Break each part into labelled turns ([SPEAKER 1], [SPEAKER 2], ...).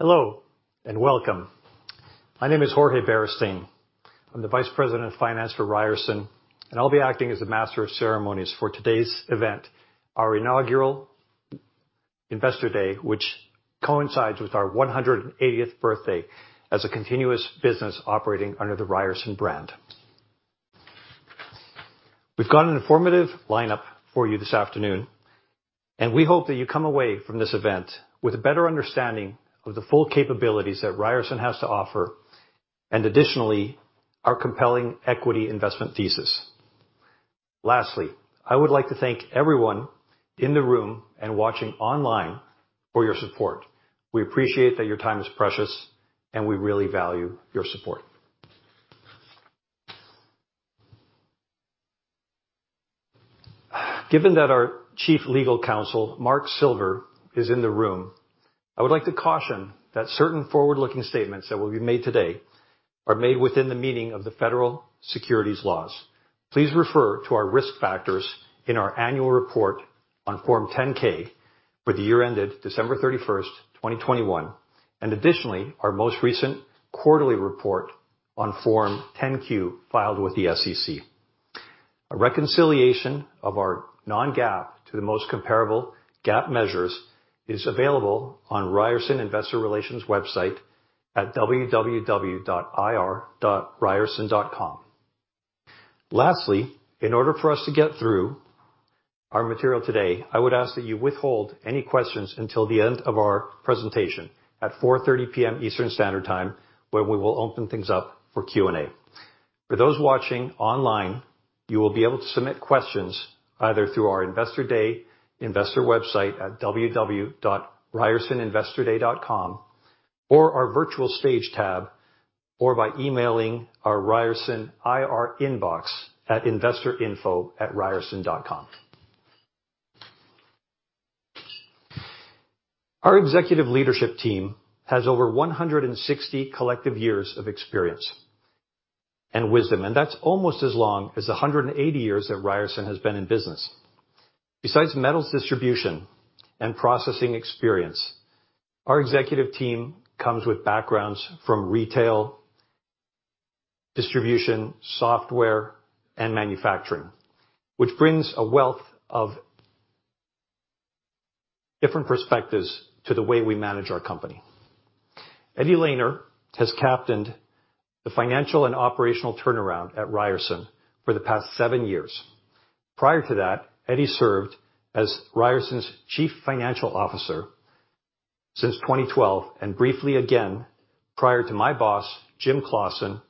[SPEAKER 1] Hello and welcome. My name is Jorge Beristain. I'm the Vice President of Finance for Ryerson. I'll be acting as the master of ceremonies for today's event, our inaugural Investor Day, which coincides with our 180th birthday as a continuous business operating under the Ryerson brand. We've got an informative lineup for you this afternoon. We hope that you come away from this event with a better understanding of the full capabilities that Ryerson has to offer, additionally, our compelling equity investment thesis. Lastly, I would like to thank everyone in the room and watching online for your support. We appreciate that your time is precious, and we really value your support. Given that our chief legal counsel, Mark Silver, is in the room, I would like to caution that certain forward-looking statements that will be made today are made within the meaning of the Federal Securities Laws. Please refer to our risk factors in our annual report on Form 10-K for the year ended December 31st, 2021, additionally, our most recent quarterly report on Form 10-Q filed with the SEC. A reconciliation of our non-GAAP to the most comparable GAAP measures is available on Ryerson Investor Relations website at www.ir.ryerson.com. Lastly, in order for us to get through our material today, I would ask that you withhold any questions until the end of our presentation at 4:30 P.M. Eastern Standard Time, where we will open things up for Q&A. For those watching online, you will be able to submit questions either through our Investor Day investor website at www.ryersoninvestorday.com or our Virtual Stage Tab, or by emailing our Ryerson IR inbox at investorinfo@ryerson.com. Our executive leadership team has over 160 collective years of experience and wisdom. That's almost as long as the 180 years that Ryerson has been in business. Besides metals distribution and processing experience, our executive team comes with backgrounds from retail, distribution, software, and manufacturing, which brings a wealth of different perspectives to the way we manage our company. Eddie Lehner has captained the financial and operational turnaround at Ryerson for the past seven years. Prior to that, Eddie served as Ryerson's Chief Financial Officer since 2012, and briefly again, prior to my boss, Jim Claussen,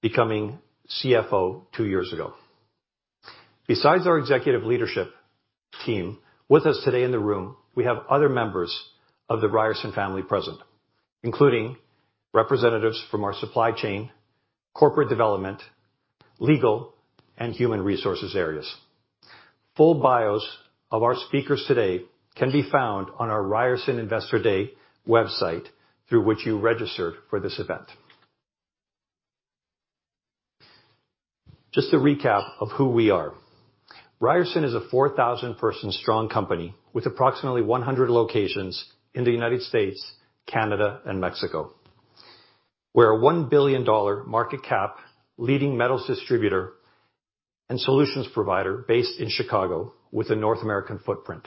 [SPEAKER 1] becoming CFO two years ago. Besides our executive leadership team, with us today in the room, we have other members of the Ryerson family present, including representatives from our supply chain, corporate development, legal, and human resources areas. Full bios of our speakers today can be found on our Ryerson Investor Day website through which you registered for this event. Just a recap of who we are. Ryerson is a 4,000-person strong company with approximately 100 locations in the U.S., Canada, and Mexico. We're a $1 billion market cap leading metals distributor and solutions provider based in Chicago with a North American footprint.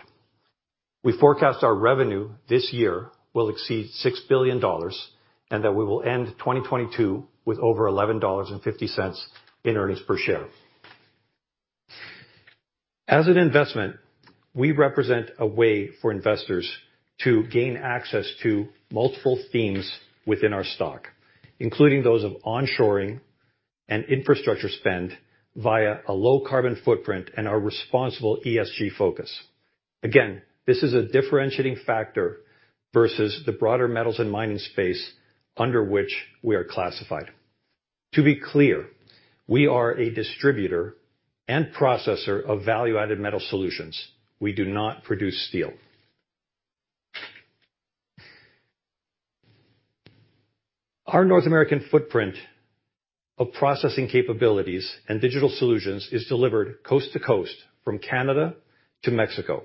[SPEAKER 1] We forecast our revenue this year will exceed $6 billion. We will end 2022 with over $11.50 in earnings per share. As an investment, we represent a way for investors to gain access to multiple themes within our stock, including those of onshoring and infrastructure spend via a low carbon footprint and our responsible ESG focus. Again, this is a differentiating factor versus the broader metals and mining space under which we are classified. To be clear, we are a distributor and processor of value-add metal solutions. We do not produce steel. Our North American footprint of processing capabilities and digital solutions is delivered coast to coast from Canada to Mexico.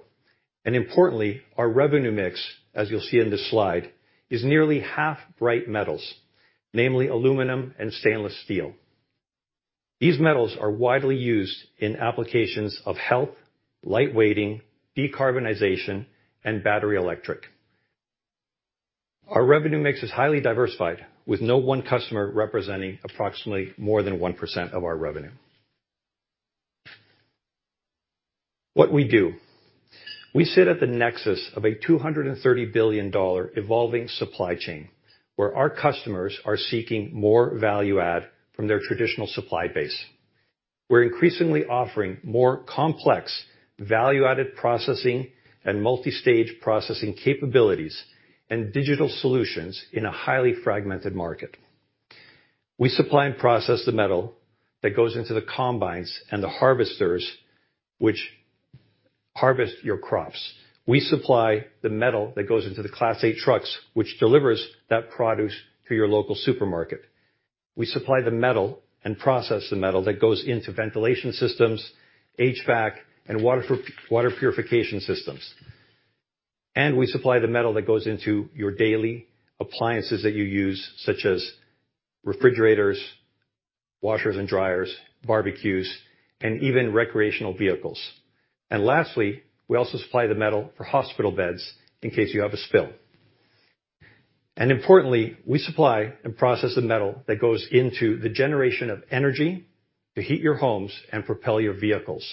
[SPEAKER 1] Importantly, our revenue mix, as you'll see in this slide, is nearly half bright metals, namely aluminum and stainless steel. These metals are widely used in applications of health, light weighting, decarbonization, and battery electric. Our revenue mix is highly diversified, with no one customer representing approximately more than 1% of our revenue. What we do. We sit at the nexus of a $230 billion evolving supply chain, where our customers are seeking more value-add from their traditional supply base. We're increasingly offering more complex value-added processing and multi-stage processing capabilities and digital solutions in a highly fragmented market. We supply and process the metal that goes into the combines and the harvesters which harvest your crops. We supply the metal that goes into the Class 8 trucks, which delivers that produce to your local supermarket. We supply the metal and process the metal that goes into ventilation systems, HVAC, and water purification systems. We supply the metal that goes into your daily appliances that you use, such as refrigerators, washers and dryers, barbecues, and even recreational vehicles. Lastly, we also supply the metal for hospital beds in case you have a spill. Importantly, we supply and process the metal that goes into the generation of energy to heat your homes and propel your vehicles.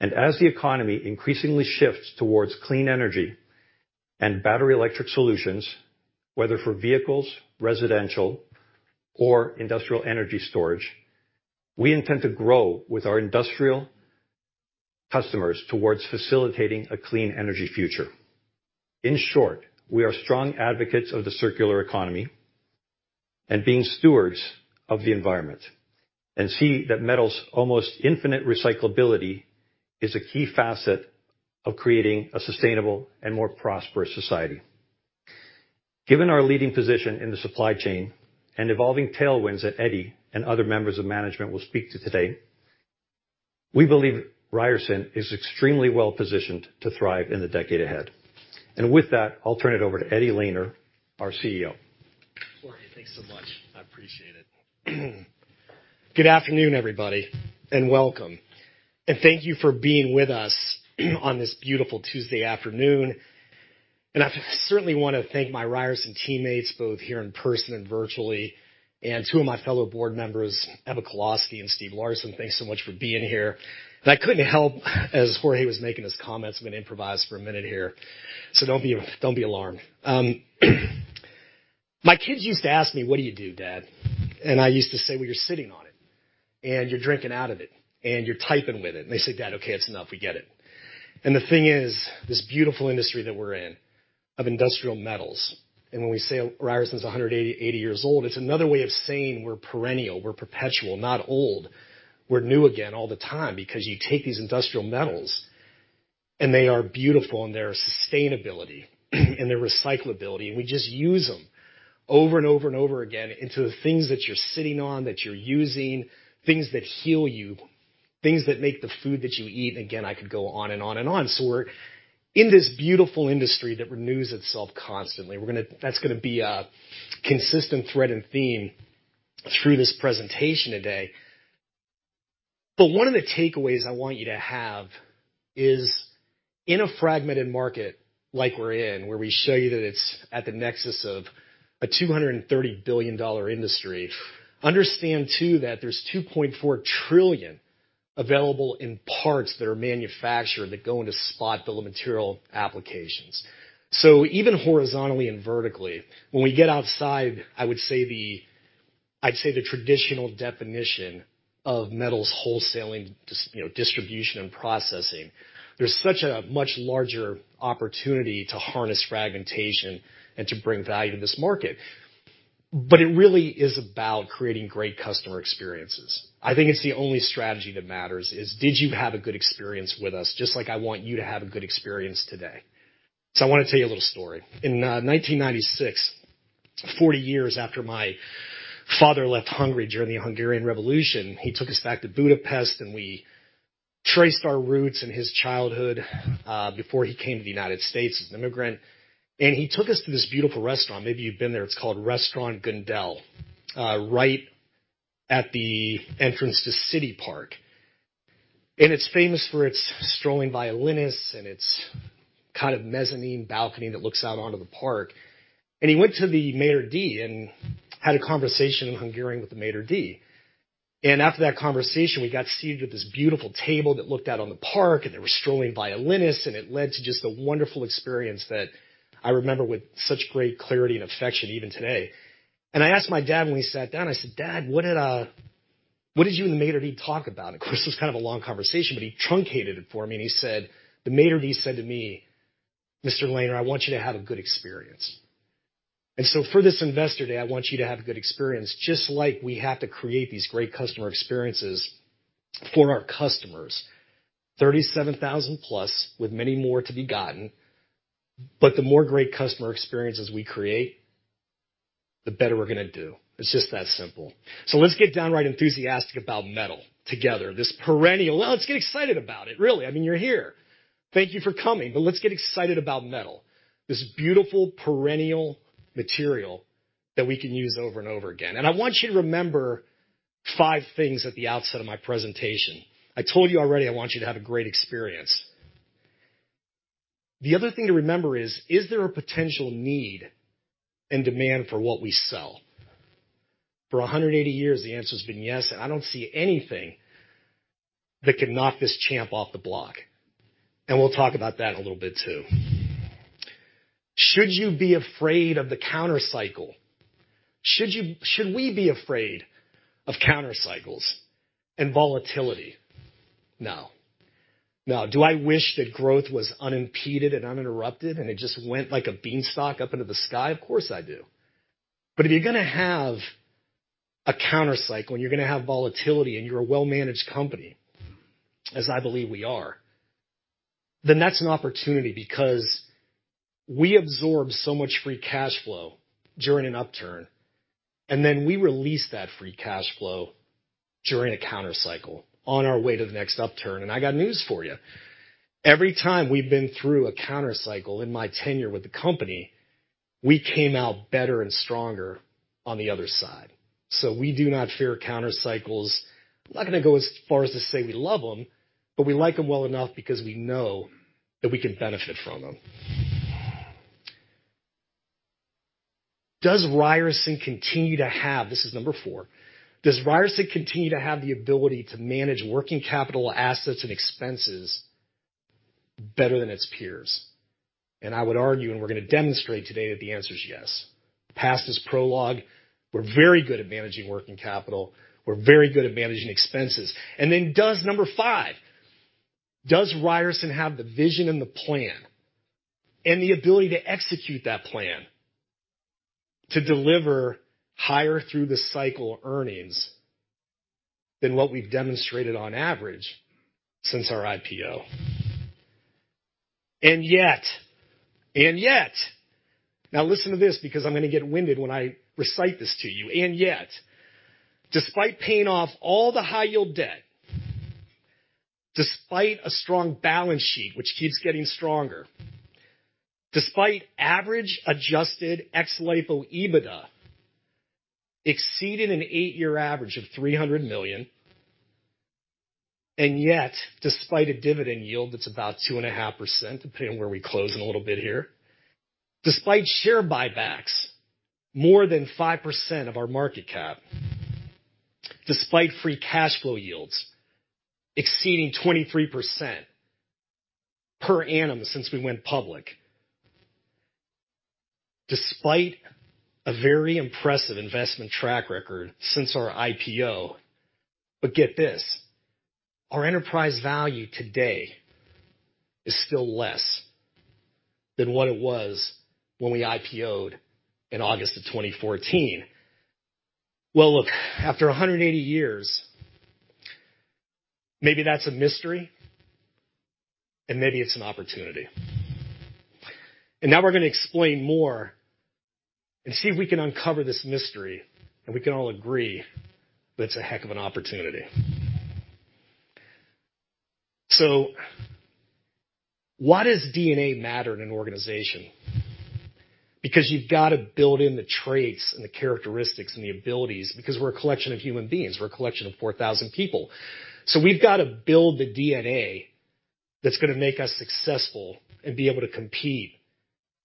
[SPEAKER 1] As the economy increasingly shifts towards clean energy and battery electric solutions, whether for vehicles, residential, or industrial energy storage, we intend to grow with our industrial customers towards facilitating a clean energy future. In short, we are strong advocates of the circular economy and being stewards of the environment, and see that metal's almost infinite recyclability is a key facet of creating a sustainable and more prosperous society. Given our leading position in the supply chain and evolving tailwinds that Eddie and other members of management will speak to today, we believe Ryerson is extremely well-positioned to thrive in the decade ahead. With that, I'll turn it over to Eddie Lehner, our CEO.
[SPEAKER 2] Jorge, thanks so much. I appreciate it. Good afternoon, everybody, and welcome. Thank you for being with us on this beautiful Tuesday afternoon. I certainly want to thank my Ryerson teammates, both here in person and virtually, and two of my fellow board members, Emma Kolosky and Steve Larson. Thanks so much for being here. I couldn't help, as Jorge was making his comments, I'm going to improvise for a minute here, so don't be alarmed. My kids used to ask me, "What do you do, Dad?" I used to say, "Well, you're sitting on it, and you're drinking out of it, and you're typing with it." They say, "Dad, okay, that's enough. We get it." The thing is, this beautiful industry that we're in, of industrial metals. When we say Ryerson's 180 years old, it's another way of saying we're perennial, we're perpetual, not old. We're new again all the time because you take these industrial metals. They are beautiful in their sustainability and their recyclability. We just use them over and over and over again into the things that you're sitting on, that you're using, things that heal you, things that make the food that you eat. Again, I could go on and on and on. We're in this beautiful industry that renews itself constantly. That's gonna be a consistent thread and theme through this presentation today. One of the takeaways I want you to have is, in a fragmented market like we're in, where we show you that it's at the nexus of a $230 billion industry, understand too that there's $2.4 trillion available in parts that are manufactured that go into spot bill of material applications. Even horizontally and vertically, when we get outside, I would say the traditional definition of metals wholesaling, distribution, and processing. There's such a much larger opportunity to harness fragmentation and to bring value to this market. It really is about creating great customer experiences. I think it's the only strategy that matters, is did you have a good experience with us, just like I want you to have a good experience today. I want to tell you a little story. In 1996, 40 years after my father left Hungary during the Hungarian Revolution, he took us back to Budapest and we traced our roots and his childhood before he came to the United States as an immigrant. He took us to this beautiful restaurant. Maybe you've been there. It's called Restaurant Gundel, right at the entrance to City Park. It's famous for its strolling violinists and its kind of mezzanine balcony that looks out onto the park. He went to the maître d' and had a conversation in Hungarian with the maître d'. After that conversation, we got seated at this beautiful table that looked out on the park, and there were strolling violinists, and it led to just a wonderful experience that I remember with such great clarity and affection even today. I asked my dad when we sat down, I said, "Dad, what did you and the maître d' talk about?" Of course, it was kind of a long conversation, but he truncated it for me. He said, "The maître d' said to me, 'Mr. Lehner, I want you to have a good experience.'" For this Investor Day, I want you to have a good experience, just like we have to create these great customer experiences for our customers. 37,000 plus, with many more to be gotten. The more great customer experiences we create, the better we're gonna do. It's just that simple. Let's get downright enthusiastic about metal together. Let's get excited about it, really. I mean, you're here. Thank you for coming, but let's get excited about metal. This beautiful, perennial material that we can use over and over again. I want you to remember five things at the outset of my presentation. I told you already I want you to have a great experience. The other thing to remember is there a potential need and demand for what we sell? For 180 years, the answer's been yes, I don't see anything that can knock this champ off the block. We'll talk about that a little bit too. Should you be afraid of the counter-cycle? Should we be afraid of counter-cycles and volatility? No. Do I wish that growth was unimpeded and uninterrupted and it just went like a beanstalk up into the sky? Of course, I do. If you're gonna have a counter-cycle, you're gonna have volatility, you're a well-managed company, as I believe we are. That's an opportunity because we absorb so much free cash flow during an upturn, we release that free cash flow during a countercycle on our way to the next upturn. I got news for you. Every time we've been through a countercycle in my tenure with the company, we came out better and stronger on the other side. We do not fear countercycles. I'm not going to go as far as to say we love them, but we like them well enough because we know that we can benefit from them. "Does Ryerson continue to have" This is number 4. Does Ryerson continue to have the ability to manage working capital assets and expenses better than its peers?" I would argue, we're going to demonstrate today, that the answer is yes. Past is prologue. We're very good at managing working capital. We're very good at managing expenses. Does Number 5. "Does Ryerson have the vision and the plan and the ability to execute that plan to deliver higher through-the-cycle earnings than what we've demonstrated on average since our IPO?" Now listen to this because I'm going to get winded when I recite this to you. Despite paying off all the high-yield debt, despite a strong balance sheet which keeps getting stronger, despite average adjusted ex-LIFO EBITDA exceeding an eight-year average of $300 million, despite a dividend yield that's about 2.5%, depending on where we close in a little bit here, despite share buybacks more than 5% of our market cap, despite free cash flow yields exceeding 23% per annum since we went public, despite a very impressive investment track record since our IPO. Get this, our enterprise value today is still less than what it was when we IPO'd in August of 2014. Well, look, after 180 years, maybe that's a mystery, and maybe it's an opportunity. Now we're going to explain more and see if we can uncover this mystery, and we can all agree that it's a heck of an opportunity. Why does DNA matter in an organization? You've got to build in the traits and the characteristics and the abilities because we're a collection of human beings. We're a collection of 4,000 people. We've got to build the DNA that's going to make us successful and be able to compete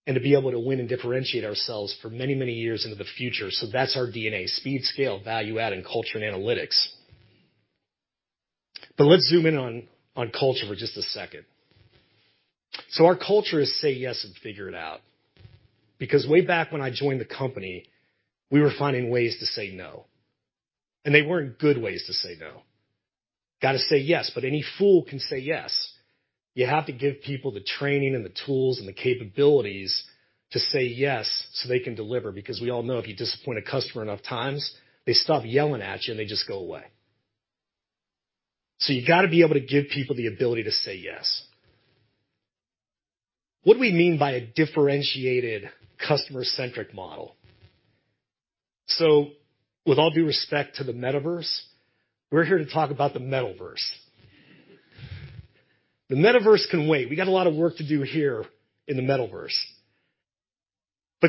[SPEAKER 2] and to be able to win and differentiate ourselves for many, many years into the future. That's our DNA. Speed, scale, value-add, and culture and analytics. Let's zoom in on culture for just a second. Our culture is say yes and figure it out. Way back when I joined the company, we were finding ways to say no, and they weren't good ways to say no. Got to say yes, but any fool can say yes. You have to give people the training and the tools and the capabilities to say yes so they can deliver, because we all know if you disappoint a customer enough times, they stop yelling at you and they just go away. You got to be able to give people the ability to say yes. What do we mean by a differentiated customer-centric model? With all due respect to the metaverse, we're here to talk about the Metalverse. The metaverse can wait. We got a lot of work to do here in the Metalverse.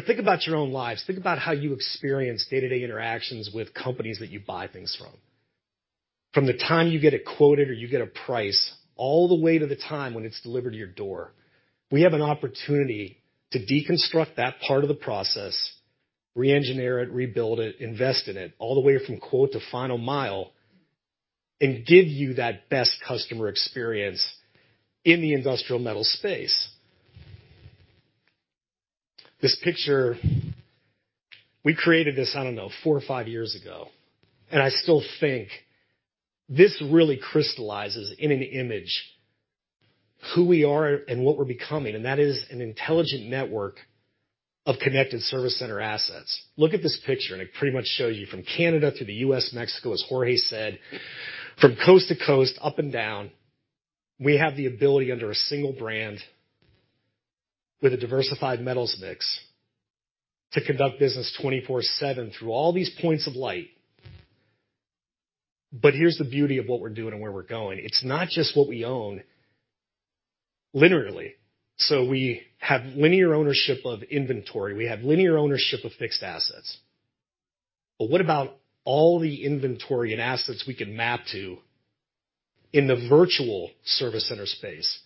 [SPEAKER 2] Think about your own lives. Think about how you experience day-to-day interactions with companies that you buy things from. From the time you get it quoted or you get a price all the way to the time when it's delivered to your door. We have an opportunity to deconstruct that part of the process, re-engineer it, rebuild it, invest in it, all the way from quote to final mile, and give you that best customer experience in the industrial metal space. This picture, we created this, I don't know, four or five years ago, and I still think this really crystallizes in an image who we are and what we're becoming, and that is an intelligent network of connected service center assets. Look at this picture, and it pretty much shows you from Canada to the U.S., Mexico, as Jorge said, from coast to coast, up and down. We have the ability under a single brand with a diversified metals mix to conduct business 24/7 through all these points of light. Here's the beauty of what we're doing and where we're going. It's not just what we own linearly. We have linear ownership of inventory. We have linear ownership of fixed assets. What about all the inventory and assets we can map to in the virtual service center space?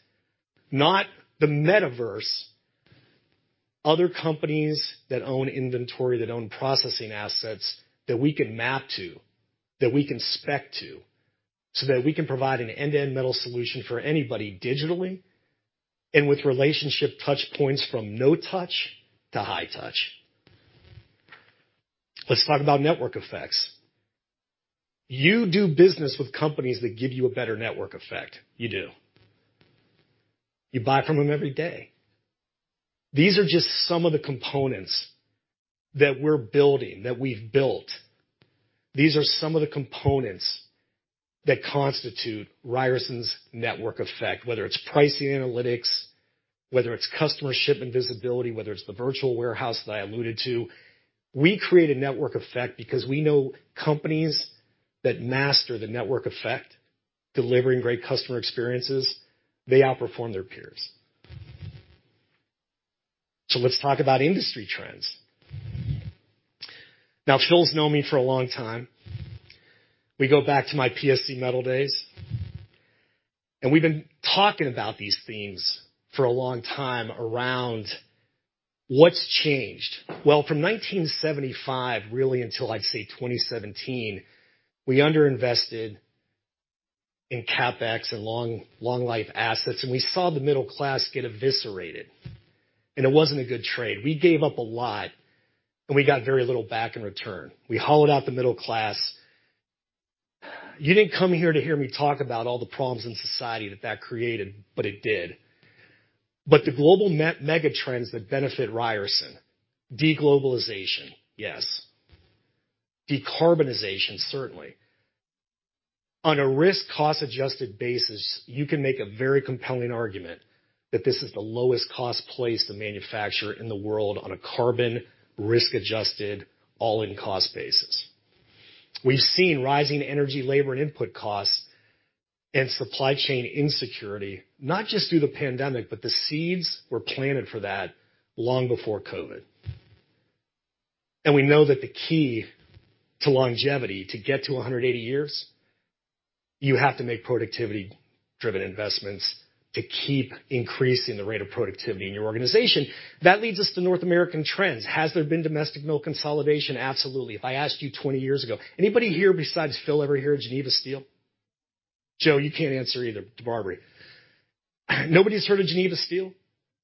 [SPEAKER 2] Not the metaverse. Other companies that own inventory, that own processing assets that we can map to, that we can spec to, so that we can provide an end-to-end metal solution for anybody digitally and with relationship touchpoints from no touch to high touch. Let's talk about network effects. You do business with companies that give you a better network effect. You do. You buy from them every day. These are just some of the components that we're building, that we've built. These are some of the components that constitute Ryerson's network effect, whether it's pricing analytics, whether it's customer shipment visibility, whether it's the virtual warehouse that I alluded to. We create a network effect because we know companies that master the network effect, delivering great customer experiences, they outperform their peers. Let's talk about industry trends. Phil's known me for a long time. We go back to my PSC Metals days. We've been talking about these themes for a long time around what's changed. From 1975, really until, I'd say, 2017, we under-invested in CapEx and long-life assets, and we saw the middle class get eviscerated. It wasn't a good trade. We gave up a lot, and we got very little back in return. We hollowed out the middle class. You didn't come here to hear me talk about all the problems in society that that created, but it did. The global mega trends that benefit Ryerson, de-globalization, yes. Decarbonization, certainly. On a risk cost-adjusted basis, you can make a very compelling argument that this is the lowest cost place to manufacture in the world on a carbon risk-adjusted all-in cost basis. We've seen rising energy, labor, and input costs and supply chain insecurity, not just through the pandemic, but the seeds were planted for that long before COVID. We know that the key to longevity, to get to 180 years, you have to make productivity-driven investments to keep increasing the rate of productivity in your organization. That leads us to North American trends. Has there been domestic mill consolidation? Absolutely. If I asked you 20 years ago. Anybody here besides Phil ever hear of Geneva Steel? Joe, you can't answer either. It's Barbary. Nobody's heard of Geneva Steel?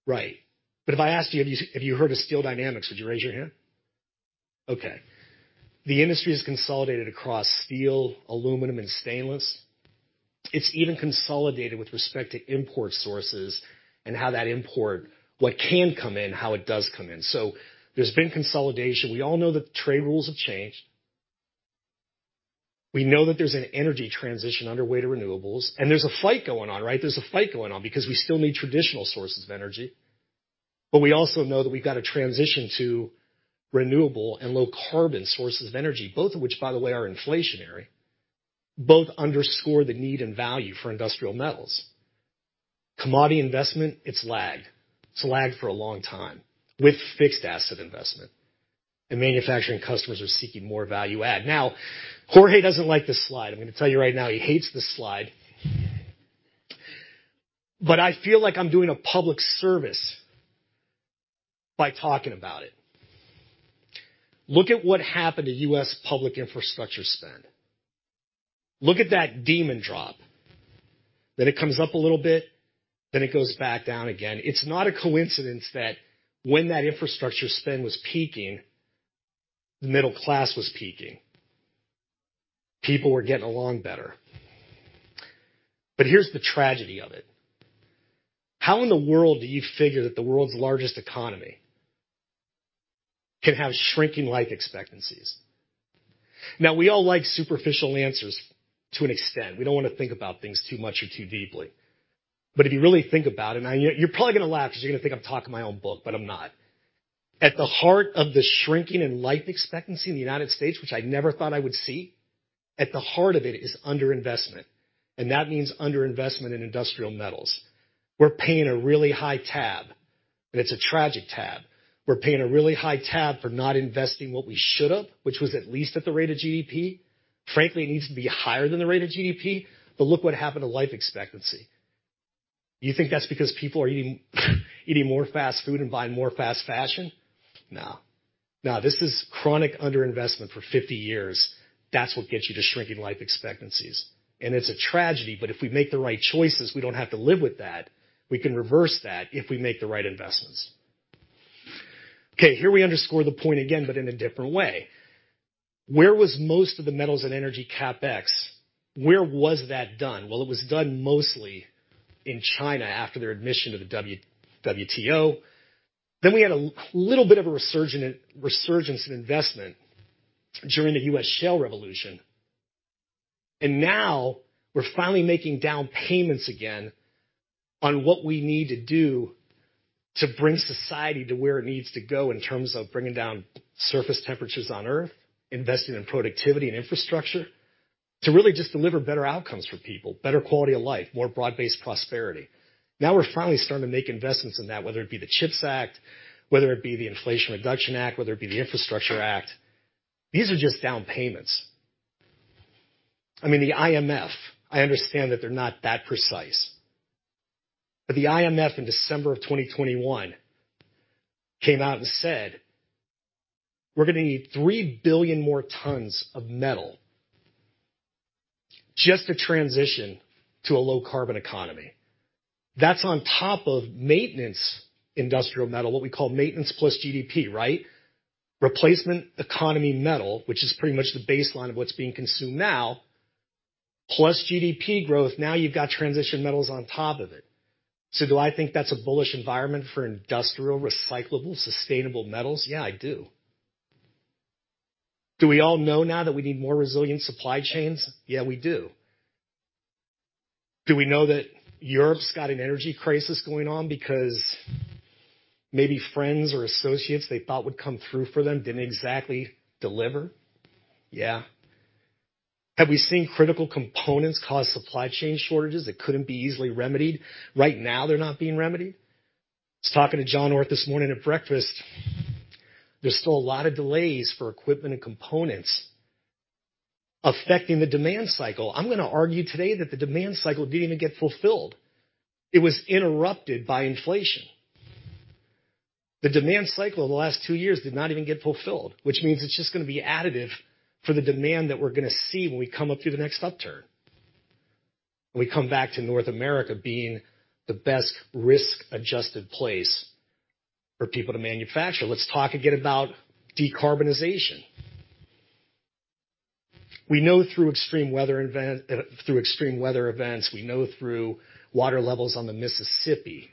[SPEAKER 2] Right. If I asked you if you heard of Steel Dynamics, would you raise your hand? Okay. The industry is consolidated across steel, aluminum, and stainless. It's even consolidated with respect to import sources and how that import, what can come in, how it does come in. There's been consolidation. We all know that the trade rules have changed. We know that there's an energy transition underway to renewables, and there's a fight going on, right? There's a fight going on because we still need traditional sources of energy. We also know that we've got to transition to renewable and low-carbon sources of energy, both of which, by the way, are inflationary. Both underscore the need and value for industrial metals. Commodity investment, it's lagged. It's lagged for a long time with fixed asset investment. Manufacturing customers are seeking more value add. Jorge doesn't like this slide. I'm gonna tell you right now, he hates this slide. I feel like I'm doing a public service by talking about it. Look at what happened to U.S. public infrastructure spend. Look at that demon drop. It comes up a little bit, then it goes back down again. It's not a coincidence that when that infrastructure spend was peaking, the middle class was peaking. People were getting along better. Here's the tragedy of it. How in the world do you figure that the world's largest economy can have shrinking life expectancies? We all like superficial answers to an extent. We don't want to think about things too much or too deeply. If you really think about it, now you're probably gonna laugh because you're gonna think I'm talking my own book, but I'm not. At the heart of the shrinking in life expectancy in the U.S., which I never thought I would see, at the heart of it is under-investment, that means under-investment in industrial metals. We're paying a really high tab, it's a tragic tab. We're paying a really high tab for not investing what we should have, which was at least at the rate of GDP. Frankly, it needs to be higher than the rate of GDP, look what happened to life expectancy. You think that's because people are eating more fast food and buying more fast fashion? No. This is chronic under-investment for 50 years. That's what gets you to shrinking life expectancies. It's a tragedy, if we make the right choices, we don't have to live with that. We can reverse that if we make the right investments. Okay, here we underscore the point again, in a different way. Where was most of the metals and energy CapEx, where was that done? Well, it was done mostly in China after their admission to the WTO. We had a little bit of a resurgence in investment during the U.S. shale revolution. Now we're finally making down payments again on what we need to do to bring society to where it needs to go in terms of bringing down surface temperatures on Earth, investing in productivity and infrastructure to really just deliver better outcomes for people, better quality of life, more broad-based prosperity. Now we're finally starting to make investments in that, whether it be the CHIPS Act, whether it be the Inflation Reduction Act, whether it be the Infrastructure Act. These are just down payments. I mean, the IMF, I understand that they're not that precise, the IMF in December 2021 came out and said, "We're gonna need $3 billion more tons of metal just to transition to a low-carbon economy." That's on top of maintenance industrial metal, what we call maintenance plus GDP, right? Replacement economy metal, which is pretty much the baseline of what's being consumed now Plus GDP growth. You've got transition metals on top of it. Do I think that's a bullish environment for industrial, recyclable, sustainable metals? Yeah, I do. Do we all know now that we need more resilient supply chains? Yeah, we do. Do we know that Europe's got an energy crisis going on because maybe friends or associates they thought would come through for them didn't exactly deliver? Yeah. Have we seen critical components cause supply chain shortages that couldn't be easily remedied? Right now, they're not being remedied. I was talking to John Orth this morning at breakfast. There's still a lot of delays for equipment and components affecting the demand cycle. I'm going to argue today that the demand cycle didn't even get fulfilled. It was interrupted by inflation. The demand cycle in the last 2 years did not even get fulfilled, which means it's just going to be additive for the demand that we're going to see when we come up through the next upturn. We come back to North America being the best risk-adjusted place for people to manufacture. Let's talk again about decarbonization. We know through extreme weather events, we know through water levels on the Mississippi,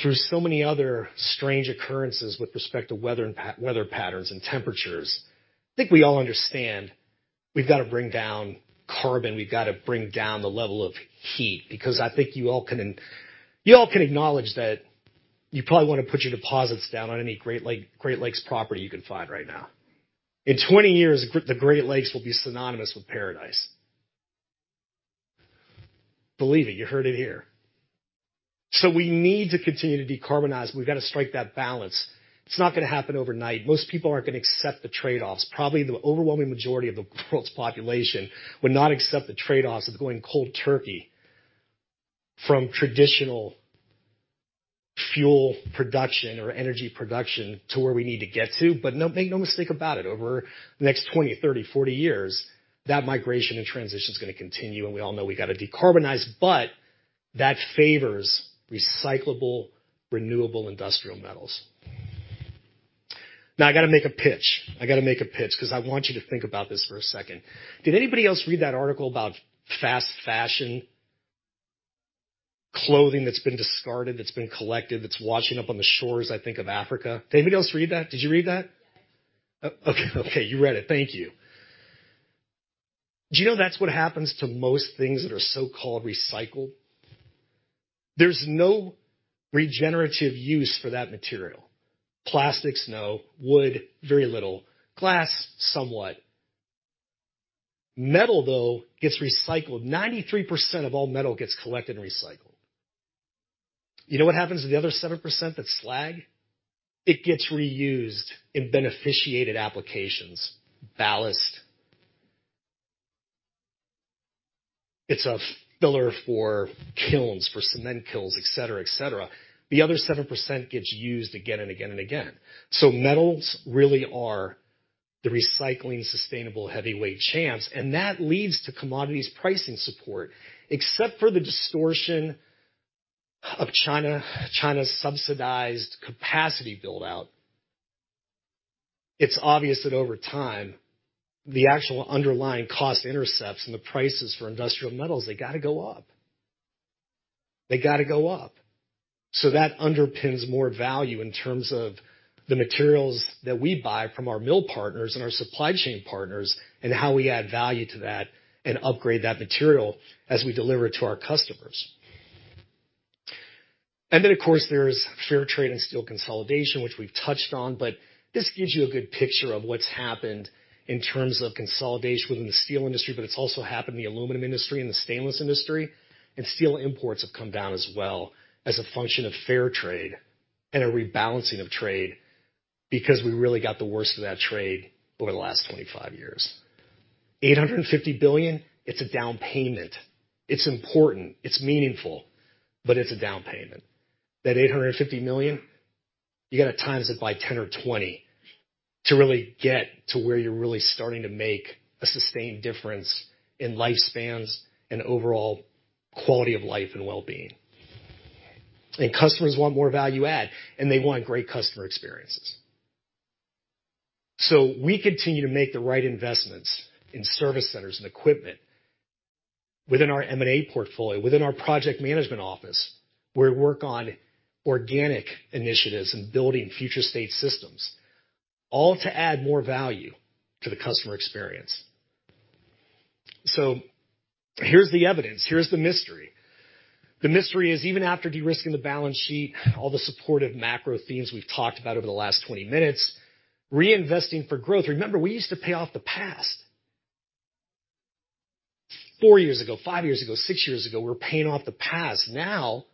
[SPEAKER 2] through so many other strange occurrences with respect to weather patterns and temperatures. I think we all understand we've got to bring down carbon, we've got to bring down the level of heat because I think you all can acknowledge that you probably want to put your deposits down on any Great Lakes property you can find right now. In 20 years, the Great Lakes will be synonymous with paradise. Believe it. You heard it here. We need to continue to decarbonize, and we've got to strike that balance. It's not going to happen overnight. Most people aren't going to accept the trade-offs. Probably the overwhelming majority of the world's population would not accept the trade-offs of going cold turkey from traditional fuel production or energy production to where we need to get to. Make no mistake about it, over the next 20, 30, 40 years, that migration and transition is going to continue, and we all know we got to decarbonize. That favors recyclable, renewable industrial metals. I got to make a pitch. I got to make a pitch because I want you to think about this for a second. Did anybody else read that article about fast fashion clothing that's been discarded, that's been collected, that's washing up on the shores, I think, of Africa? Did anybody else read that? Did you read that?
[SPEAKER 3] Yes.
[SPEAKER 2] You read it. Thank you. Do you know that's what happens to most things that are so-called recycled? There's no regenerative use for that material. Plastics, no. Wood, very little. Glass, somewhat. Metal, though, gets recycled. 93% of all metal gets collected and recycled. You know what happens to the other 7% that's slag? It gets reused in beneficiated applications. Ballast. It's a filler for kilns, for cement kilns, et cetera. The other 7% gets used again and again and again. Metals really are the recycling, sustainable heavyweight champs, and that leads to commodities pricing support. Except for the distortion of China's subsidized capacity build-out, it's obvious that over time, the actual underlying cost intercepts and the prices for industrial metals, they got to go up. They got to go up. That underpins more value in terms of the materials that we buy from our mill partners and our supply chain partners, and how we add value to that and upgrade that material as we deliver it to our customers. Of course, there's fair trade and steel consolidation, which we've touched on, this gives you a good picture of what's happened in terms of consolidation within the steel industry, it's also happened in the aluminum industry and the stainless industry. Steel imports have come down as well as a function of fair trade and a rebalancing of trade because we really got the worst of that trade over the last 25 years. $850 billion, it's a down payment. It's important, it's meaningful, but it's a down payment. That $850 million, you got to times it by 10 or 20 to really get to where you're really starting to make a sustained difference in lifespans and overall quality of life and wellbeing. Customers want more value add, and they want great customer experiences. We continue to make the right investments in service centers and equipment within our M&A portfolio, within our project management office, where we work on organic initiatives and building future state systems, all to add more value to the customer experience. Here's the evidence. Here's the mystery. The mystery is even after de-risking the balance sheet, all the supportive macro themes we've talked about over the last 20 minutes, reinvesting for growth. Remember, we used to pay off the past. Four years ago, five years ago, six years ago, we were paying off the past. Now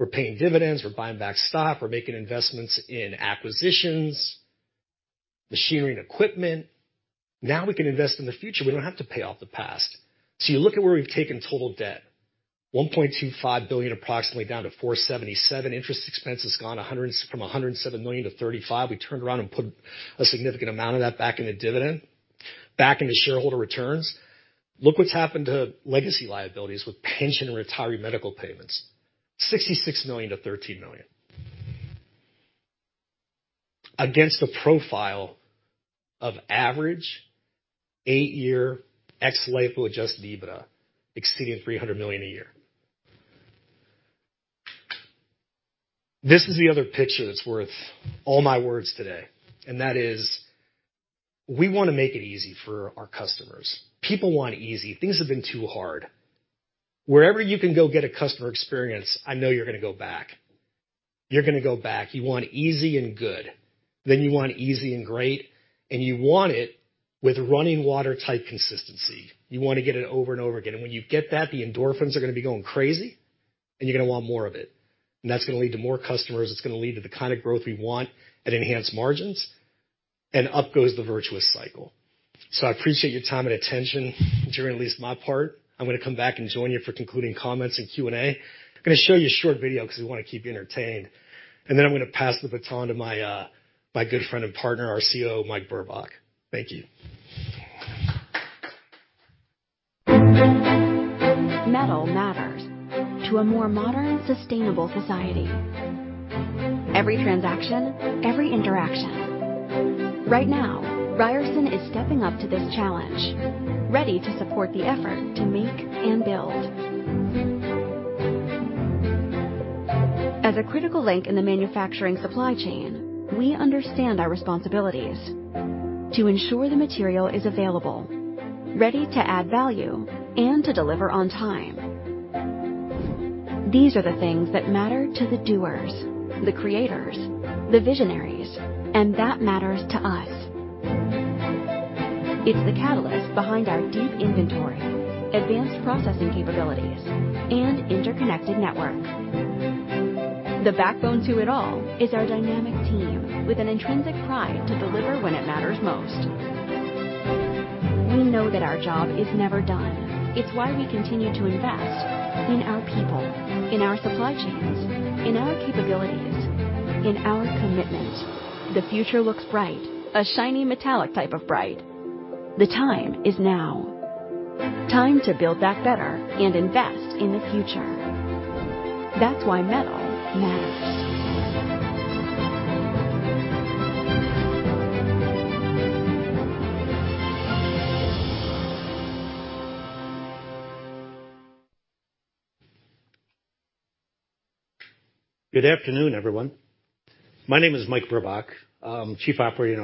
[SPEAKER 2] we're paying dividends, we're buying back stock, we're making investments in acquisitions, machinery, and equipment. Now we can invest in the future. We don't have to pay off the past. You look at where we've taken total debt. $1.25 billion approximately down to $477 million. Interest expense has gone from $107 million to $35 million. We turned around and put a significant amount of that back into dividend, back into shareholder returns. Look what's happened to legacy liabilities with pension and retiree medical payments. $66 million to $13 million. Against the profile of average eight-year ex-LIFO adjusted EBITDA exceeding $300 million a year. This is the other picture that's worth all my words today, and that is, we want to make it easy for our customers. People want easy. Things have been too hard. Wherever you can go get a customer experience, I know you're going to go back. You're going to go back. You want easy and good. You want easy and great, and you want it with running water type consistency. You want to get it over and over again. When you get that, the endorphins are going to be going crazy, and you're going to want more of it. That's going to lead to more customers. It's going to lead to the kind of growth we want at enhanced margins, and up goes the virtuous cycle. I appreciate your time and attention during at least my part. I'm going to come back and join you for concluding comments and Q&A. I'm going to show you a short video because we want to keep you entertained, and then I'm going to pass the baton to my good friend and partner, our COO, Mike Burbach. Thank you.
[SPEAKER 4] Metal matters to a more modern, sustainable society. Every transaction, every interaction. Right now, Ryerson is stepping up to this challenge, ready to support the effort to make and build. As a critical link in the manufacturing supply chain, we understand our responsibilities to ensure the material is available, ready to add value, and to deliver on time. These are the things that matter to the doers, the creators, the visionaries, and that matters to us. It's the catalyst behind our deep inventory, advanced processing capabilities, and interconnected networks. The backbone to it all is our dynamic team with an intrinsic pride to deliver when it matters most. We know that our job is never done. It's why we continue to invest in our people, in our supply chains, in our capabilities, in our commitment. The future looks bright, a shiny metallic type of bright. The time is now. Time to build back better and invest in the future. That's why metal matters.
[SPEAKER 5] Good afternoon, everyone. My name is Mike Burbach. I'm Chief Operating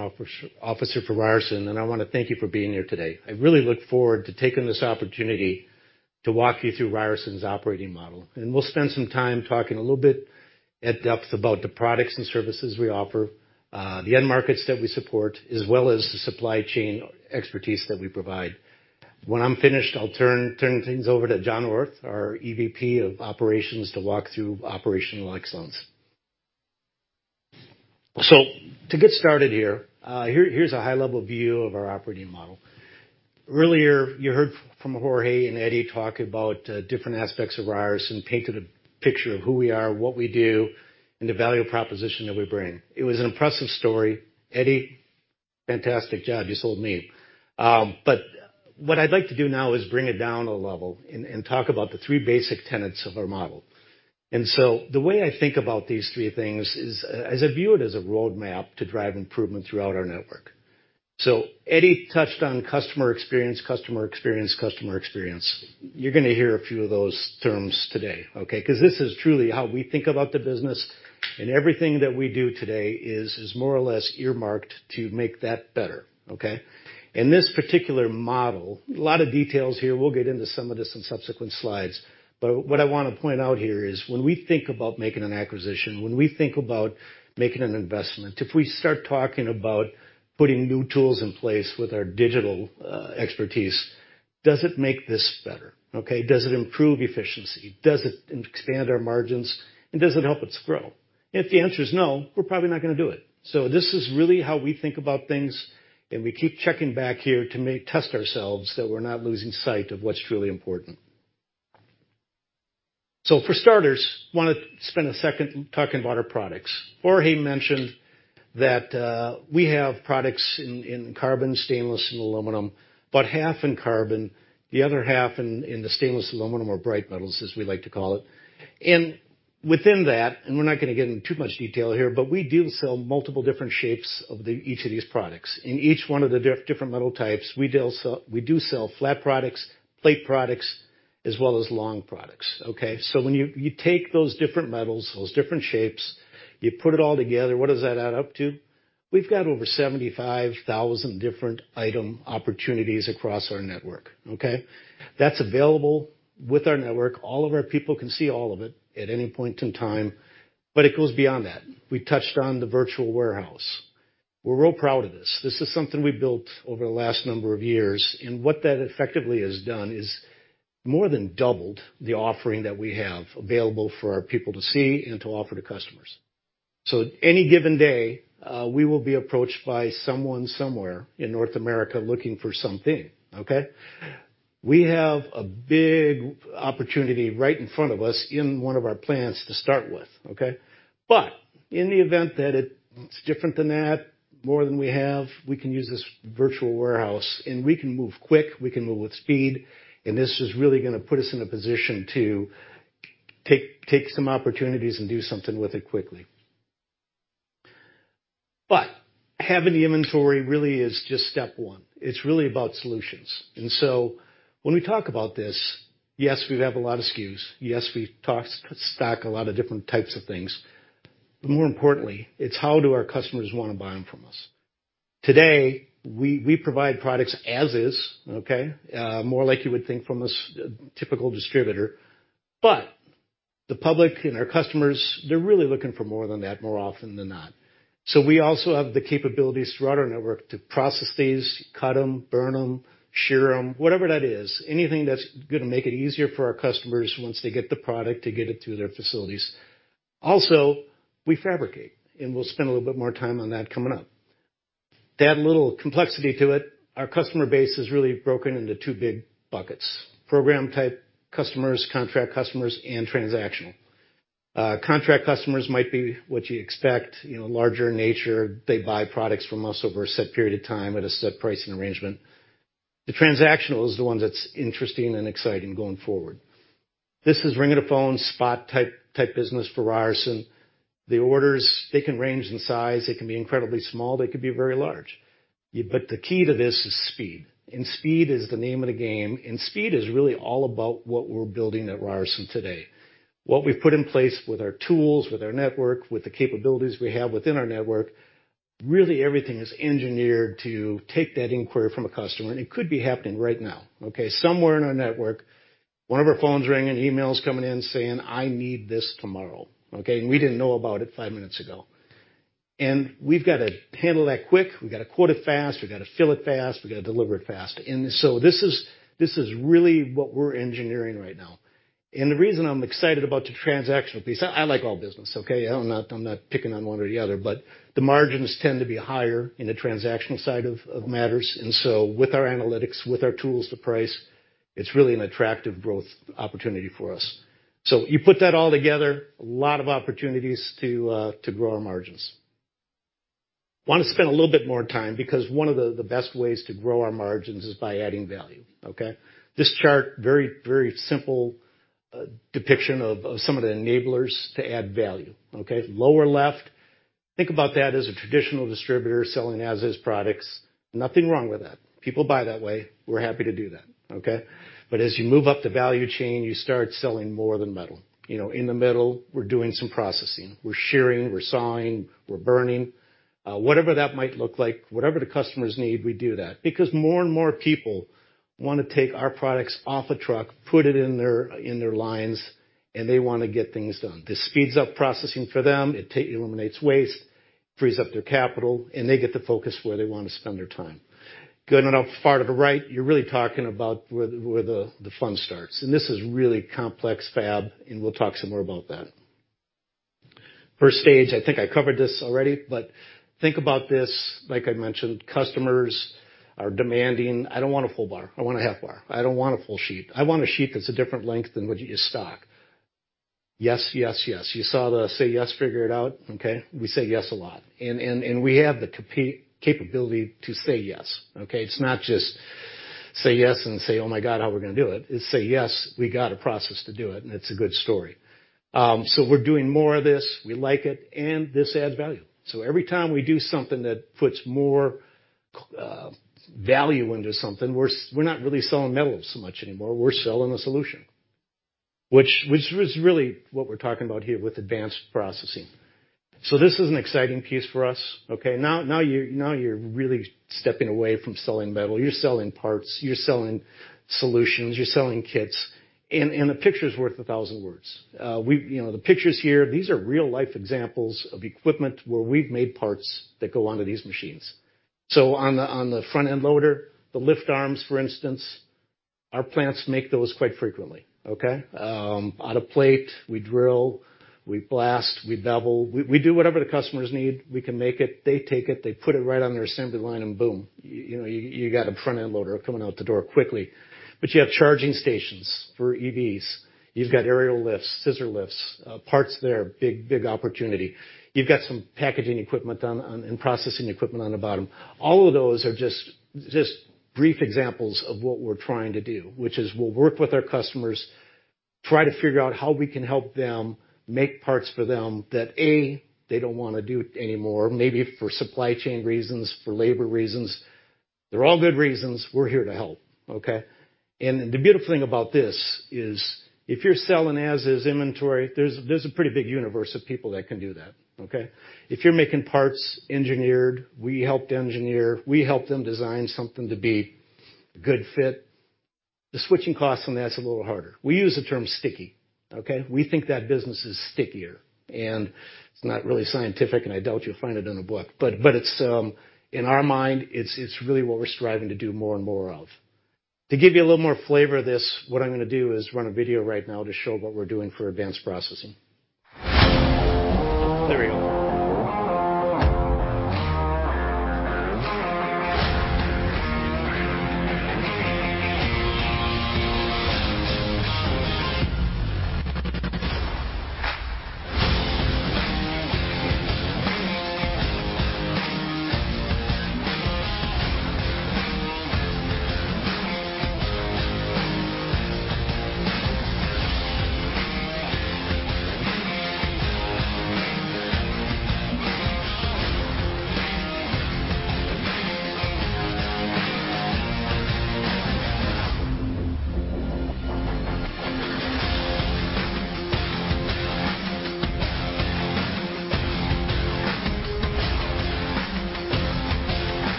[SPEAKER 5] Officer for Ryerson, and I want to thank you for being here today. I really look forward to taking this opportunity to walk you through Ryerson's operating model, and we'll spend some time talking a little bit at depth about the products and services we offer, the end markets that we support, as well as the supply chain expertise that we provide. When I'm finished, I'll turn things over to John Orth, our EVP of Operations, to walk through operational excellence. To get started here's a high-level view of our operating model. Earlier, you heard from Jorge and Eddie talk about different aspects of Ryerson, painted a picture of who we are, what we do, and the value proposition that we bring. It was an impressive story. Eddie, fantastic job. You sold me. What I'd like to do now is bring it down a level and talk about the three basic tenets of our model. The way I think about these three things is, I view it as a roadmap to drive improvement throughout our network. Eddie touched on customer experience. You're going to hear a few of those terms today, okay? Because this is truly how we think about the business, and everything that we do today is more or less earmarked to make that better, okay? In this particular model, a lot of details here, we'll get into some of this in subsequent slides. What I want to point out here is when we think about making an acquisition, when we think about making an investment, if we start talking about putting new tools in place with our digital expertise, does it make this better, okay? Does it improve efficiency? Does it expand our margins? Does it help us grow? If the answer is no, we're probably not going to do it. This is really how we think about things, and we keep checking back here to test ourselves that we're not losing sight of what's truly important. For starters, want to spend a second talking about our products. Jorge mentioned that we have products in carbon, stainless, and aluminum, about half in carbon, the other half in the stainless, aluminum, or bright metals, as we like to call it. Within that, and we're not going to get into too much detail here, but we do sell multiple different shapes of each of these products. In each one of the different metal types, we do sell flat products, plate products, as well as long products, okay? When you take those different metals, those different shapes, you put it all together, what does that add up to? We've got over 75,000 different item opportunities across our network, okay? That's available with our network. All of our people can see all of it at any point in time, but it goes beyond that. We touched on the virtual warehouse. We're real proud of this. This is something we built over the last number of years, and what that effectively has done is more than doubled the offering that we have available for our people to see and to offer to customers. At any given day, we will be approached by someone somewhere in North America looking for something, okay? We have a big opportunity right in front of us in one of our plants to start with, okay? In the event that it's different than that, more than we have, we can use this virtual warehouse, and we can move quick, we can move with speed, and this is really going to put us in a position to take some opportunities and do something with it quickly. Having the inventory really is just step one. It's really about solutions. When we talk about this, yes, we have a lot of SKUs. Yes, we stock a lot of different types of things. More importantly, it's how do our customers want to buy them from us? Today, we provide products as is, okay? More like you would think from a typical distributor, but the public and our customers, they're really looking for more than that more often than not. We also have the capabilities throughout our network to process these, cut them, burn them, shear them, whatever that is, anything that's going to make it easier for our customers once they get the product to get it to their facilities. Also, we fabricate, and we'll spend a little bit more time on that coming up. To add a little complexity to it, our customer base is really broken into two big buckets. Program-type customers, contract customers, and transactional. Contract customers might be what you expect, larger in nature. They buy products from us over a set period of time at a set pricing arrangement. The transactional is the one that's interesting and exciting going forward. This is ring a phone spot-type business for Ryerson. The orders, they can range in size, they can be incredibly small, they could be very large. The key to this is speed. Speed is the name of the game, speed is really all about what we're building at Ryerson today. What we've put in place with our tools, with our network, with the capabilities we have within our network, really everything is engineered to take that inquiry from a customer, it could be happening right now. Okay? Somewhere in our network, one of our phones ringing, emails coming in saying, "I need this tomorrow." Okay? We didn't know about it five minutes ago. We've got to handle that quick. We've got to quote it fast, we've got to fill it fast, we've got to deliver it fast. This is really what we're engineering right now. The reason I'm excited about the transactional piece, I like all business, okay? I'm not picking on one or the other, the margins tend to be higher in the transactional side of matters. With our analytics, with our tools to price, it's really an attractive growth opportunity for us. You put that all together, a lot of opportunities to grow our margins. Want to spend a little bit more time because one of the best ways to grow our margins is by adding value, okay? This chart, very simple depiction of some of the enablers to add value, okay? Lower left, think about that as a traditional distributor selling as is products. Nothing wrong with that. People buy that way. We're happy to do that, okay? As you move up the value chain, you start selling more than metal. In the middle, we're doing some processing. We're shearing, we're sawing, we're burning. Whatever that might look like, whatever the customers need, we do that because more and more people want to take our products off a truck, put it in their lines, they want to get things done. This speeds up processing for them. It eliminates waste, frees up their capital, they get to focus where they want to spend their time. Going on far to the right, you're really talking about where the fun starts. This is really complex fab, we'll talk some more about that. Stage 1, I think I covered this already, think about this, like I mentioned, customers are demanding, "I don't want a full bar. I want a half bar. I don't want a full sheet. I want a sheet that's a different length than what you stock." Yes. You saw the say yes, figure it out, okay? We say yes a lot. We have the capability to say yes, okay? It's not just say yes and say, "Oh, my God, how are we going to do it?" It's say, yes, we got a process to do it's a good story. We're doing more of this. We like it, this adds value. Every time we do something that puts more value into something, we're not really selling metal so much anymore. We're selling a solution, which is really what we're talking about here with advanced processing. This is an exciting piece for us, okay? Now you're really stepping away from selling metal. You're selling parts. You're selling solutions. You're selling kits. A picture's worth 1,000 words. The pictures here, these are real-life examples of equipment where we've made parts that go onto these machines. On the front-end loader, the lift arms, for instance, our plants make those quite frequently, okay? Out of plate, we drill, we blast, we bevel. We do whatever the customers need. We can make it. They take it. They put it right on their assembly line, and boom. You got a front-end loader coming out the door quickly. You have charging stations for EVs. You've got aerial lifts, scissor lifts, parts there, big opportunity. You've got some packaging equipment and processing equipment on the bottom. All of those are just brief examples of what we're trying to do, which is we'll work with our customers, try to figure out how we can help them make parts for them that, A, they don't want to do it anymore, maybe for supply chain reasons, for labor reasons. They're all good reasons. We're here to help, okay? The beautiful thing about this is if you're selling as is inventory, there's a pretty big universe of people that can do that, okay? If you're making parts engineered, we helped engineer, we help them design something to be a good fit. The switching cost on that's a little harder. We use the term sticky, okay? We think that business is stickier, and it's not really scientific, and I doubt you'll find it in a book. In our mind, it's really what we're striving to do more and more of. To give you a little more flavor of this, what I'm going to do is run a video right now to show what we're doing for advanced processing. There we go. Well,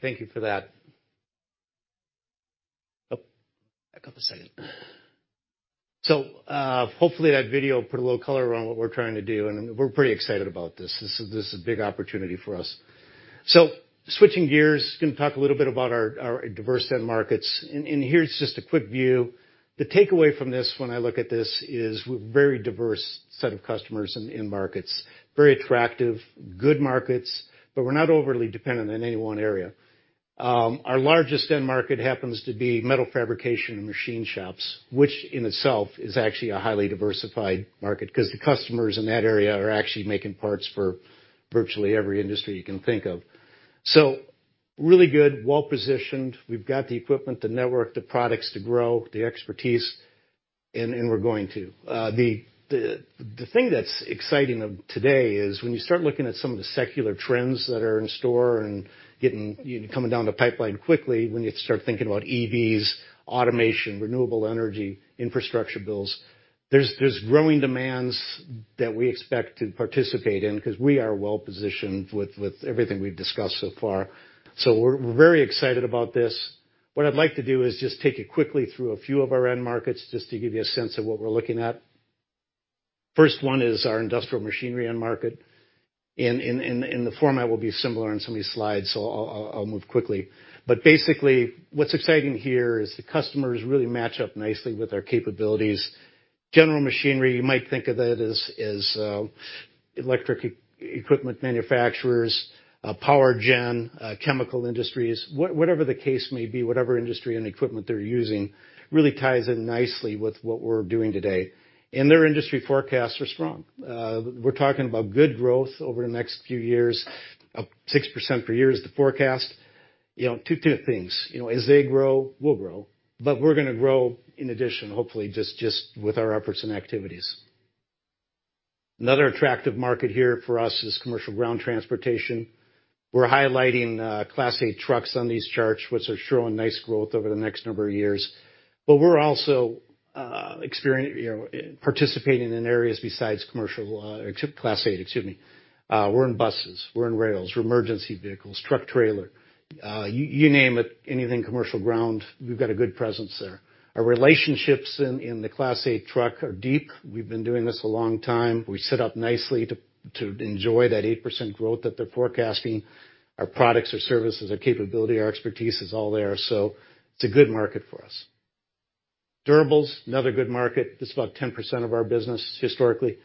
[SPEAKER 5] thank you for that. Oh, a couple seconds. Hopefully, that video put a little color around what we're trying to do, and we're pretty excited about this. This is a big opportunity for us. Switching gears, going to talk a little bit about our diverse end markets, and here's just a quick view. The takeaway from this when I look at this is very diverse set of customers in markets. Very attractive, good markets, but we're not overly dependent on any one area. Our largest end market happens to be metal fabrication and machine shops, which in itself is actually a highly diversified market because the customers in that area are actually making parts for virtually every industry you can think of. Really good, well-positioned. We've got the equipment, the network, the products to grow, the expertise, and we're going to. The thing that's exciting today is when you start looking at some of the secular trends that are in store and coming down the pipeline quickly, when you start thinking about EVs, automation, renewable energy, infrastructure bills, there's growing demands that we expect to participate in because we are well-positioned with everything we've discussed so far. We're very excited about this. What I'd like to do is just take you quickly through a few of our end markets, just to give you a sense of what we're looking at. First one is our industrial machinery end market, and the format will be similar on some of these slides, so I'll move quickly. Basically, what's exciting here is the customers really match up nicely with our capabilities. General machinery, you might think of that as electric equipment manufacturers, power gen, chemical industries. Whatever the case may be, whatever industry and equipment they're using really ties in nicely with what we're doing today. Their industry forecasts are strong. We're talking about good growth over the next few years, 6% per year is the forecast. Two things. As they grow, we'll grow. We're going to grow in addition, hopefully just with our efforts and activities. Another attractive market here for us is commercial ground transportation. We're highlighting Class 8 trucks on these charts, which are showing nice growth over the next number of years. We're also participating in areas besides commercial Class 8, excuse me. We're in buses, we're in rails, we're emergency vehicles, truck trailer. You name it, anything commercial ground, we've got a good presence there. Our relationships in the Class 8 truck are deep. We've been doing this a long time. We sit up nicely to enjoy that 8% growth that they're forecasting. Our products, our services, our capability, our expertise is all there. It's a good market for us. Durables, another good market. It's about 10% of our business historically.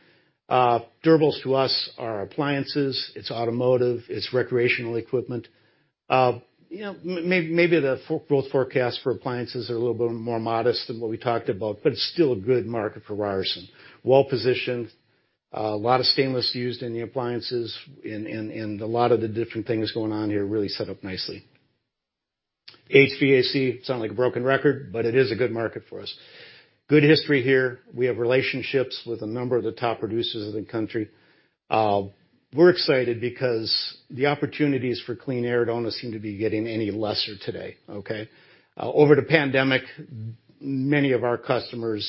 [SPEAKER 5] Durables to us are appliances, it's automotive, it's recreational equipment. Maybe the growth forecast for appliances are a little bit more modest than what we talked about, it's still a good market for Ryerson. Well-positioned. A lot of stainless used in the appliances and a lot of the different things going on here really set up nicely. HVAC, sound like a broken record, it is a good market for us. Good history here. We have relationships with a number of the top producers in the country. We're excited because the opportunities for clean air don't seem to be getting any lesser today, okay? Over the pandemic, many of our customers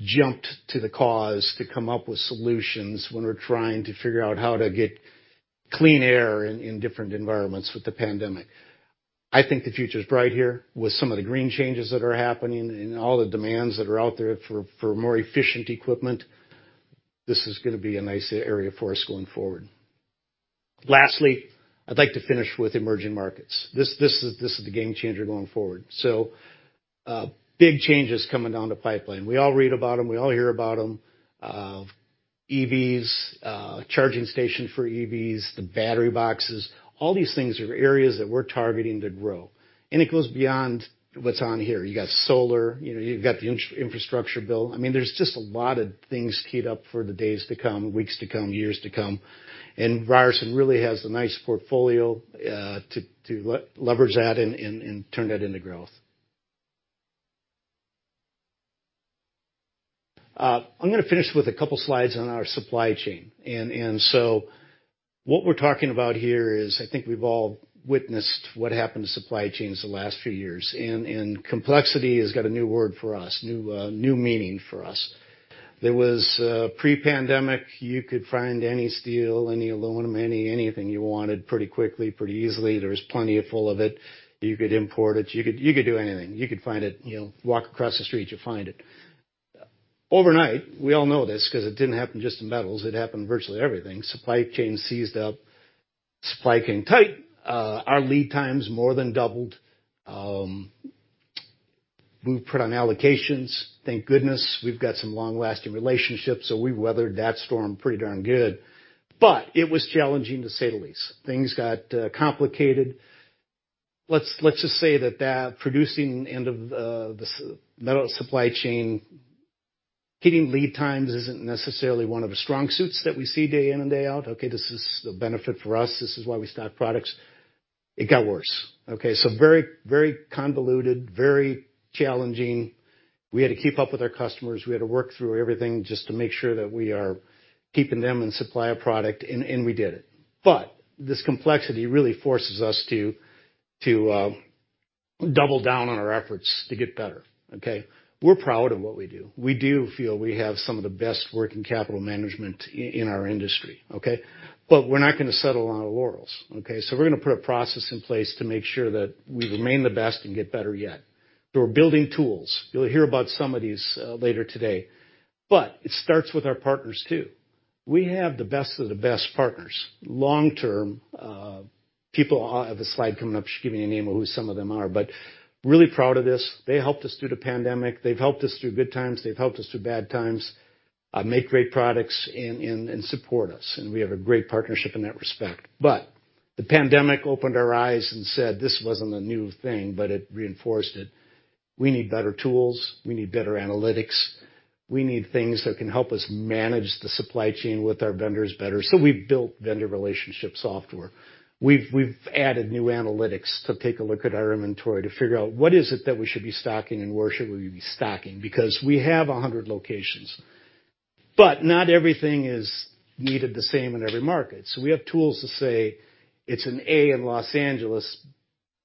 [SPEAKER 5] jumped to the cause to come up with solutions when we're trying to figure out how to get clean air in different environments with the pandemic. I think the future's bright here with some of the green changes that are happening and all the demands that are out there for more efficient equipment. This is going to be a nice area for us going forward. Lastly, I'd like to finish with emerging markets. This is the game changer going forward. Big changes coming down the pipeline. We all read about them, we all hear about them. EVs, charging stations for EVs, the battery boxes, all these things are areas that we're targeting to grow. It goes beyond what's on here. You got solar, you've got the infrastructure bill. There's just a lot of things queued up for the days to come, weeks to come, years to come. Ryerson really has a nice portfolio to leverage that and turn that into growth. I'm going to finish with a couple slides on our supply chain. What we're talking about here is, I think we've all witnessed what happened to supply chains the last few years, and complexity has got a new word for us, a new meaning for us. There was pre-pandemic, you could find any steel, any aluminum, anything you wanted pretty quickly, pretty easily. There was plenty full of it. You could import it. You could do anything. You could find it, walk across the street, you'll find it. Overnight, we all know this because it didn't happen just in metals, it happened virtually everything. Supply chain seized up, supply chain tight. Our lead times more than doubled. We've put on allocations. Thank goodness we've got some long-lasting relationships, we weathered that storm pretty darn good. It was challenging, to say the least. Things got complicated. Let's just say that producing end of the metal supply chain, hitting lead times isn't necessarily one of the strong suits that we see day in and day out. This is the benefit for us. This is why we stock products. It got worse. Very convoluted, very challenging. We had to keep up with our customers. We had to work through everything just to make sure that we are keeping them in supply of product, and we did it. This complexity really forces us to double down on our efforts to get better. We're proud of what we do. We do feel we have some of the best working capital management in our industry. We're not going to settle on our laurels. We're going to put a process in place to make sure that we remain the best and get better yet. We're building tools. You'll hear about some of these later today. It starts with our partners, too. We have the best of the best partners, long-term. I'll have a slide coming up, should give you a name of who some of them are. Really proud of this. They helped us through the pandemic. They've helped us through good times. They've helped us through bad times, make great products and support us. We have a great partnership in that respect. The pandemic opened our eyes and said, this wasn't a new thing, but it reinforced it. We need better tools. We need better analytics. We need things that can help us manage the supply chain with our vendors better. We've built vendor relationship software. We've added new analytics to take a look at our inventory to figure out what is it that we should be stocking and where should we be stocking, because we have 100 locations. Not everything is needed the same in every market. We have tools to say, it's an A in Los Angeles,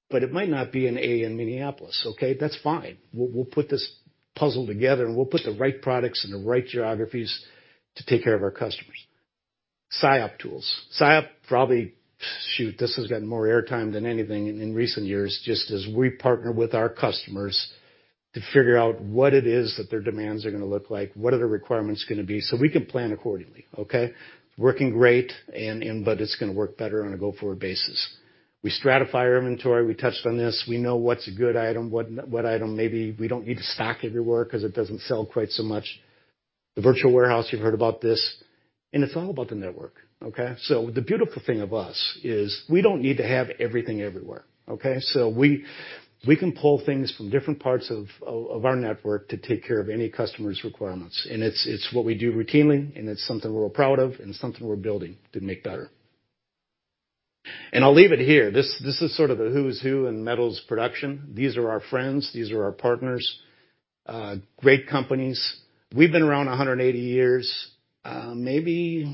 [SPEAKER 5] but it might not be an A in Minneapolis. That's fine. We'll put this puzzle together, we'll put the right products in the right geographies to take care of our customers. SIOP tools. SIOP probably, this has gotten more air time than anything in recent years, just as we partner with our customers to figure out what it is that their demands are going to look like, what are their requirements going to be, we can plan accordingly. Working great, but it's going to work better on a go-forward basis. We stratify our inventory. We touched on this. We know what's a good item, what item maybe we don't need to stock everywhere because it doesn't sell quite so much. The virtual warehouse, you've heard about this, it's all about the network. The beautiful thing of us is we don't need to have everything everywhere. We can pull things from different parts of our network to take care of any customer's requirements. It's what we do routinely. It's something we're proud of and something we're building to make better. I'll leave it here. This is sort of the who's who in metals production. These are our friends, these are our partners. Great companies. We've been around 180 years. Maybe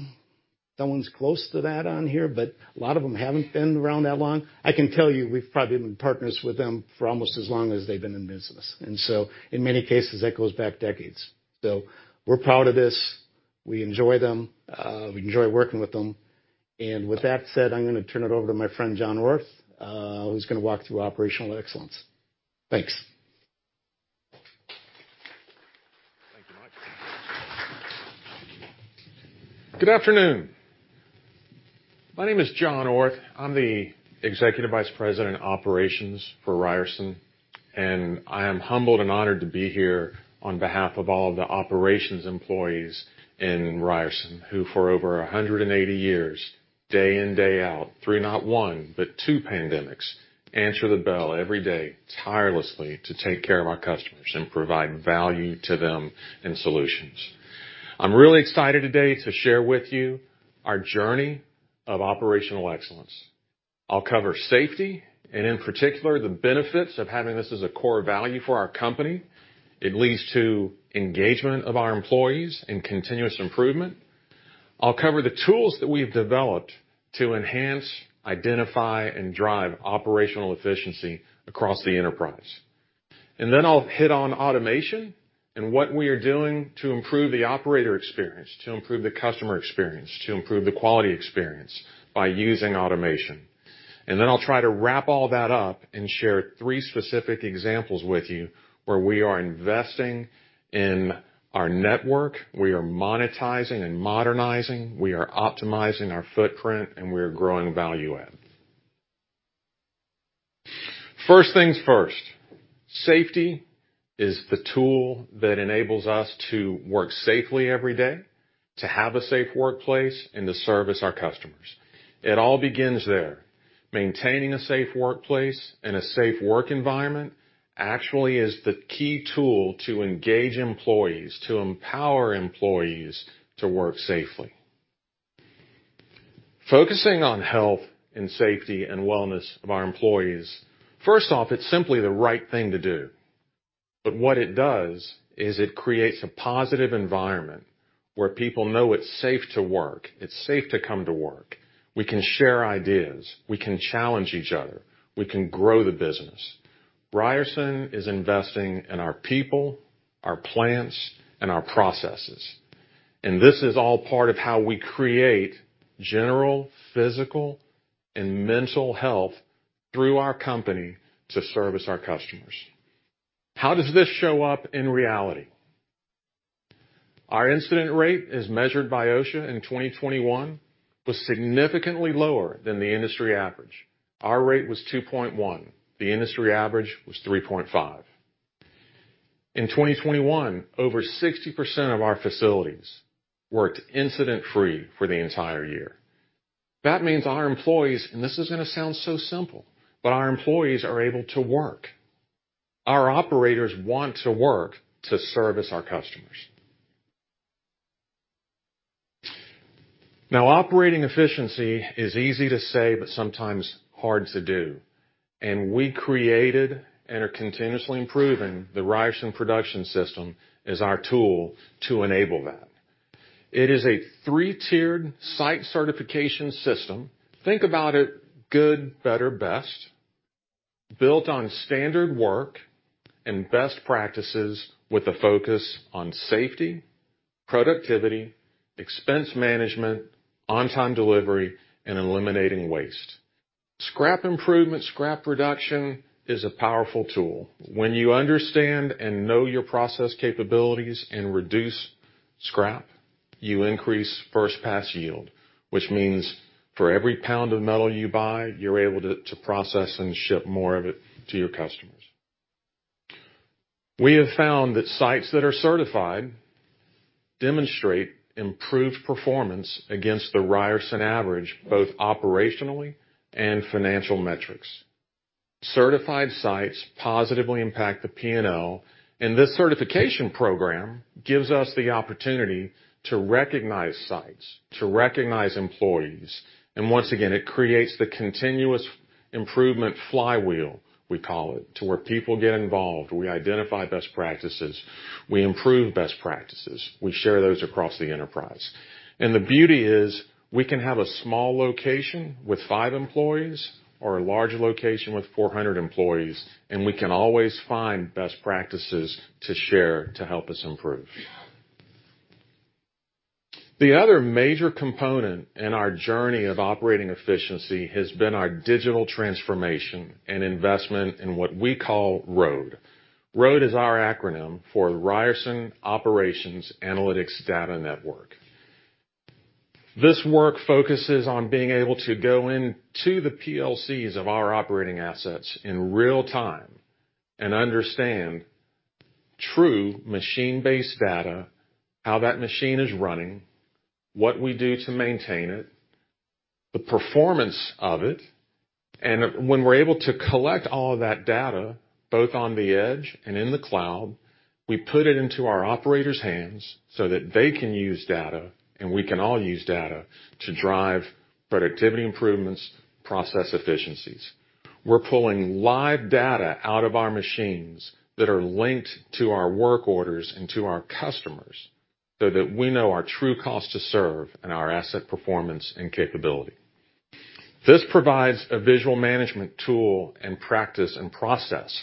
[SPEAKER 5] someone's close to that on here, but a lot of them haven't been around that long. I can tell you, we've probably been partners with them for almost as long as they've been in business. In many cases, that goes back decades. We're proud of this. We enjoy them. We enjoy working with them. With that said, I'm going to turn it over to my friend, John Orth, who's going to walk through operational excellence. Thanks.
[SPEAKER 6] Thank you, Mike. Good afternoon. My name is John Orth. I'm the Executive Vice President of Operations for Ryerson, I am humbled and honored to be here on behalf of all of the operations employees in Ryerson, who for over 180 years, day in, day out, through not one but two pandemics, answer the bell every day tirelessly to take care of our customers and provide value to them in solutions. I'm really excited today to share with you our journey of operational excellence. I'll cover safety, in particular, the benefits of having this as a core value for our company. It leads to engagement of our employees and continuous improvement. I'll cover the tools that we've developed to enhance, identify, and drive operational efficiency across the enterprise. I'll hit on automation and what we are doing to improve the operator experience, to improve the customer experience, to improve the quality experience by using automation. I'll try to wrap all that up and share three specific examples with you where we are investing in our network, we are monetizing and modernizing, we are optimizing our footprint, and we are growing value add. First things first, safety is the tool that enables us to work safely every day, to have a safe workplace and to service our customers. It all begins there. Maintaining a safe workplace and a safe work environment actually is the key tool to engage employees, to empower employees to work safely. Focusing on health and safety and wellness of our employees. First off, it's simply the right thing to do. What it does is it creates a positive environment where people know it's safe to work, it's safe to come to work. We can share ideas. We can challenge each other. We can grow the business. Ryerson is investing in our people, our plants, and our processes. This is all part of how we create general physical and mental health through our company to service our customers. How does this show up in reality? Our incident rate, as measured by OSHA in 2021, was significantly lower than the industry average. Our rate was 2.1, the industry average was 3.5. In 2021, over 60% of our facilities worked incident-free for the entire year. That means our employees, this is going to sound so simple, but our employees are able to work. Our operators want to work to service our customers. Operating efficiency is easy to say, but sometimes hard to do. We created and are continuously improving the Ryerson production system as our tool to enable that. It is a 3-tiered site certification system. Think about it, good, better, best, built on standard work and best practices with a focus on safety, productivity, expense management, on-time delivery, and eliminating waste. Scrap improvement, scrap reduction is a powerful tool. When you understand and know your process capabilities and reduce scrap, you increase first pass yield, which means for every pound of metal you buy, you're able to process and ship more of it to your customers. We have found that sites that are certified demonstrate improved performance against the Ryerson average, both operationally and financial metrics. Certified sites positively impact the P&L. This certification program gives us the opportunity to recognize sites, to recognize employees. Once again, it creates the continuous improvement flywheel, we call it, to where people get involved, we identify best practices, we improve best practices. We share those across the enterprise. The beauty is, we can have a small location with five employees or a large location with 400 employees, we can always find best practices to share to help us improve. The other major component in our journey of operating efficiency has been our digital transformation and investment in what we call ROAD. ROAD is our acronym for Ryerson Operations Analytics Data network. This work focuses on being able to go into the PLCs of our operating assets in real time and understand true machine-based data, how that machine is running, what we do to maintain it, the performance of it. When we're able to collect all of that data, both on the edge and in the cloud, we put it into our operators' hands so that they can use data, we can all use data to drive productivity improvements, process efficiencies. We're pulling live data out of our machines that are linked to our work orders and to our customers so that we know our true cost to serve and our asset performance and capability. This provides a visual management tool and practice and process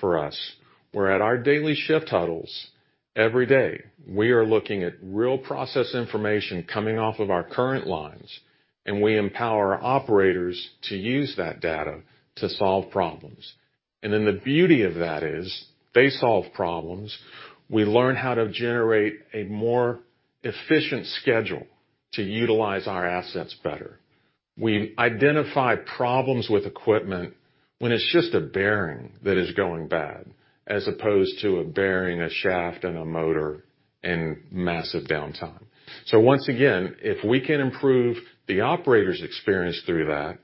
[SPEAKER 6] for us, where at our daily shift huddles, every day, we are looking at real process information coming off of our current lines. We empower our operators to use that data to solve problems. The beauty of that is they solve problems, we learn how to generate a more efficient schedule to utilize our assets better. We identify problems with equipment when it's just a bearing that is going bad, as opposed to a bearing, a shaft, and a motor and massive downtime. Once again, if we can improve the operator's experience through that,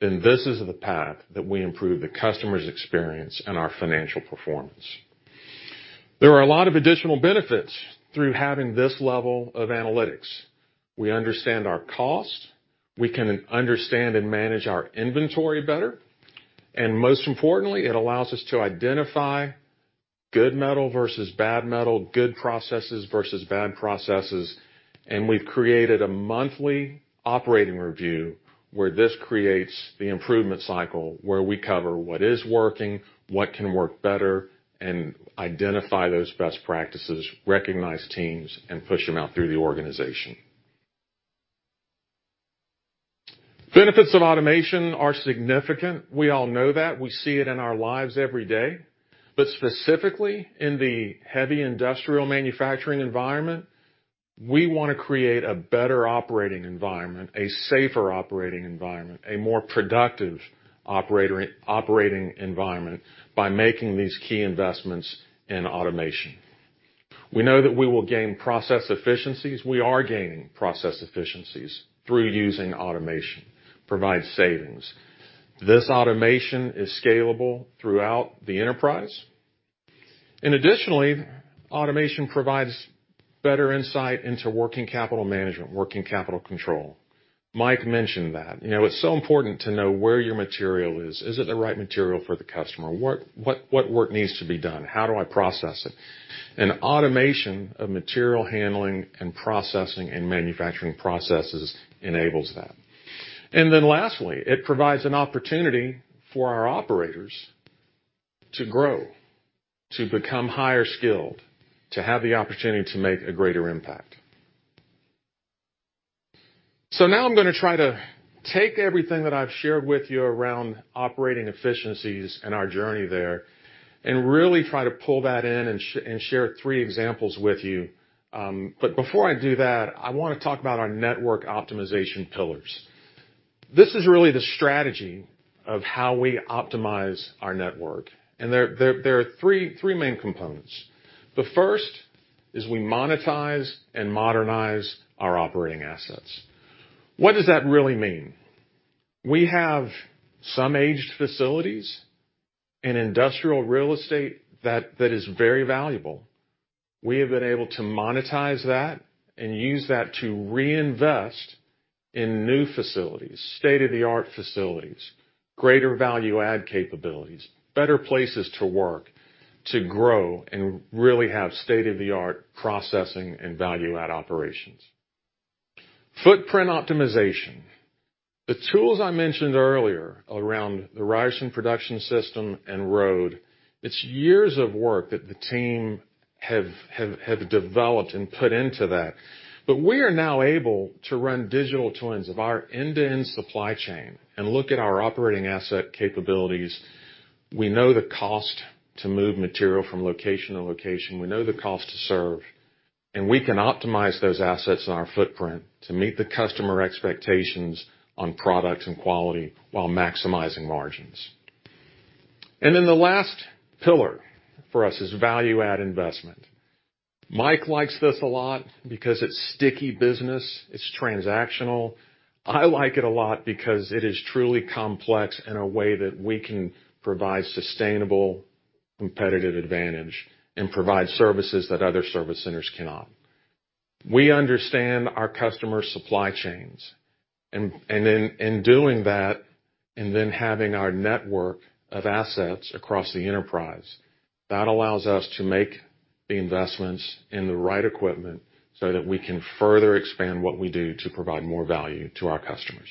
[SPEAKER 6] then this is the path that we improve the customer's experience and our financial performance. There are a lot of additional benefits through having this level of analytics. We understand our cost, we can understand and manage our inventory better, and most importantly, it allows us to identify good metal versus bad metal, good processes versus bad processes. We've created a monthly operating review where this creates the improvement cycle where we cover what is working, what can work better, and identify those best practices, recognize teams, and push them out through the organization. Benefits of automation are significant. We all know that. Specifically in the heavy industrial manufacturing environment, we want to create a better operating environment, a safer operating environment, a more productive operating environment by making these key investments in automation. We know that we will gain process efficiencies. We are gaining process efficiencies through using automation, provide savings. This automation is scalable throughout the enterprise. Additionally, automation provides better insight into working capital management, working capital control. Mike mentioned that. It's so important to know where your material is. Is it the right material for the customer? What work needs to be done? How do I process it? Automation of material handling and processing and manufacturing processes enables that. Then lastly, it provides an opportunity for our operators to grow, to become higher skilled, to have the opportunity to make a greater impact. Now I'm going to try to take everything that I've shared with you around operating efficiencies and our journey there, and really try to pull that in and share 3 examples with you. Before I do that, I want to talk about our network optimization pillars. This is really the strategy of how we optimize our network, and there are 3 main components. The first is we monetize and modernize our operating assets. What does that really mean? We have some aged facilities in industrial real estate that is very valuable. We have been able to monetize that and use that to reinvest in new facilities, state-of-the-art facilities, greater value-add capabilities, better places to work, to grow and really have state-of-the-art processing and value-add operations. Footprint optimization. The tools I mentioned earlier around the Ryerson production system and ROAD, it's years of work that the team have developed and put into that. We are now able to run digital twins of our end-to-end supply chain and look at our operating asset capabilities. We know the cost to move material from location to location. We know the cost to serve, and we can optimize those assets in our footprint to meet the customer expectations on products and quality while maximizing margins. Then the last pillar for us is value-add investment. Mike likes this a lot because it's sticky business, it's transactional. I like it a lot because it is truly complex in a way that we can provide sustainable competitive advantage and provide services that other service centers cannot. We understand our customer supply chains, and in doing that and then having our network of assets across the enterprise, that allows us to make the investments in the right equipment so that we can further expand what we do to provide more value to our customers.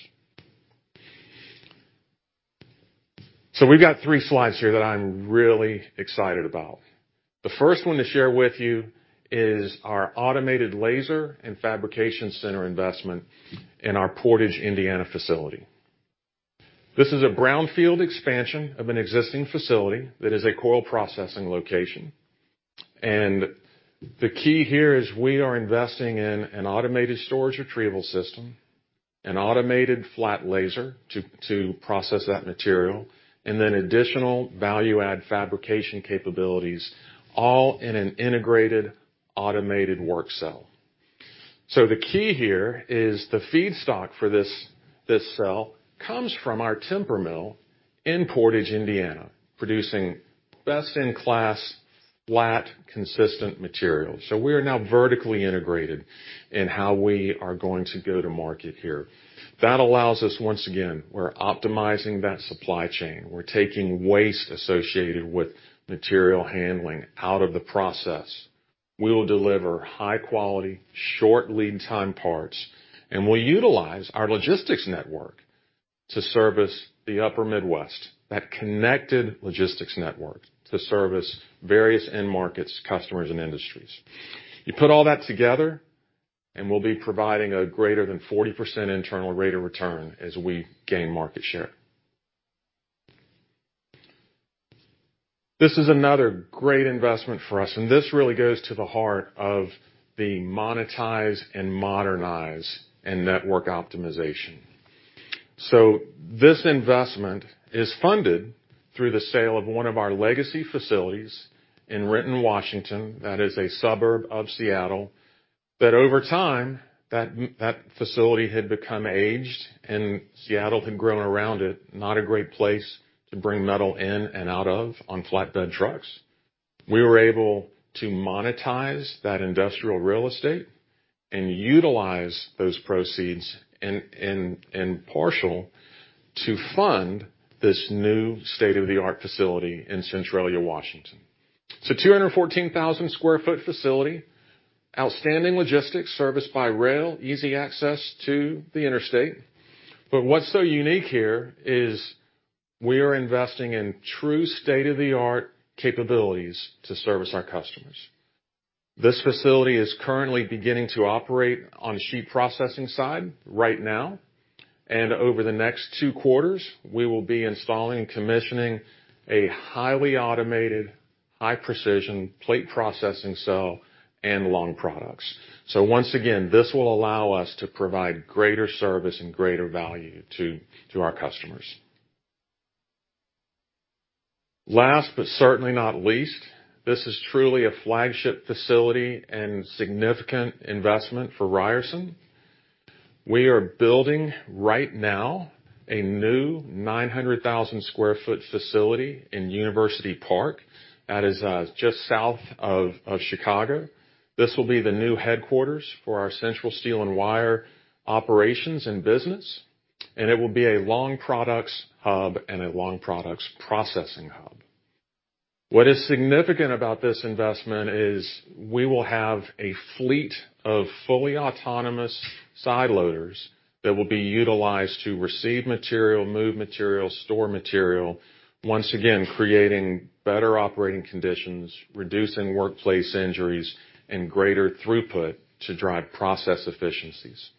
[SPEAKER 6] We've got 3 slides here that I'm really excited about. The first one to share with you is our automated laser and fabrication center investment in our Portage, Indiana facility. This is a brownfield expansion of an existing facility that is a coil processing location. The key here is we are investing in an automated storage retrieval system, an automated flat laser to process that material, and then additional value-add fabrication capabilities, all in an integrated, automated work cell. The key here is the feedstock for this cell comes from our temper mill in Portage, Indiana, producing best-in-class flat, consistent material. We are now vertically integrated in how we are going to go to market here. That allows us, once again, we're optimizing that supply chain. We're taking waste associated with material handling out of the process. We will deliver high quality, short lead time parts, and we'll utilize our logistics network to service the upper Midwest, that connected logistics network to service various end markets, customers, and industries. You put all that together, and we'll be providing a greater than 40% internal rate of return as we gain market share. This is another great investment for us, and this really goes to the heart of the monetize and modernize and network optimization. This investment is funded through the sale of one of our legacy facilities in Renton, Washington, that is a suburb of Seattle, that over time, that facility had become aged and Seattle had grown around it. Not a great place to bring metal in and out of on flatbed trucks. We were able to monetize that industrial real estate and utilize those proceeds in partial to fund this new state-of-the-art facility in Centralia, Washington. It's a 214,000 sq ft facility, outstanding logistics serviced by rail, easy access to the interstate. What's so unique here is we are investing in true state-of-the-art capabilities to service our customers. This facility is currently beginning to operate on sheet processing side right now, and over the next two quarters, we will be installing and commissioning a highly automated, high precision plate processing cell and long products. Once again, this will allow us to provide greater service and greater value to our customers. Last, but certainly not least, this is truly a flagship facility and significant investment for Ryerson. We are building right now a new 900,000 sq ft facility in University Park, that is just south of Chicago. This will be the new headquarters for our Central Steel & Wire operations and business, and it will be a long products hub and a long products processing hub. What is significant about this investment is we will have a fleet of fully autonomous side loaders that will be utilized to receive material, move material, store material. Once again, creating better operating conditions, reducing workplace injuries, and greater throughput to drive process efficiencies.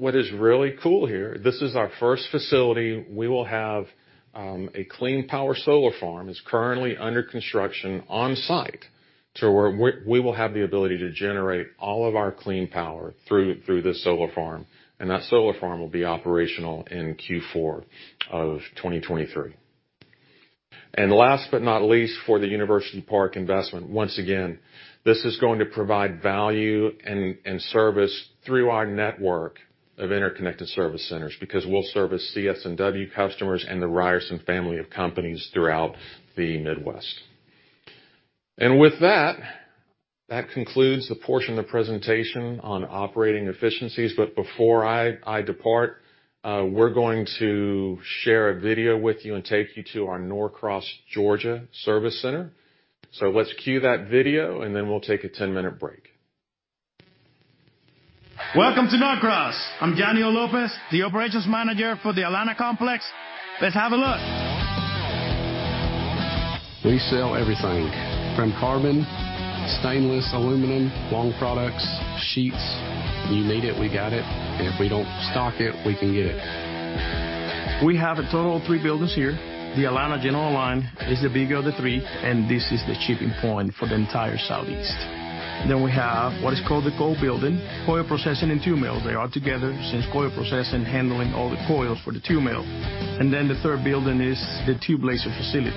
[SPEAKER 6] What is really cool here, this is our first facility. We will have a clean power solar farm. It's currently under construction on-site to where we will have the ability to generate all of our clean power through this solar farm, and that solar farm will be operational in Q4 of 2023. Last but not least, for the University Park investment, once again, this is going to provide value and service through our network of interconnected service centers because we'll service CS&W customers and the Ryerson family of companies throughout the Midwest. With that concludes the portion of the presentation on operating efficiencies. Before I depart, we're going to share a video with you and take you to our Norcross, Georgia service center. Let's cue that video, and then we'll take a 10-minute break.
[SPEAKER 7] Welcome to Norcross. I'm Daniel Lopez, the operations manager for the Atlanta Complex. Let's have a look. We sell everything from carbon, stainless, aluminum, long products, sheets. You need it, we got it. If we don't stock it, we can get it. We have a total of three buildings here. The Atlanta general line is the biggest of the three, this is the shipping point for the entire Southeast. We have what is called the Coil building, coil processing and tube mill. They are together since coil process and handling all the coils for the tube mill. The third building is the tube laser facility.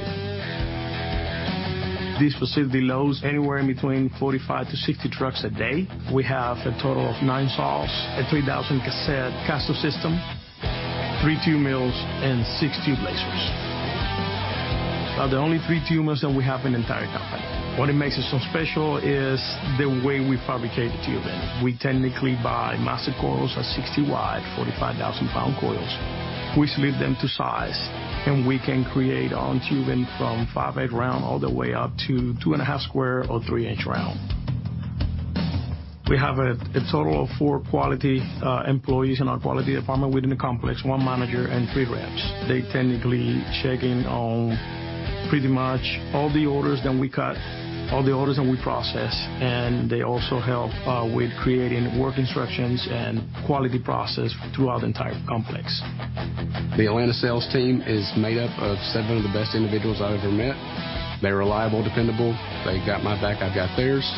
[SPEAKER 7] This facility loads anywhere in between 45 to 60 trucks a day. We have a total of nine saws, a 3,000 cassette castle system, three tube mills, and six tube lasers. Are the only three tube mills that we have in the entire company. What makes it so special is the way we fabricate the tubing. We technically buy massive coils at 60 wide, 45,000-pound coils. We slit them to size, we can create our own tubing from 5/8 round all the way up to two and a half square or three-inch round. We have a total of four quality employees in our quality department within the complex, one manager and three reps. They're technically checking on pretty much all the orders that we cut, all the orders that we process, they also help with creating work instructions and quality process throughout the entire complex. The Atlanta sales team is made up of seven of the best individuals I've ever met. They're reliable, dependable. They got my back, I've got theirs.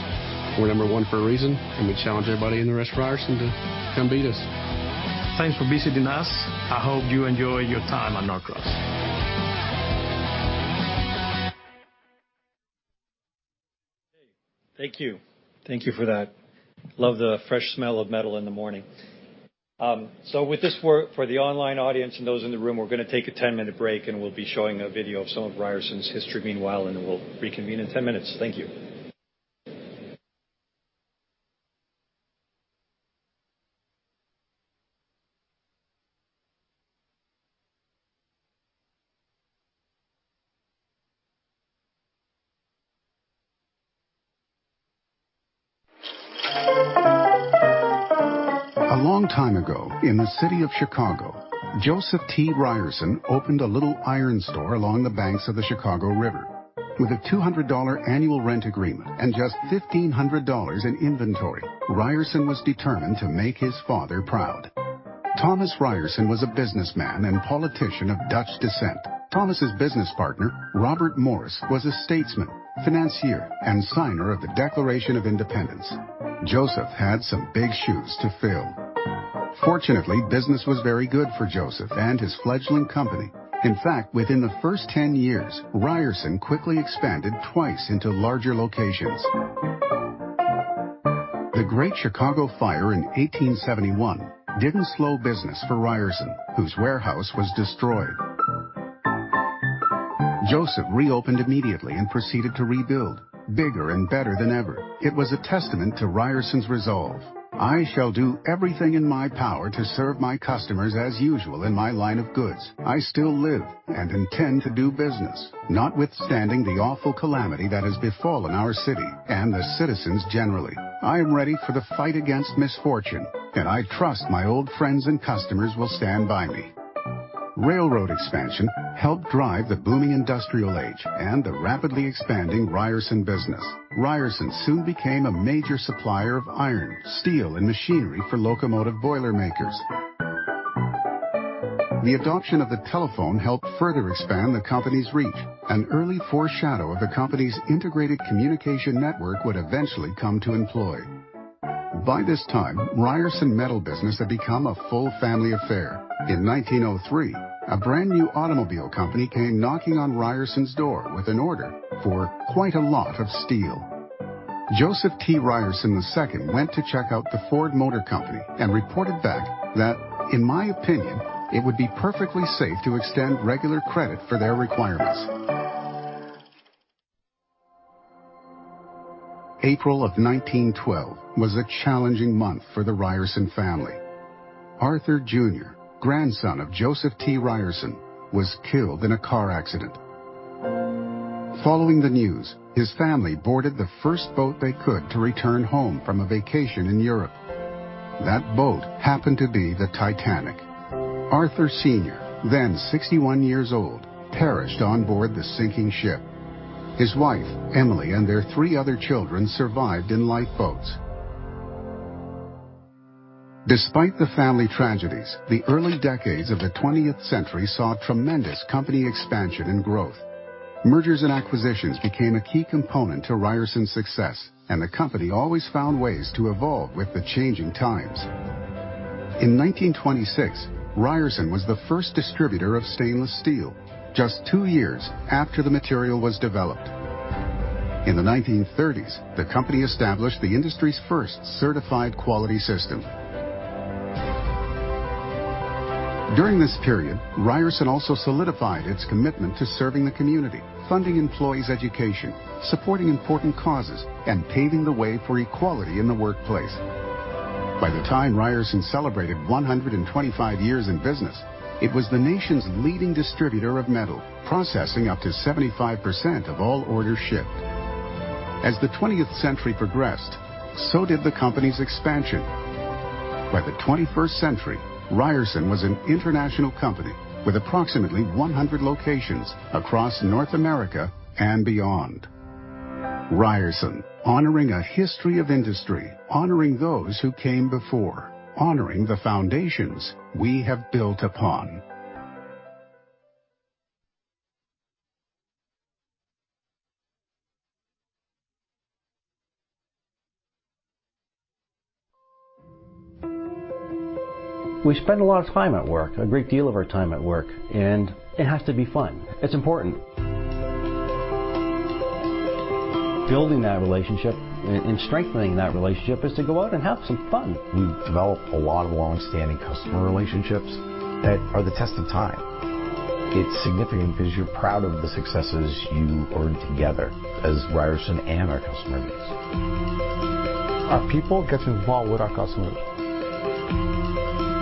[SPEAKER 7] We're number one for a reason. We challenge everybody in the rest of Ryerson to come beat us. Thanks for visiting us. I hope you enjoy your time at Norcross.
[SPEAKER 6] Thank you. Thank you for that. Love the fresh smell of metal in the morning. With this, for the online audience and those in the room, we're going to take a 10-minute break. We'll be showing a video of some of Ryerson's history meanwhile. We'll reconvene in 10 minutes. Thank you.
[SPEAKER 4] A long time ago in the city of Chicago, Joseph T. Ryerson opened a little iron store along the banks of the Chicago River. With a $200 annual rent agreement and just $1,500 in inventory, Ryerson was determined to make his father proud. Thomas Ryerson was a businessman and politician of Dutch descent. Thomas' business partner, Robert Morris, was a statesman, financier, and signer of the Declaration of Independence. Joseph had some big shoes to fill. Fortunately, business was very good for Joseph and his fledgling company. In fact, within the first 10 years, Ryerson quickly expanded twice into larger locations. The Great Chicago Fire in 1871 didn't slow business for Ryerson, whose warehouse was destroyed. Joseph reopened immediately and proceeded to rebuild bigger and better than ever. It was a testament to Ryerson's resolve. I shall do everything in my power to serve my customers as usual in my line of goods. I still live and intend to do business. Notwithstanding the awful calamity that has befallen our city and the citizens generally, I am ready for the fight against misfortune, and I trust my old friends and customers will stand by me. Railroad expansion helped drive the booming industrial age and the rapidly expanding Ryerson business. Ryerson soon became a major supplier of iron, steel, and machinery for locomotive boiler makers. The adoption of the telephone helped further expand the company's reach. An early foreshadow of the company's integrated communication network would eventually come to employ. By this time, Ryerson Metal business had become a full family affair. In 1903, a brand-new automobile company came knocking on Ryerson's door with an order for quite a lot of steel. Joseph T. Joseph T. Ryerson II went to check out the Ford Motor Company and reported back that, "In my opinion, it would be perfectly safe to extend regular credit for their requirements." April of 1912 was a challenging month for the Ryerson family. Arthur Jr, grandson of Joseph T. Ryerson, was killed in a car accident. Following the news, his family boarded the first boat they could to return home from a vacation in Europe. That boat happened to be the Titanic. Arthur Sr, then 61 years old, perished on board the sinking ship. His wife, Emily, and their three other children survived in lifeboats. Despite the family tragedies, the early decades of the 20th century saw tremendous company expansion and growth. Mergers and acquisitions became a key component to Ryerson's success, and the company always found ways to evolve with the changing times. In 1926, Ryerson was the first distributor of stainless steel, just two years after the material was developed. In the 1930s, the company established the industry's first certified quality system. During this period, Ryerson also solidified its commitment to serving the community, funding employees' education, supporting important causes, and paving the way for equality in the workplace. By the time Ryerson celebrated 125 years in business, it was the nation's leading distributor of metal, processing up to 75% of all orders shipped. As the 20th century progressed, so did the company's expansion. By the 21st century, Ryerson was an international company with approximately 100 locations across North America and beyond. Ryerson, honoring a history of industry, honoring those who came before, honoring the foundations we have built upon. We spend a lot of time at work, a great deal of our time at work. It has to be fun. It's important. Building that relationship and strengthening that relationship is to go out and have some fun. We've developed a lot of longstanding customer relationships that are the test of time. It's significant because you're proud of the successes you earned together as Ryerson and our customer base. Our people get involved with our customers,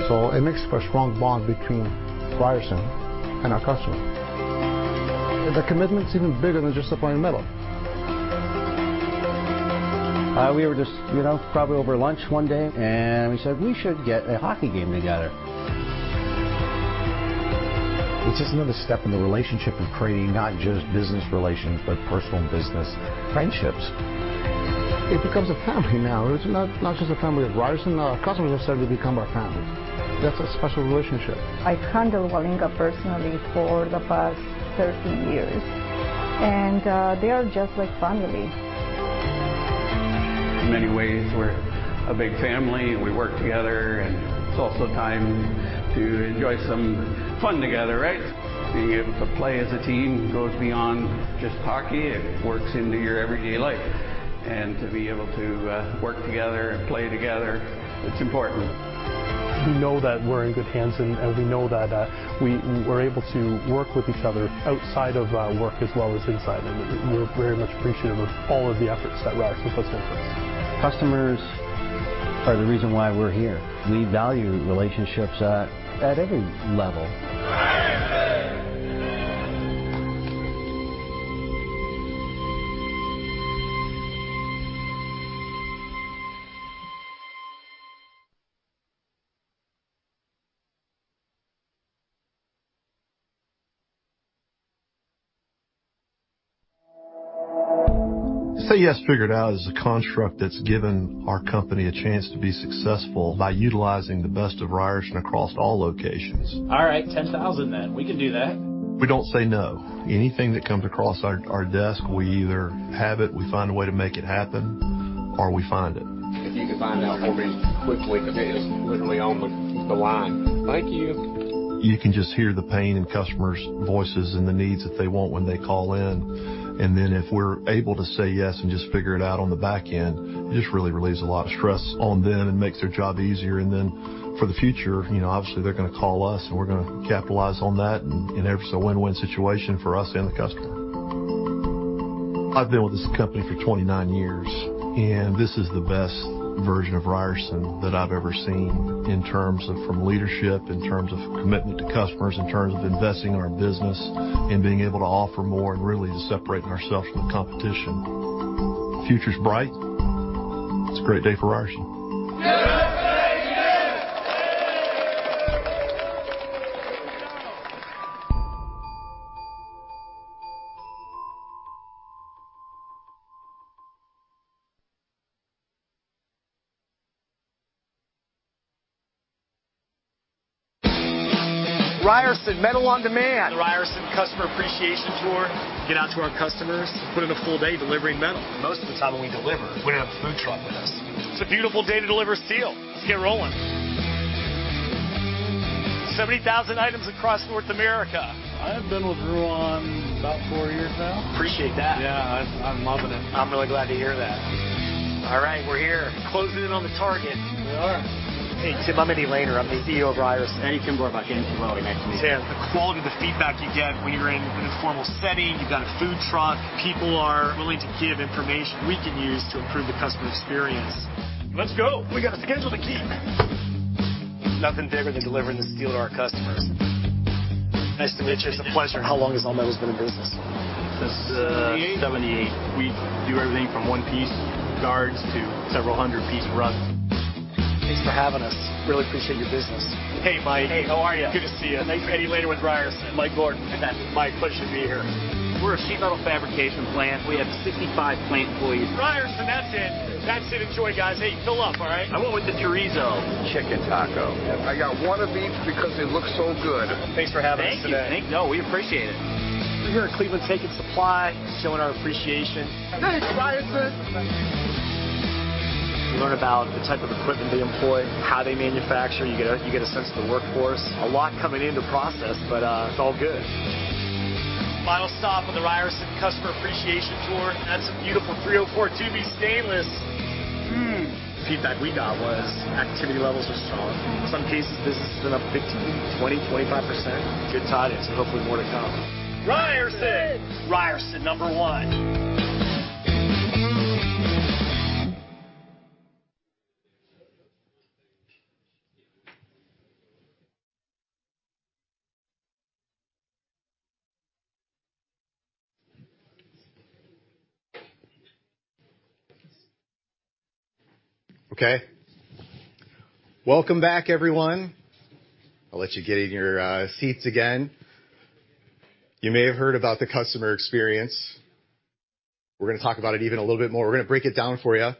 [SPEAKER 4] so it makes for a strong bond between Ryerson and our customer. The commitment is even bigger than just supplying metal. We were just probably over lunch one day and we said we should get a hockey game together. It's just another step in the relationship of creating not just business relations, but personal and business friendships. It becomes a family now. It's not just a family of Ryerson. Our customers have certainly become our family. That's a special relationship. I've handled Walinga personally for the past 13 years, and they are just like family. In many ways, we're a big family and we work together and it's also time to enjoy some fun together, right? Being able to play as a team goes beyond just hockey. It works into your everyday life. To be able to work together and play together, it's important.
[SPEAKER 8] We know that we're in good hands and we know that we're able to work with each other outside of work as well as inside, and we're very much appreciative of all of the efforts that Ryerson puts in for us. Customers are the reason why we're here. We value relationships at every level.
[SPEAKER 9] Ryerson. Say Yes & Figure It Out is a construct that has given our company a chance to be successful by utilizing the best of Ryerson across all locations.
[SPEAKER 4] All right, 10,000 then. We can do that. We don't say no. Anything that comes across our desk, we either have it, we find a way to make it happen, or we find it. If you could find that for me quickly because it is literally on the line. Thank you. You can just hear the pain in customers' voices and the needs that they want when they call in. If we're able to say yes and just figure it out on the back end, it just really relieves a lot of stress on them and makes their job easier. For the future, obviously, they're going to call us and we're going to capitalize on that. Therefore it's a win-win situation for us and the customer. I've been with this company for 29 years, and this is the best version of Ryerson that I've ever seen in terms of from leadership, in terms of commitment to customers, in terms of investing in our business and being able to offer more and really separating ourselves from the competition. Future's bright. It's a great day for Ryerson.
[SPEAKER 9] Yes, yes.
[SPEAKER 4] Ryerson, metal on demand. The Ryerson Customer Appreciation Tour. Get out to our customers, put in a full day delivering metal. Most of the time when we deliver, we have a food truck with us. It's a beautiful day to deliver steel. Let's get rolling. 70,000 items across North America. I have been with Ryerson about four years now. Appreciate that. Yeah, I'm loving it. I'm really glad to hear that.
[SPEAKER 10] All right, we're here closing in on the target.
[SPEAKER 2] We are. Hey, Tim, I'm Eddie Lehner. I'm the CEO of Ryerson. Eddie Limburg. Vice President of welding. Nice to meet you.
[SPEAKER 10] Sam. The quality of the feedback you get when you're in an informal setting, you've got a food truck. People are willing to give information we can use to improve the customer experience. Let's go. We got a schedule to keep. Nothing bigger than delivering this steel to our customers. Nice to meet you.
[SPEAKER 8] It's a pleasure. How long has All Metal been in business? Since 1978. We do everything from one-piece guards to several hundred piece runs. Thanks for having us. Really appreciate your business. Hey, Mike. Hey, how are you? Good to see you. Nice to meet you.
[SPEAKER 2] Eddie Lehner with Ryerson.
[SPEAKER 8] Mike Gordon. Mike, pleasure to be here. We're a sheet metal fabrication plant. We have 65 plant employees. Ryerson, that's it. That's it. Enjoy, guys. Hey, fill up all right? I went with the chorizo chicken taco. I got one of each because they look so good. Thanks for having us today. Thank you. No, we appreciate it.
[SPEAKER 10] We're here at Cleveland Tubing Supply, showing our appreciation.
[SPEAKER 4] Thanks, Ryerson.
[SPEAKER 10] You learn about the type of equipment they employ, how they manufacture. You get a sense of the workforce. A lot coming in to process, but it's all good. Final stop on the Ryerson customer appreciation tour. That's a beautiful 304 2B stainless. Feedback we got was activity levels were strong. Some cases business has been up 15%, 20%, 25%. Good tidings and hopefully more to come. Ryerson. Ryerson. Ryerson number one. Okay, welcome back everyone. I'll let you get in your seats again. You may have heard about the customer experience. We're gonna talk about it even a little bit more. We're gonna break it down for you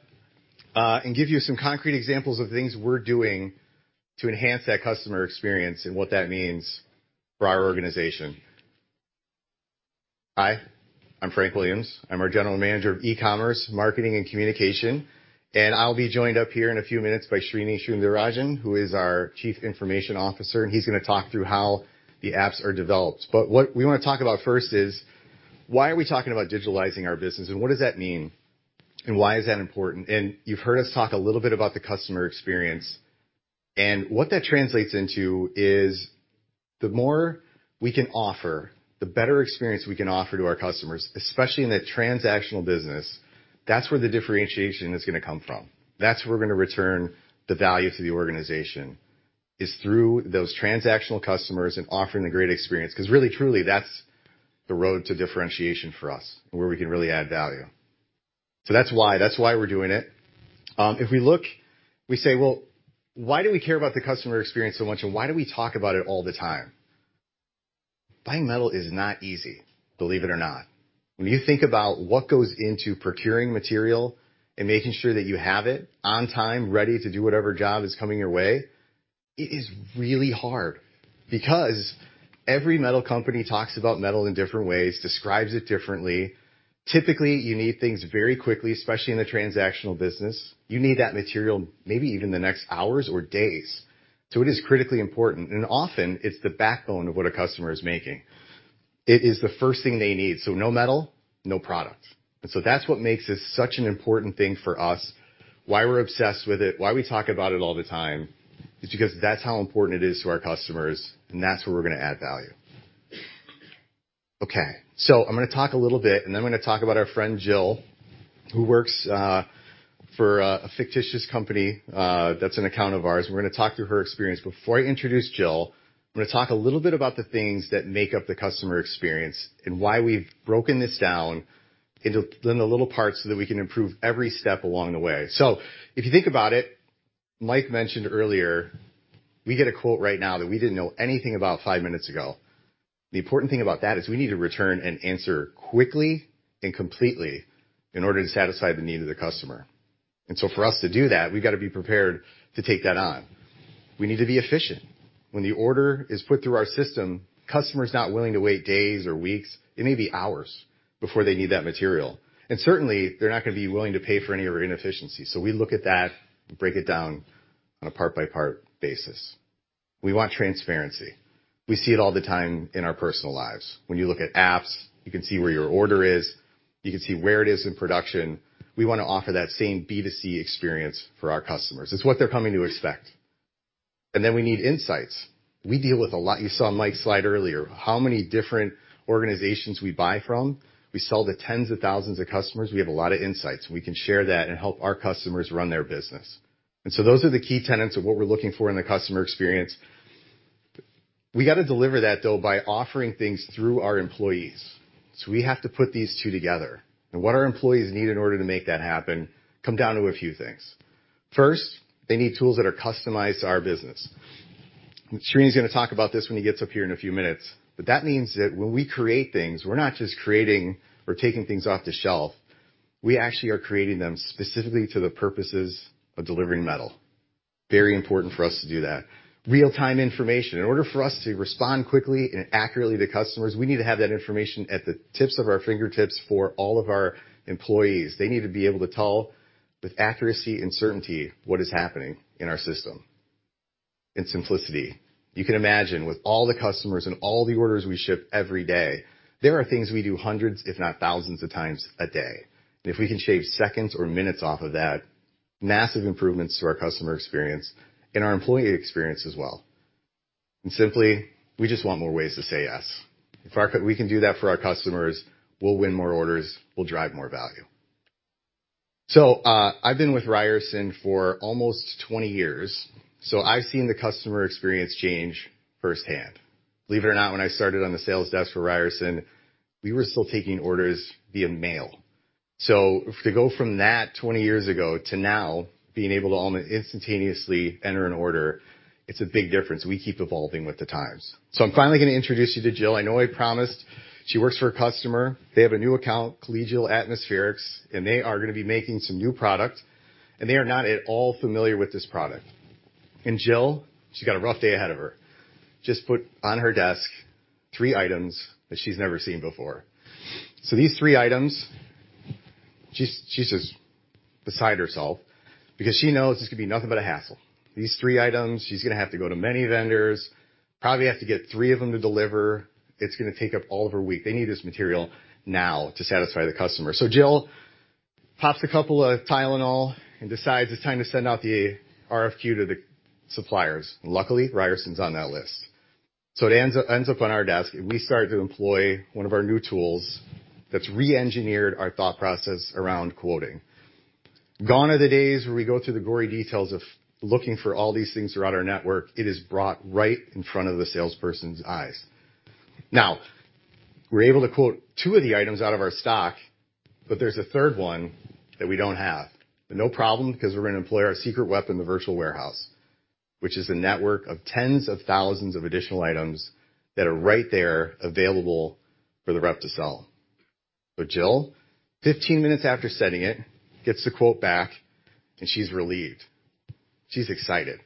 [SPEAKER 10] and give you some concrete examples of things we're doing to enhance that customer experience and what that means for our organization. Hi, I'm Frank Williams. I'm our General Manager of E-commerce, Marketing, and Communication, and I'll be joined up here in a few minutes by Srini Sundarrajan, who is our Chief Information Officer, and he's gonna talk through how the apps are developed. What we wanna talk about first is, why are we talking about digitalizing our business, and what does that mean, and why is that important? You've heard us talk a little bit about the customer experience, and what that translates into is the more we can offer, the better experience we can offer to our customers, especially in a transactional business. That's where the differentiation is gonna come from. That's where we're gonna return the value to the organization is through those transactional customers and offering the great experience, because really truly, that's the road to differentiation for us and where we can really add value. That's why. That's why we're doing it. If we look, we say, "Well, why do we care about the customer experience so much, and why do we talk about it all the time?" Buying metal is not easy, believe it or not. When you think about what goes into procuring material and making sure that you have it on time, ready to do whatever job is coming your way, it is really hard because every metal company talks about metal in different ways, describes it differently. Typically, you need things very quickly, especially in the transactional business. You need that material maybe even in the next hours or days, so it is critically important, and often, it's the backbone of what a customer is making. It is the first thing they need, so no metal, no product. That's what makes this such an important thing for us, why we're obsessed with it, why we talk about it all the time is because that's how important it is to our customers, and that's where we're gonna add value. I'm gonna talk a little bit, and then I'm gonna talk about our friend Jill, who works for a fictitious company that's an account of ours, and we're gonna talk through her experience. Before I introduce Jill, I'm gonna talk a little bit about the things that make up the customer experience and why we've broken this down into, in the little parts so that we can improve every step along the way. If you think about it, Mike mentioned earlier, we get a quote right now that we didn't know anything about 5 minutes ago. The important thing about that is we need to return an answer quickly and completely in order to satisfy the need of the customer. For us to do that, we've got to be prepared to take that on. We need to be efficient. When the order is put through our system, customer's not willing to wait days or weeks. It may be hours before they need that material. Certainly, they're not gonna be willing to pay for any of our inefficiencies, so we look at that and break it down on a part-by-part basis. We want transparency. We see it all the time in our personal lives. When you look at apps, you can see where your order is. You can see where it is in production. We want to offer that same B2C experience for our customers. It's what they're coming to expect. Then we need insights. We deal with a lot You saw Mike's slide earlier, how many different organizations we buy from. We sell to tens of thousands of customers. We have a lot of insights, and we can share that and help our customers run their business. Those are the key tenets of what we're looking for in the customer experience. We got to deliver that, though, by offering things through our employees, so we have to put these two together. What our employees need in order to make that happen come down to a few things. First, they need tools that are customized to our business. Srini's gonna talk about this when he gets up here in a few minutes, but that means that when we create things, we're not just creating or taking things off the shelf. We actually are creating them specifically to the purposes of delivering metal. Very important for us to do that. Real-time information. In order for us to respond quickly and accurately to customers, we need to have that information at the tips of our fingertips for all of our employees. They need to be able to tell with accuracy and certainty what is happening in our system. Simplicity. You can imagine with all the customers and all the orders we ship every day, there are things we do hundreds, if not thousands of times a day. If we can shave seconds or minutes off of that, massive improvements to our customer experience and our employee experience as well. Simply, we just want more ways to say yes. If we can do that for our customers, we'll win more orders, we'll drive more value. I've been with Ryerson for almost 20 years, so I've seen the customer experience change firsthand. Believe it or not, when I started on the sales desk for Ryerson, we were still taking orders via mail. To go from that 20 years ago to now being able to almost instantaneously enter an order, it's a big difference. We keep evolving with the times. I'm finally going to introduce you to Jill. I know I promised. She works for a customer. They have a new account, Apogee Architectural, and they are going to be making some new product, and they are not at all familiar with this product. Jill, she's got a rough day ahead of her. Just put on her desk three items that she's never seen before. These three items, she's just beside herself because she knows it's going to be nothing but a hassle. These three items, she's going to have to go to many vendors, probably have to get three of them to deliver. It's going to take up all of her week. They need this material now to satisfy the customer. Jill pops a couple of TYLENOL and decides it's time to send out the RFQ to the suppliers. Luckily, Ryerson's on that list. It ends up on our desk, and we start to employ one of our new tools that's re-engineered our thought process around quoting. Gone are the days where we go through the gory details of looking for all these things throughout our network. It is brought right in front of the salesperson's eyes. Now, we're able to quote two of the items out of our stock, but there's a third one that we don't have. No problem, because we're going to employ our secret weapon, the virtual warehouse, which is a network of tens of thousands of additional items that are right there available for the rep to sell. Jill, 15 minutes after sending it, gets the quote back. She's relieved. She's excited.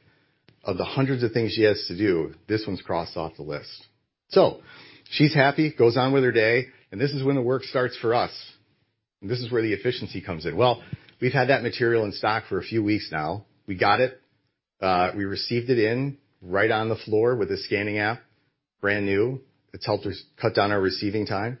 [SPEAKER 10] Of the hundreds of things she has to do, this one's crossed off the list. She's happy, goes on with her day. This is when the work starts for us. This is where the efficiency comes in. We've had that material in stock for a few weeks now. We got it. We received it in right on the floor with a scanning app, brand new. It's helped us cut down our receiving time.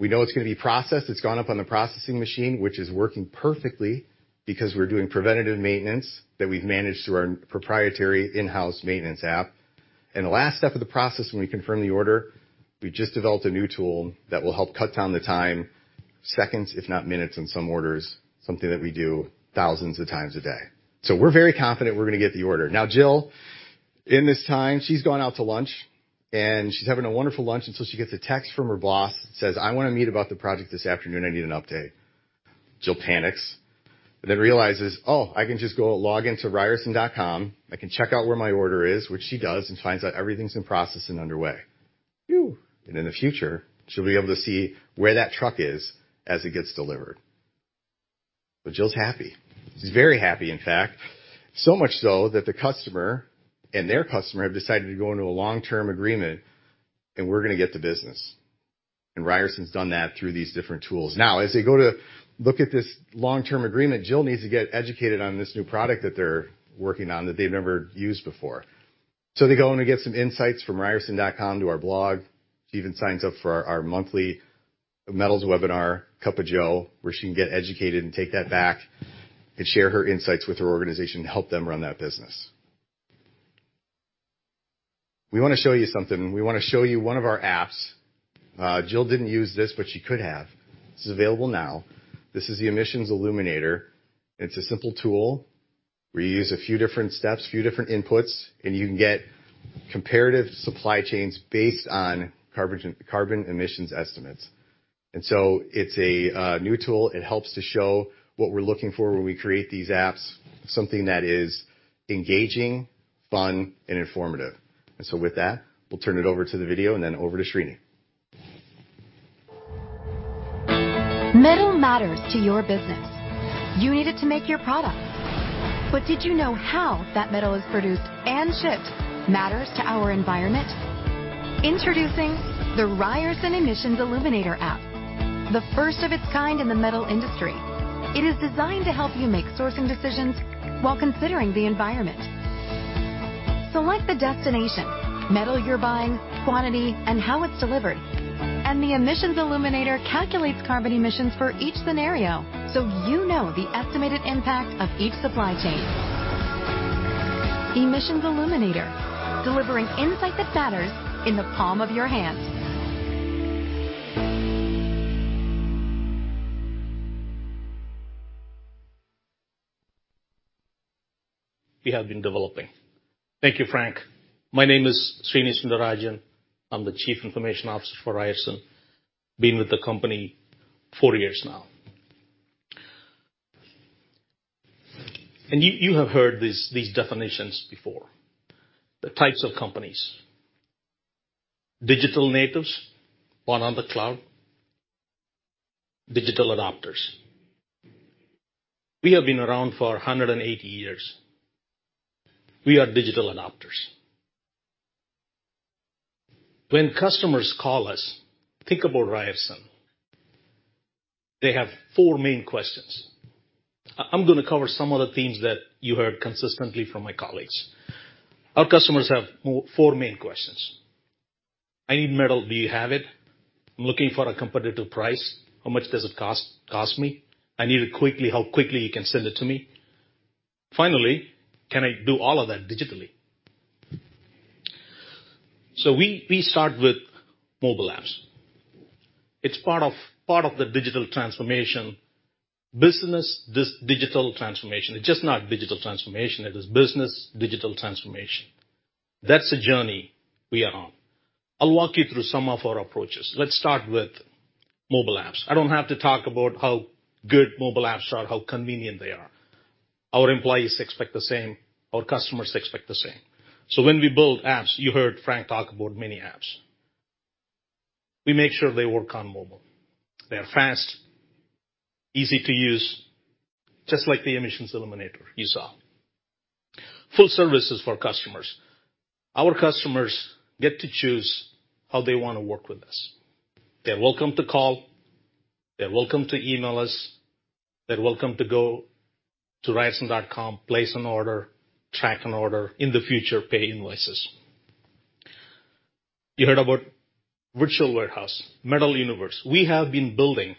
[SPEAKER 10] We know it's going to be processed. It's gone up on the processing machine, which is working perfectly because we're doing preventative maintenance that we've managed through our proprietary in-house maintenance app. The last step of the process, when we confirm the order, we just developed a new tool that will help cut down the time, seconds, if not minutes in some orders, something that we do thousands of times a day. We're very confident we're going to get the order. Jill, in this time, she's gone out to lunch. She's having a wonderful lunch until she gets a text from her boss, says, "I want to meet about the project this afternoon. I need an update." Jill panics, but then realizes, "Oh, I can just go log into ryerson.com. I can check out where my order is," which she does and finds out everything's in process and underway. Phew. In the future, she'll be able to see where that truck is as it gets delivered. Jill's happy. She's very happy, in fact. Much so that the customer and their customer have decided to go into a long-term agreement. We're going to get the business. Ryerson's done that through these different tools. As they go to look at this long-term agreement, Jill needs to get educated on this new product that they're working on that they've never used before. They go in and get some insights from ryerson.com to our blog, even signs up for our monthly Metals webinar, Cup of Joe, where she can get educated and take that back and share her insights with her organization to help them run that business. We want to show you something. We want to show you one of our apps. Jill didn't use this, but she could have. This is available now. This is the Emissions Illuminator. It's a simple tool. We use a few different steps, few different inputs. You can get comparative supply chains based on carbon emissions estimates. It's a new tool. It helps to show what we're looking for when we create these apps, something that is engaging, fun, and informative. With that, we'll turn it over to the video and then over to Srini.
[SPEAKER 4] Metal matters to your business. You need it to make your product. Did you know how that metal is produced and shipped matters to our environment? Introducing the Ryerson Emissions Illuminator app, the first of its kind in the metal industry. It is designed to help you make sourcing decisions while considering the environment. Select the destination, metal you're buying, quantity, and how it's delivered, and the Emissions Illuminator calculates carbon emissions for each scenario so you know the estimated impact of each supply chain. Emissions Illuminator, delivering insight that matters in the palm of your hand.
[SPEAKER 11] We have been developing. Thank you, Frank. My name is Srini Sundarrajan. I'm the Chief Information Officer for Ryerson, been with the company four years now. You have heard these definitions before. The types of companies, digital natives, born on the cloud, digital adopters. We have been around for 180 years. We are digital adopters. When customers call us, think about Ryerson, they have four main questions. I'm going to cover some of the themes that you heard consistently from my colleagues. Our customers have four main questions. I need metal, do you have it? I'm looking for a competitive price. How much does it cost me? I need it quickly. How quickly you can send it to me? Finally, can I do all of that digitally? We start with mobile apps. It's part of the digital transformation business, this digital transformation. It's just not digital transformation. It is business digital transformation. That's the journey we are on. I'll walk you through some of our approaches. Let's start with mobile apps. I don't have to talk about how good mobile apps are, how convenient they are. Our employees expect the same, our customers expect the same. When we build apps, you heard Frank talk about mini apps. We make sure they work on mobile. They are fast, easy to use, just like the Emissions Illuminator you saw. Full services for customers. Our customers get to choose how they want to work with us. They're welcome to call, they're welcome to email us, they're welcome to go to ryerson.com, place an order, track an order, in the future, pay invoices. You heard about virtual warehouse, Metalverse. We have been building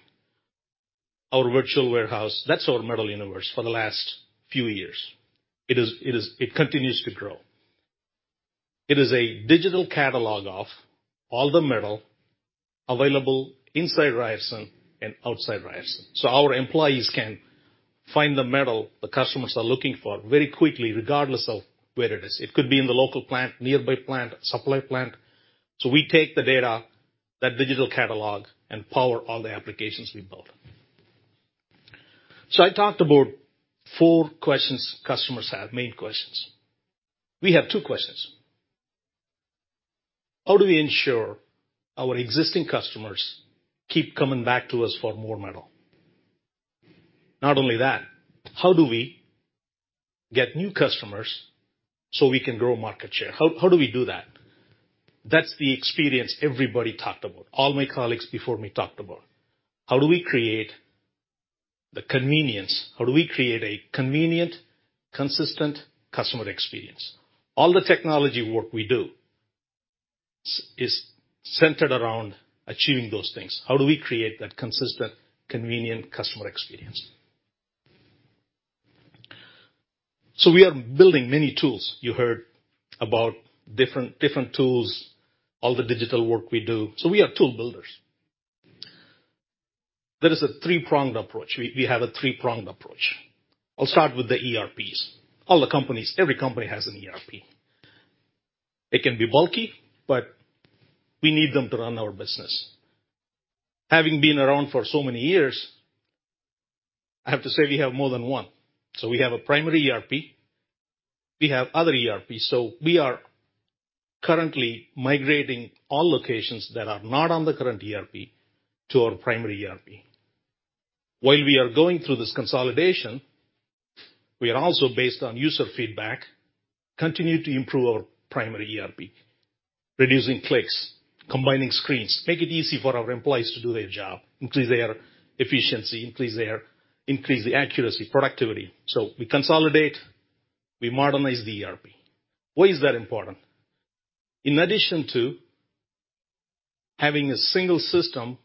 [SPEAKER 11] our virtual warehouse, that's our Metalverse, for the last few years. It continues to grow. It is a digital catalog of all the metal available inside Ryerson and outside Ryerson. Our employees can find the metal the customers are looking for very quickly, regardless of where it is. It could be in the local plant, nearby plant, supply plant. We take the data, that digital catalog, and power all the applications we built. I talked about four questions customers have, main questions. We have two questions. How do we ensure our existing customers keep coming back to us for more metal? Not only that, how do we get new customers so we can grow market share? How do we do that? That's the experience everybody talked about, all my colleagues before me talked about. How do we create the convenience? How do we create a convenient, consistent customer experience? All the technology work we do is centered around achieving those things. How do we create that consistent, convenient customer experience? We are building many tools. You heard about different tools, all the digital work we do. We are tool builders. There is a three-pronged approach. We have a three-pronged approach. I'll start with the ERPs. All the companies, every company has an ERP. It can be bulky, but we need them to run our business. Having been around for so many years, I have to say we have more than one. We have a primary ERP, we have other ERP. We are currently migrating all locations that are not on the current ERP to our primary ERP. While we are going through this consolidation, we are also, based on user feedback, continue to improve our primary ERP, reducing clicks, combining screens, make it easy for our employees to do their job, increase their efficiency, increase the accuracy, productivity. We consolidate, we modernize the ERP. Why is that important? In addition to having a single system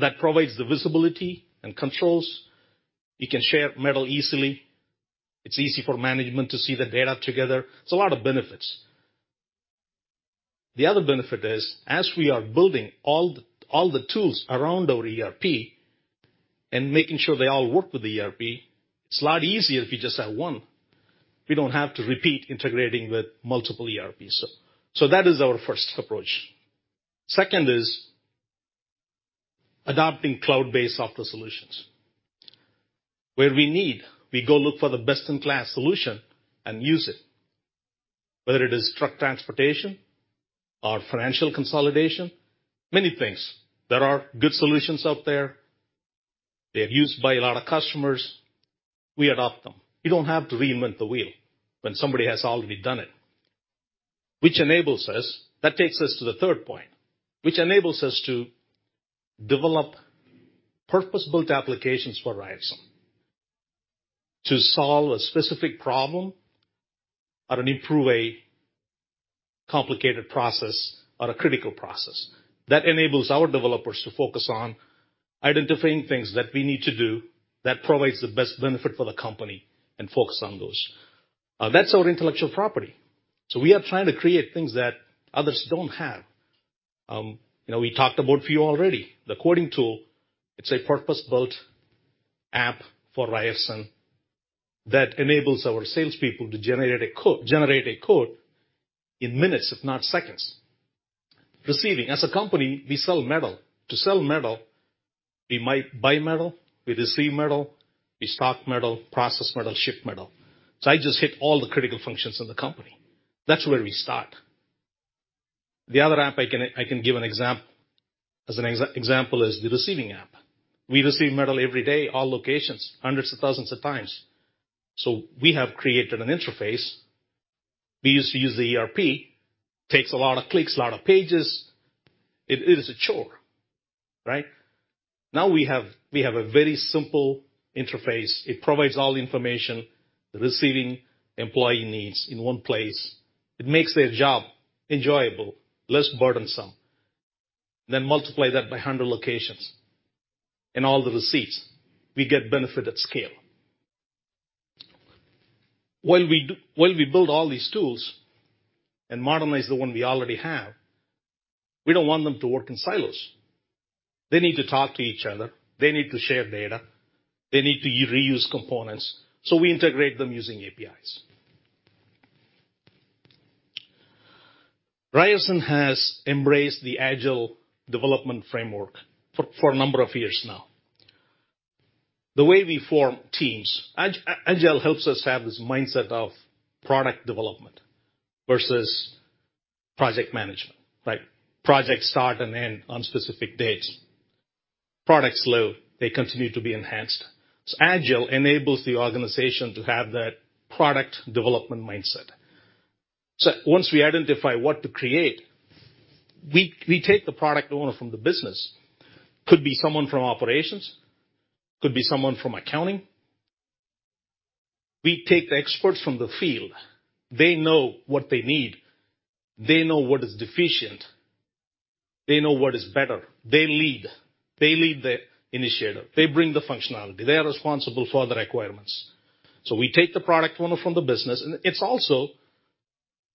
[SPEAKER 11] that provides the visibility and controls, you can share metal easily. It's easy for management to see the data together. It's a lot of benefits. The other benefit is, as we are building all the tools around our ERP and making sure they all work with the ERP, it's a lot easier if we just have one. We don't have to repeat integrating with multiple ERPs. That is our first approach. Second is adopting cloud-based software solutions. Where we need, we go look for the best-in-class solution and use it. Whether it is truck transportation or financial consolidation, many things. There are good solutions out there. They're used by a lot of customers. We adopt them. You don't have to reinvent the wheel when somebody has already done it. That takes us to the third point, which enables us to develop purpose-built applications for Ryerson to solve a specific problem or improve a complicated process or a critical process. That enables our developers to focus on identifying things that we need to do that provides the best benefit for the company and focus on those. That's our intellectual property. We are trying to create things that others don't have. We talked about a few already. The quoting tool, it's a purpose-built app for Ryerson that enables our salespeople to generate a quote in minutes, if not seconds. Receiving. As a company, we sell metal. To sell metal, we might buy metal, we receive metal, we stock metal, process metal, ship metal. I just hit all the critical functions of the company. That's where we start. The other app I can give as an example is the receiving app. We receive metal every day, all locations, hundreds of thousands of times. We have created an interface. We used to use the ERP, takes a lot of clicks, a lot of pages. It is a chore, right? Now we have a very simple interface. It provides all the information the receiving employee needs in one place. It makes their job enjoyable, less burdensome. Multiply that by 100 locations and all the receipts, we get benefit at scale. While we build all these tools and modernize the one we already have, we don't want them to work in silos. They need to talk to each other. They need to share data. They need to reuse components. We integrate them using APIs. Ryerson has embraced the agile development framework for a number of years now. The way we form teams, agile helps us have this mindset of product development versus project management. Projects start and end on specific dates. Products live, they continue to be enhanced. Agile enables the organization to have that product development mindset. Once we identify what to create, we take the product owner from the business, could be someone from operations, could be someone from accounting. We take the experts from the field. They know what they need. They know what is deficient. They know what is better. They lead. They lead the initiative. They bring the functionality. They are responsible for the requirements. We take the product owner from the business, and it's also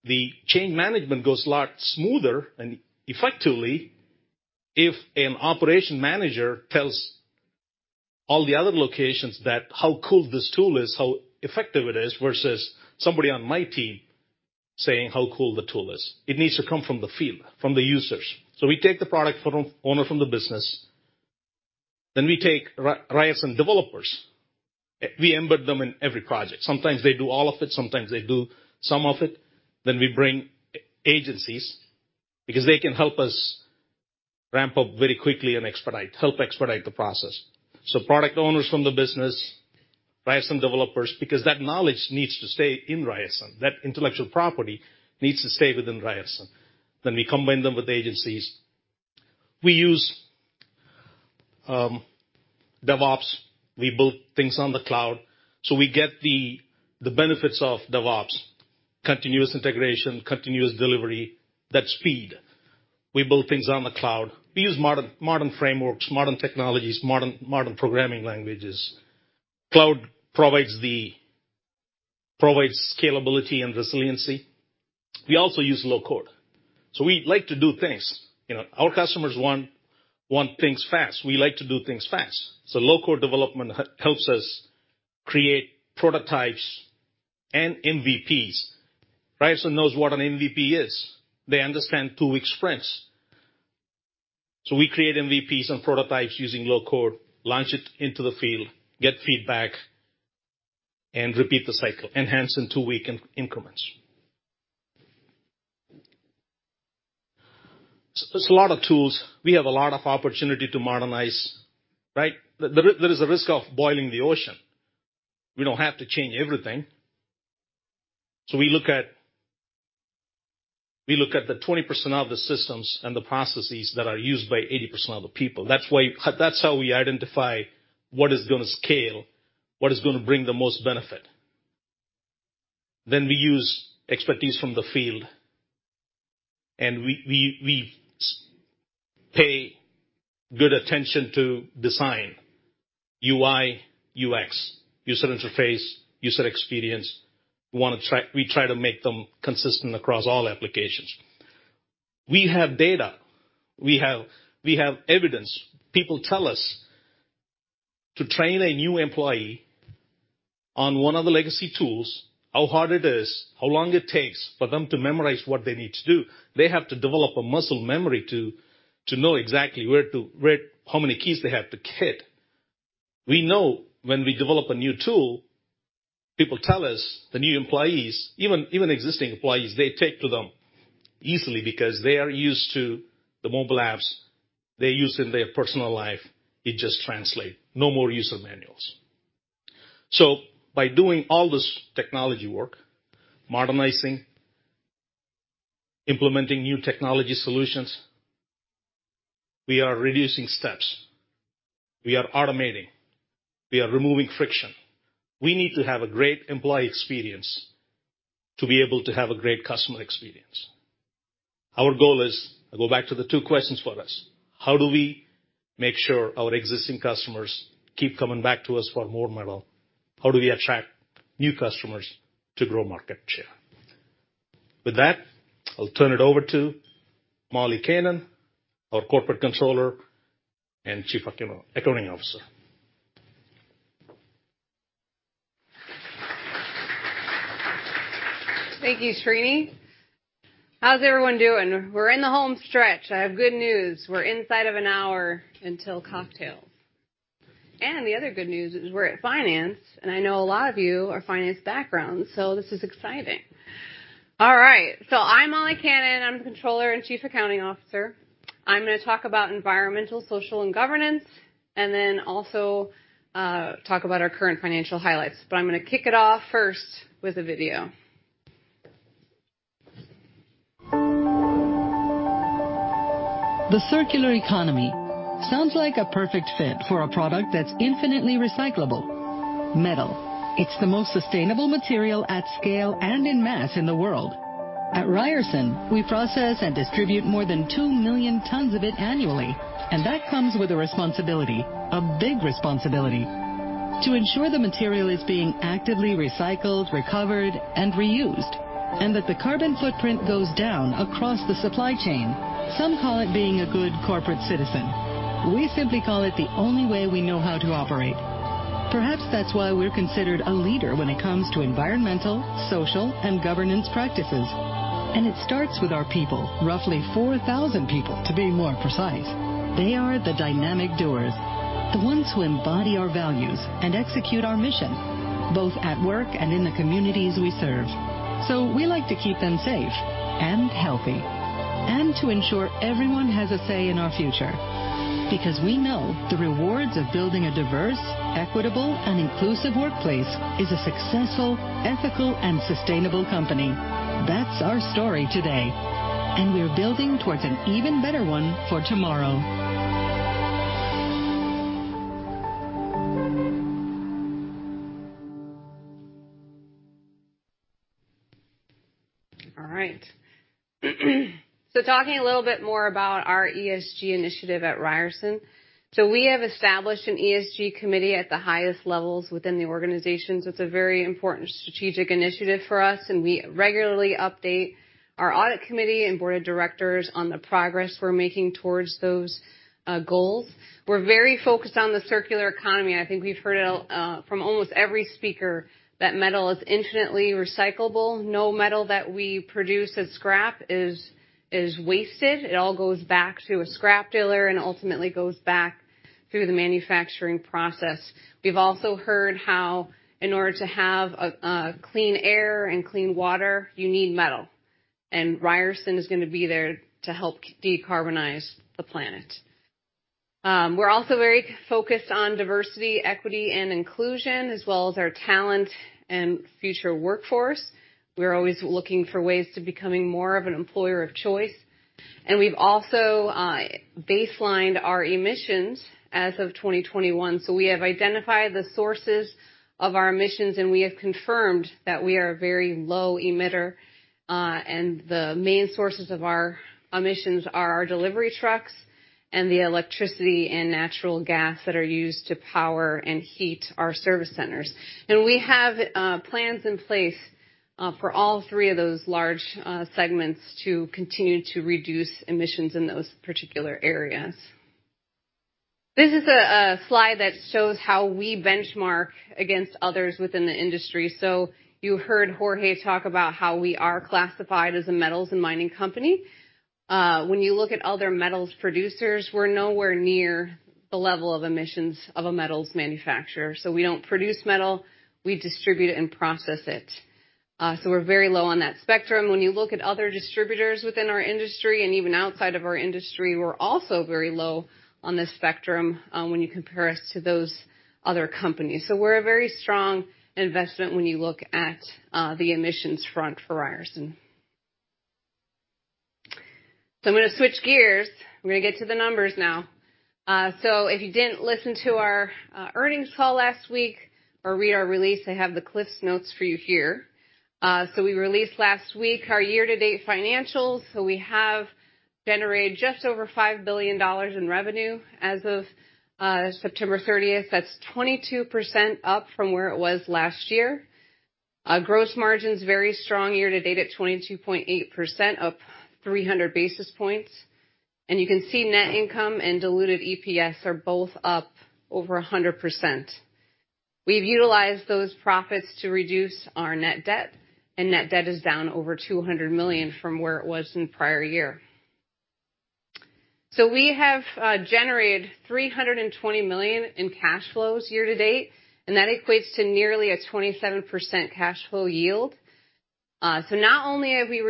[SPEAKER 11] the change management goes a lot smoother and effectively if an operation manager tells all the other locations that how cool this tool is, how effective it is, versus somebody on my team saying how cool the tool is. It needs to come from the field, from the users. We take the product owner from the business, we take Ryerson developers. We embed them in every project. Sometimes they do all of it, sometimes they do some of it. We bring agencies because they can help us ramp up very quickly and help expedite the process. Product owners from the business, Ryerson developers, because that knowledge needs to stay in Ryerson. That intellectual property needs to stay within Ryerson. We combine them with agencies. We use DevOps. We build things on the cloud. We get the benefits of DevOps, continuous integration, continuous delivery, that speed. We build things on the cloud. We use modern frameworks, modern technologies, modern programming languages. Cloud provides scalability and resiliency. We also use low code. We like to do things. Our customers want things fast. We like to do things fast. Low code development helps us create prototypes and MVPs. Ryerson knows what an MVP is. They understand two-week sprints. We create MVPs and prototypes using low code, launch it into the field, get feedback, and repeat the cycle, enhance in two-week increments. There's a lot of tools. We have a lot of opportunity to modernize, right? There is a risk of boiling the ocean. We don't have to change everything. We look at the 20% of the systems and the processes that are used by 80% of the people. That's how we identify what is going to scale, what is going to bring the most benefit. We use expertise from the field, and we pay good attention to design, UI, UX, user interface, user experience. We try to make them consistent across all applications. We have data. We have evidence. People tell us to train a new employee on one of the legacy tools, how hard it is, how long it takes for them to memorize what they need to do. They have to develop a muscle memory to know exactly how many keys they have to hit. We know when we develop a new tool, people tell us the new employees, even existing employees, they take to them easily because they are used to the mobile apps they use in their personal life. It just translates. No more user manuals. By doing all this technology work, modernizing, implementing new technology solutions, we are reducing steps. We are automating. We are removing friction. We need to have a great employee experience to be able to have a great customer experience. Our goal is, I go back to the two questions for us, how do we make sure our existing customers keep coming back to us for more metal? How do we attract new customers to grow market share? With that, I'll turn it over to Molly Kannan, our Corporate Controller and Chief Accounting Officer.
[SPEAKER 12] Thank you, Srini. How's everyone doing? We're in the home stretch. I have good news. We're inside of an hour until cocktails. The other good news is we're at finance, and I know a lot of you are finance background, so this is exciting. All right. I'm Molly Kannan, I'm the Controller and Chief Accounting Officer. I'm going to talk about Environmental, Social, and Governance, and then also talk about our current financial highlights. I'm going to kick it off first with a video.
[SPEAKER 4] The circular economy. Sounds like a perfect fit for a product that's infinitely recyclable. Metal. It's the most sustainable material at scale and in mass in the world. At Ryerson, we process and distribute more than 2 million tons of it annually, that comes with a responsibility, a big responsibility. To ensure the material is being actively recycled, recovered, and reused, that the carbon footprint goes down across the supply chain. Some call it being a good corporate citizen. We simply call it the only way we know how to operate. Perhaps that's why we're considered a leader when it comes to Environmental, Social, and Governance practices. It starts with our people. Roughly 4,000 people, to be more precise. They are the dynamic doers, the ones who embody our values and execute our mission, both at work and in the communities we serve. We like to keep them safe and healthy, to ensure everyone has a say in our future. We know the rewards of building a diverse, equitable and inclusive workplace is a successful, ethical, and sustainable company. That's our story today, we're building towards an even better one for tomorrow.
[SPEAKER 12] Talking a little bit more about our ESG initiative at Ryerson. We have established an ESG committee at the highest levels within the organization, it's a very important strategic initiative for us, and we regularly update our audit committee and board of directors on the progress we're making towards those goals. We're very focused on the circular economy. I think we've heard it from almost every speaker, that metal is infinitely recyclable. No metal that we produce as scrap is wasted. It all goes back to a scrap dealer and ultimately goes back through the manufacturing process. We've also heard how in order to have clean air and clean water, you need metal, and Ryerson is going to be there to help decarbonize the planet. We're also very focused on diversity, equity, and inclusion, as well as our talent and future workforce. We're always looking for ways to becoming more of an employer of choice. We've also baselined our emissions as of 2021. We have identified the sources of our emissions, and we have confirmed that we are a very low emitter. The main sources of our emissions are our delivery trucks and the electricity and natural gas that are used to power and heat our service centers. We have plans in place for all three of those large segments to continue to reduce emissions in those particular areas. This is a slide that shows how we benchmark against others within the industry. You heard Jorge talk about how we are classified as a metals and mining company. When you look at other metals producers, we're nowhere near the level of emissions of a metals manufacturer. We don't produce metal, we distribute it and process it. We're very low on that spectrum. When you look at other distributors within our industry and even outside of our industry, we're also very low on this spectrum when you compare us to those other companies. We're a very strong investment when you look at the emissions front for Ryerson. I'm going to switch gears. We're going to get to the numbers now. If you didn't listen to our earnings call last week or read our release, I have the CliffsNotes for you here. We released last week our year-to-date financials. We have generated just over $5 billion in revenue as of September 30th. That's 22% up from where it was last year. Gross margin's very strong year to date at 22.8%, up 300 basis points. You can see net income and diluted EPS are both up over 100%. We've utilized those profits to reduce our net debt, and net debt is down over $200 million from where it was in prior year. We have generated $320 million in cash flows year to date, and that equates to nearly a 27% cash flow yield. Not only have we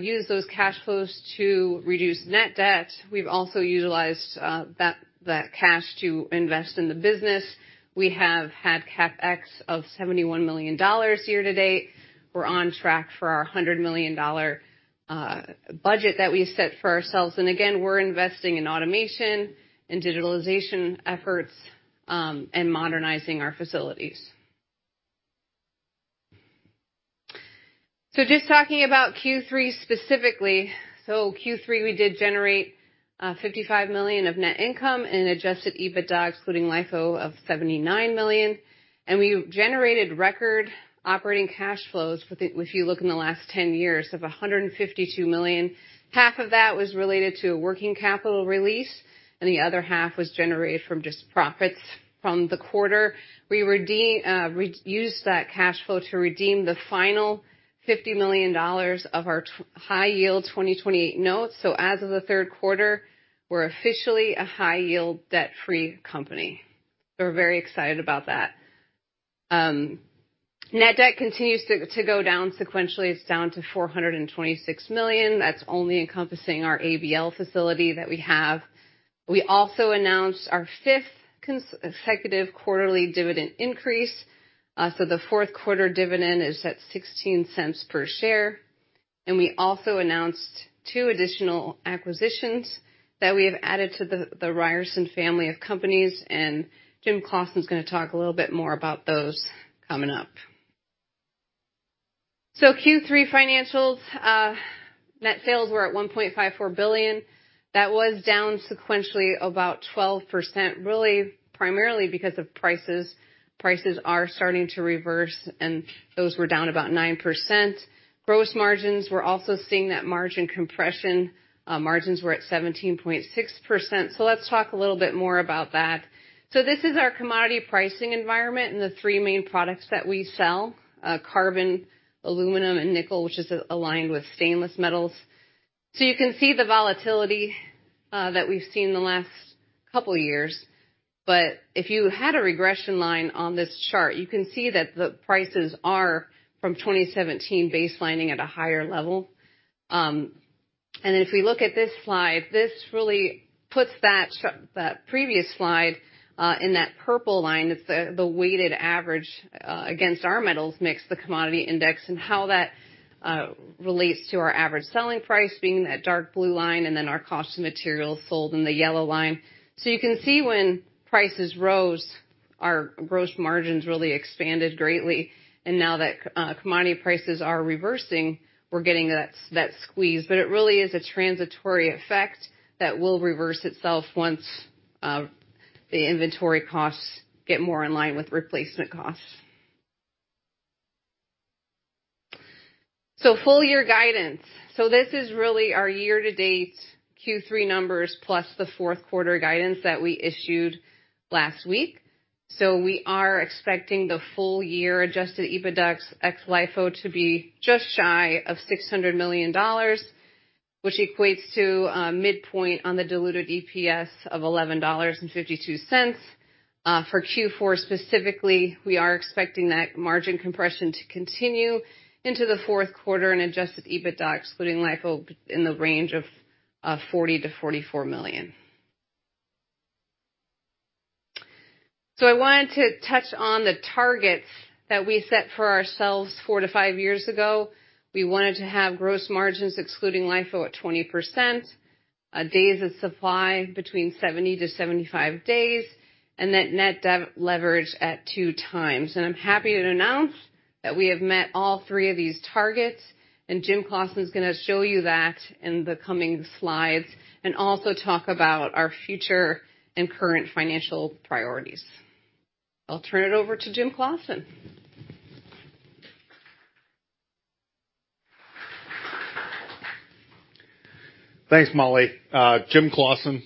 [SPEAKER 12] used those cash flows to reduce net debt, we've also utilized that cash to invest in the business. We have had CapEx of $71 million year to date. We're on track for our $100 million budget that we set for ourselves. Again, we're investing in automation and digitalization efforts, and modernizing our facilities. Just talking about Q3 specifically. Q3, we did generate $55 million of net income and adjusted EBITDA, excluding LIFO, of $79 million. We generated record operating cash flows, if you look in the last 10 years, of $152 million. Half of that was related to a working capital release, and the other half was generated from just profits from the quarter. We used that cash flow to redeem the final $50 million of our high yield 2028 notes. As of the third quarter, we're officially a high yield debt-free company. We're very excited about that. Net debt continues to go down sequentially. It's down to $426 million. That's only encompassing our ABL facility that we have. We also announced our fifth consecutive quarterly dividend increase, the fourth quarter dividend is at $0.16 per share. We also announced two additional acquisitions that we have added to the Ryerson family of companies, and Jim Claussen's going to talk a little bit more about those coming up. Q3 financials. Net sales were at $1.54 billion. That was down sequentially about 12%, really primarily because of prices. Prices are starting to reverse, those were down about 9%. Gross margins, we're also seeing that margin compression. Margins were at 17.6%, let's talk a little bit more about that. This is our commodity pricing environment and the three main products that we sell, carbon, aluminum, and nickel, which is aligned with stainless metals. You can see the volatility that we've seen the last couple years. If you had a regression line on this chart, you can see that the prices are, from 2017, baselining at a higher level. If we look at this slide, this really puts that previous slide in that purple line. That's the weighted average against our metals mix, the commodity index, and how that relates to our average selling price being that dark blue line, and then our cost of material sold in the yellow line. You can see when prices rose, our gross margins really expanded greatly. Now that commodity prices are reversing, we're getting that squeeze. It really is a transitory effect that will reverse itself once the inventory costs get more in line with replacement costs. Full year guidance. This is really our year-to-date Q3 numbers, plus the fourth quarter guidance that we issued last week. We are expecting the full year adjusted EBITDA, excluding LIFO, to be just shy of $600 million, which equates to midpoint on the diluted EPS of $11.52. For Q4 specifically, we are expecting that margin compression to continue into the fourth quarter in adjusted EBITDA, excluding LIFO, in the range of $40 million-$44 million. I wanted to touch on the targets that we set for ourselves four to five years ago. We wanted to have gross margins, excluding LIFO, at 20%, days of supply between 70-75 days, and that net debt leverage at two times. I'm happy to announce that we have met all three of these targets, and Jim Claussen's going to show you that in the coming slides, also talk about our future and current financial priorities. I'll turn it over to Jim Claussen.
[SPEAKER 9] Thanks, Molly. James Claussen,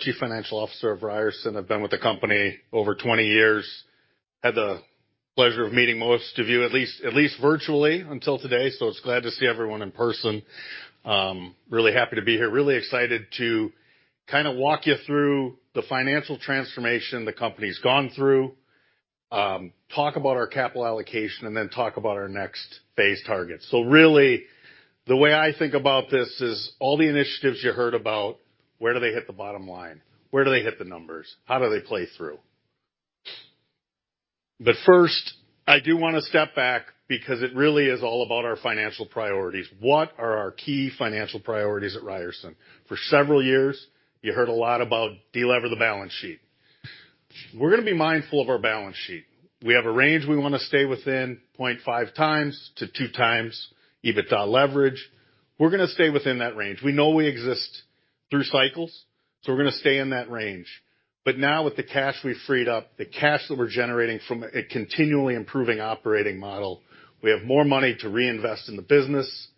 [SPEAKER 9] Chief Financial Officer of Ryerson. I've been with the company over 20 years. Had the pleasure of meeting most of you, at least virtually until today, it's glad to see everyone in person. Really happy to be here. Really excited to kind of walk you through the financial transformation the company's gone through, talk about our capital allocation, then talk about our next phase targets. Really, the way I think about this is all the initiatives you heard about, where do they hit the bottom line? Where do they hit the numbers? How do they play through? First, I do want to step back because it really is all about our financial priorities. What are our key financial priorities at Ryerson? For several years, you heard a lot about de-lever the balance sheet. We're going to be mindful of our balance sheet. We have a range we want to stay within, 0.5 times to 2 times EBITDA leverage. We're going to stay within that range. We know we exist through cycles, we're going to stay in that range. With the cash we've freed up, the cash that we're generating from a continually improving operating model, we have more money to reinvest in the business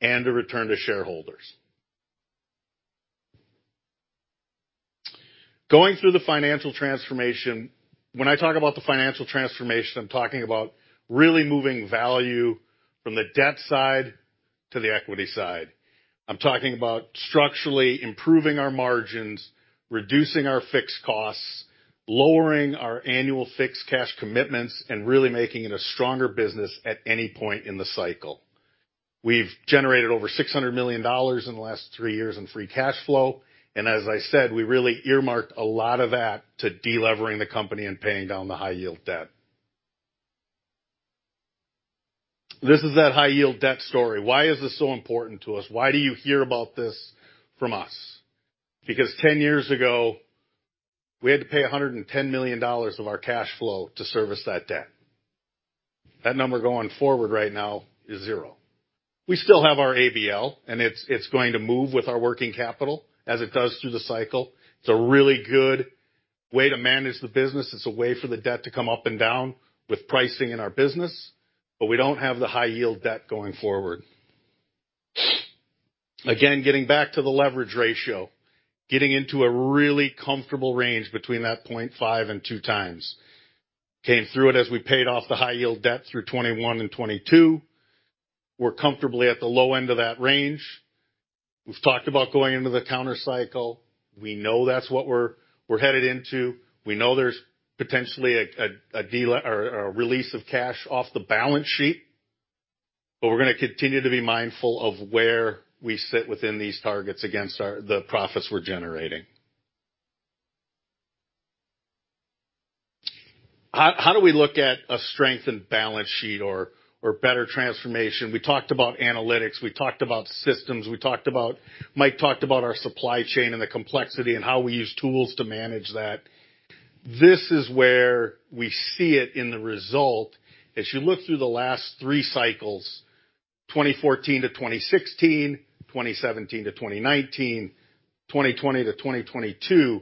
[SPEAKER 9] and to return to shareholders. Going through the financial transformation. When I talk about the financial transformation, I'm talking about really moving value from the debt side to the equity side. I'm talking about structurally improving our margins, reducing our fixed costs, lowering our annual fixed cash commitments, and really making it a stronger business at any point in the cycle. We've generated over $600 million in the last 3 years in free cash flow. As I said, we really earmarked a lot of that to de-levering the company and paying down the high-yield debt. This is that high-yield debt story. Why is this so important to us? Why do you hear about this from us? Because 10 years ago, we had to pay $110 million of our cash flow to service that debt. That number going forward right now is 0. We still have our ABL, it's going to move with our working capital as it does through the cycle. It's a really good way to manage the business. It's a way for the debt to come up and down with pricing in our business, we don't have the high-yield debt going forward. Again, getting back to the leverage ratio, getting into a really comfortable range between that 0.5 and 2 times. Came through it as we paid off the high-yield debt through 2021 and 2022. We're comfortably at the low end of that range. We've talked about going into the counter cycle. We know that's what we're headed into. We know there's potentially a release of cash off the balance sheet, we're going to continue to be mindful of where we sit within these targets against the profits we're generating. How do we look at a strengthened balance sheet or better transformation? We talked about analytics. We talked about systems. Mike talked about our supply chain and the complexity and how we use tools to manage that. This is where we see it in the result. As you look through the last three cycles, 2014 to 2016, 2017 to 2019, 2020 to 2022,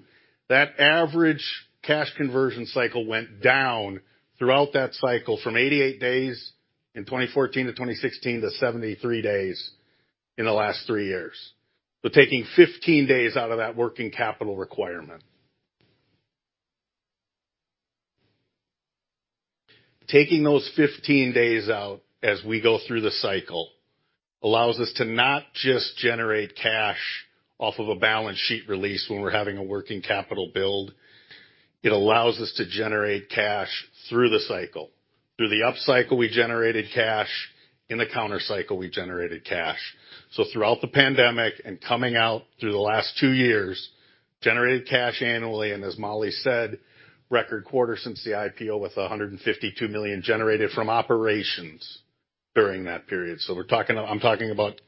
[SPEAKER 9] that average cash conversion cycle went down throughout that cycle from 88 days in 2014 to 2016 to 73 days in the last three years. We're taking 15 days out of that working capital requirement. Taking those 15 days out as we go through the cycle allows us to not just generate cash off of a balance sheet release when we're having a working capital build, it allows us to generate cash through the cycle. Through the up cycle, we generated cash. In the counter cycle, we generated cash. Throughout the pandemic and coming out through the last two years, generated cash annually, and as Molly said, record quarter since the IPO, with $152 million generated from operations during that period. I'm talking about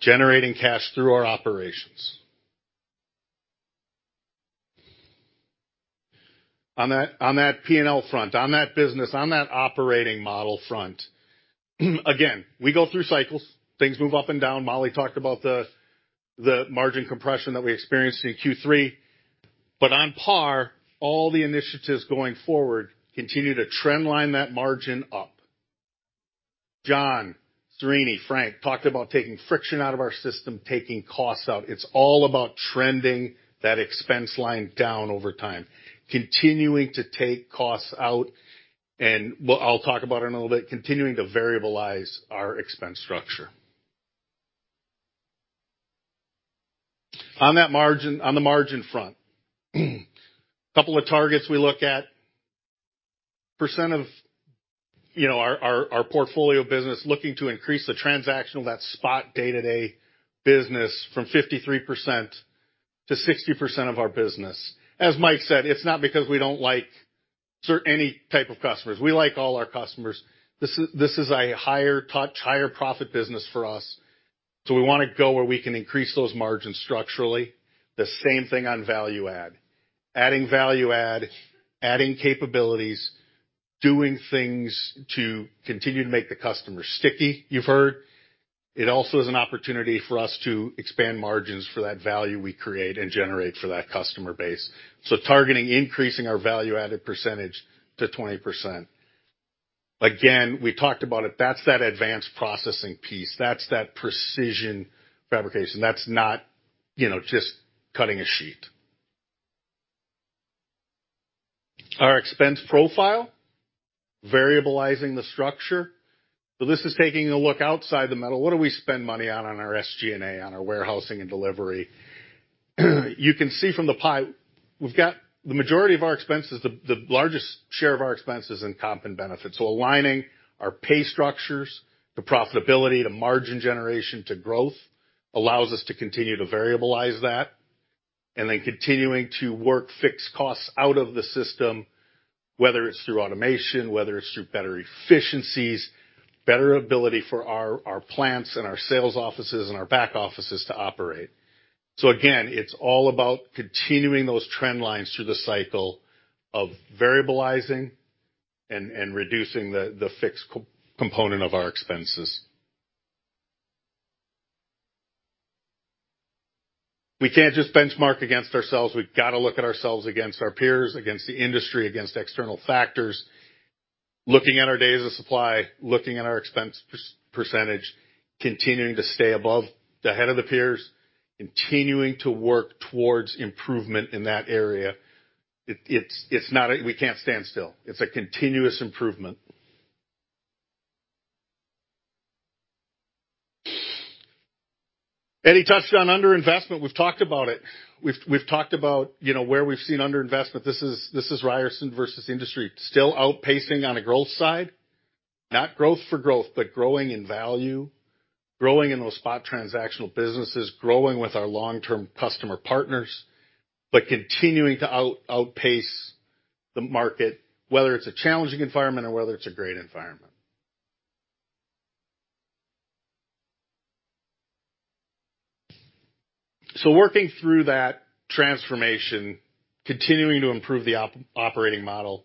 [SPEAKER 9] generating cash through our operations. On that P&L front, on that business, on that operating model front, again, we go through cycles. Things move up and down. Molly talked about the margin compression that we experienced in Q3. On par, all the initiatives going forward continue to trend line that margin up. John, Srini, Frank talked about taking friction out of our system, taking costs out. It's all about trending that expense line down over time, continuing to take costs out, and I'll talk about it in a little bit, continuing to variabilize our expense structure. On the margin front, a couple of targets we look at. Percent of our portfolio business, looking to increase the transactional, that spot day-to-day business from 53% to 60% of our business. As Mike said, it's not because we don't like any type of customers. We like all our customers. This is a higher touch, higher profit business for us. We want to go where we can increase those margins structurally. The same thing on value add. Adding value add, adding capabilities, doing things to continue to make the customer sticky, you've heard. It also is an opportunity for us to expand margins for that value we create and generate for that customer base. Targeting increasing our value-added percentage to 20%. Again, we talked about it. That's that advanced processing piece. That's that precision fabrication. That's not just cutting a sheet. Our expense profile, variabilizing the structure. This is taking a look outside the metal. What do we spend money on our SG&A, on our warehousing and delivery? You can see from the pie, the majority of our expenses, the largest share of our expense is in comp and benefits. Aligning our pay structures to profitability, to margin generation, to growth allows us to continue to variabilize that, and then continuing to work fixed costs out of the system, whether it's through automation, whether it's through better efficiencies, better ability for our plants and our sales offices and our back offices to operate. Again, it's all about continuing those trend lines through the cycle of variabilizing and reducing the fixed component of our expenses. We can't just benchmark against ourselves. We've got to look at ourselves against our peers, against the industry, against external factors. Looking at our days of supply, looking at our expense percentage, continuing to stay above the head of the peers, continuing to work towards improvement in that area. We can't stand still. It's a continuous improvement. Eddie touched on under-investment. We've talked about it. We've talked about where we've seen under-investment. This is Ryerson versus industry. Still outpacing on a growth side. Not growth for growth, growing in value, growing in those spot transactional businesses, growing with our long-term customer partners, continuing to outpace the market, whether it's a challenging environment or whether it's a great environment. Working through that transformation, continuing to improve the operating model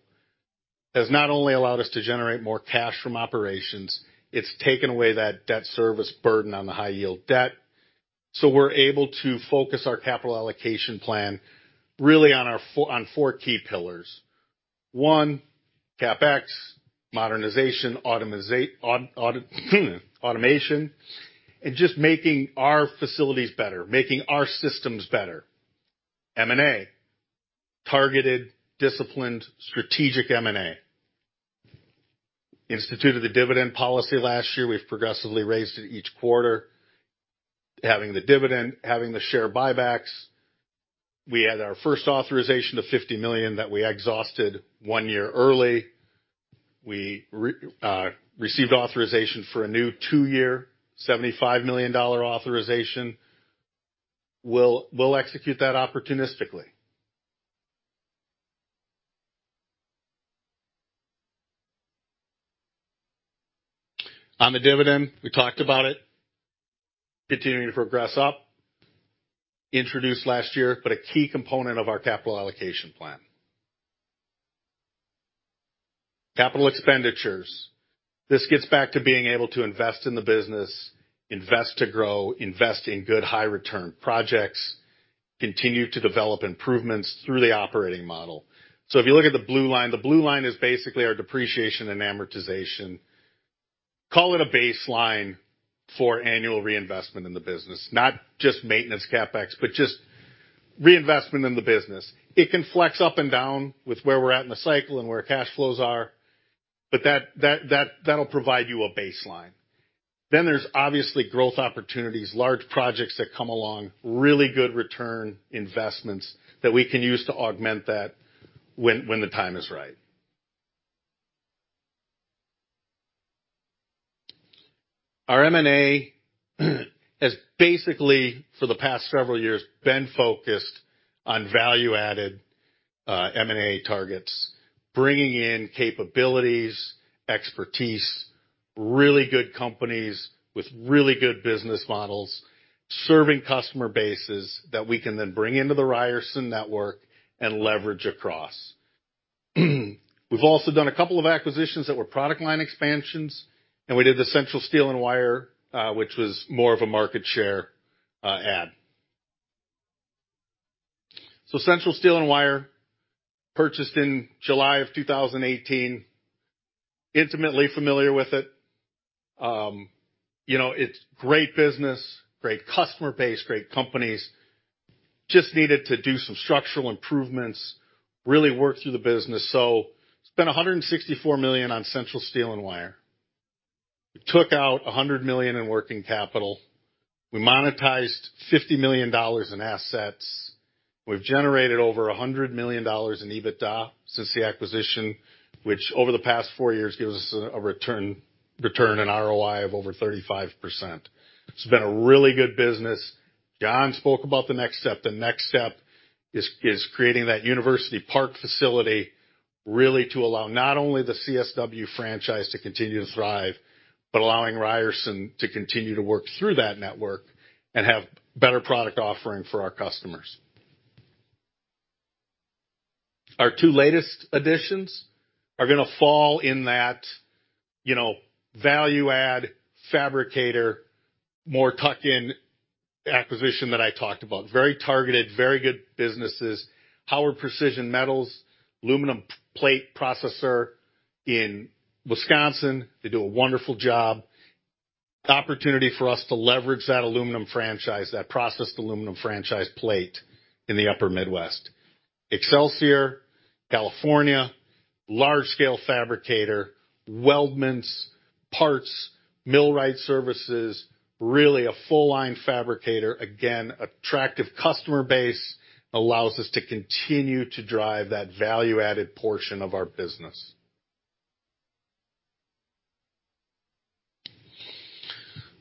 [SPEAKER 9] has not only allowed us to generate more cash from operations, it's taken away that debt service burden on the high-yield debt. We're able to focus our capital allocation plan really on four key pillars. One, CapEx, modernization, automation, and just making our facilities better, making our systems better. M&A Targeted, disciplined, strategic M&A. Instituted the dividend policy last year. We've progressively raised it each quarter, having the dividend, having the share buybacks. We had our first authorization of $50 million that we exhausted one year early. We received authorization for a new two-year, $75 million authorization. We'll execute that opportunistically. On the dividend, we talked about it continuing to progress up, introduced last year, a key component of our capital allocation plan. Capital expenditures. This gets back to being able to invest in the business, invest to grow, invest in good high-return projects, continue to develop improvements through the operating model. If you look at the blue line, the blue line is basically our depreciation and amortization. Call it a baseline for annual reinvestment in the business, not just maintenance CapEx, just reinvestment in the business. It can flex up and down with where we're at in the cycle and where cash flows are, that'll provide you a baseline. There's obviously growth opportunities, large projects that come along, really good return investments that we can use to augment that when the time is right. Our M&A has basically, for the past several years, been focused on value-added M&A targets, bringing in capabilities, expertise, really good companies with really good business models, serving customer bases that we can then bring into the Ryerson network and leverage across. We've also done a couple of acquisitions that were product line expansions, we did the Central Steel and Wire, which was more of a market share add. Central Steel and Wire, purchased in July of 2018. Intimately familiar with it. It's great business, great customer base, great companies. Just needed to do some structural improvements, really work through the business. Spent $164 million on Central Steel and Wire. We took out $100 million in working capital. We monetized $50 million in assets. We've generated over $100 million in EBITDA since the acquisition, which over the past four years gives us a return on ROI of over 35%. It's been a really good business. John spoke about the next step. The next step is creating that University Park facility, really to allow not only the CSW franchise to continue to thrive, allowing Ryerson to continue to work through that network and have better product offering for our customers. Our two latest additions are going to fall in that value add fabricator, more tuck-in acquisition that I talked about. Very targeted, very good businesses. Howard Precision Metals, aluminum plate processor in Wisconsin. They do a wonderful job. Opportunity for us to leverage that aluminum franchise, that processed aluminum franchise plate in the upper Midwest. Excelsior, Inc., California, large-scale fabricator, weldments, parts, millwright services, really a full line fabricator. Again, attractive customer base allows us to continue to drive that value-added portion of our business.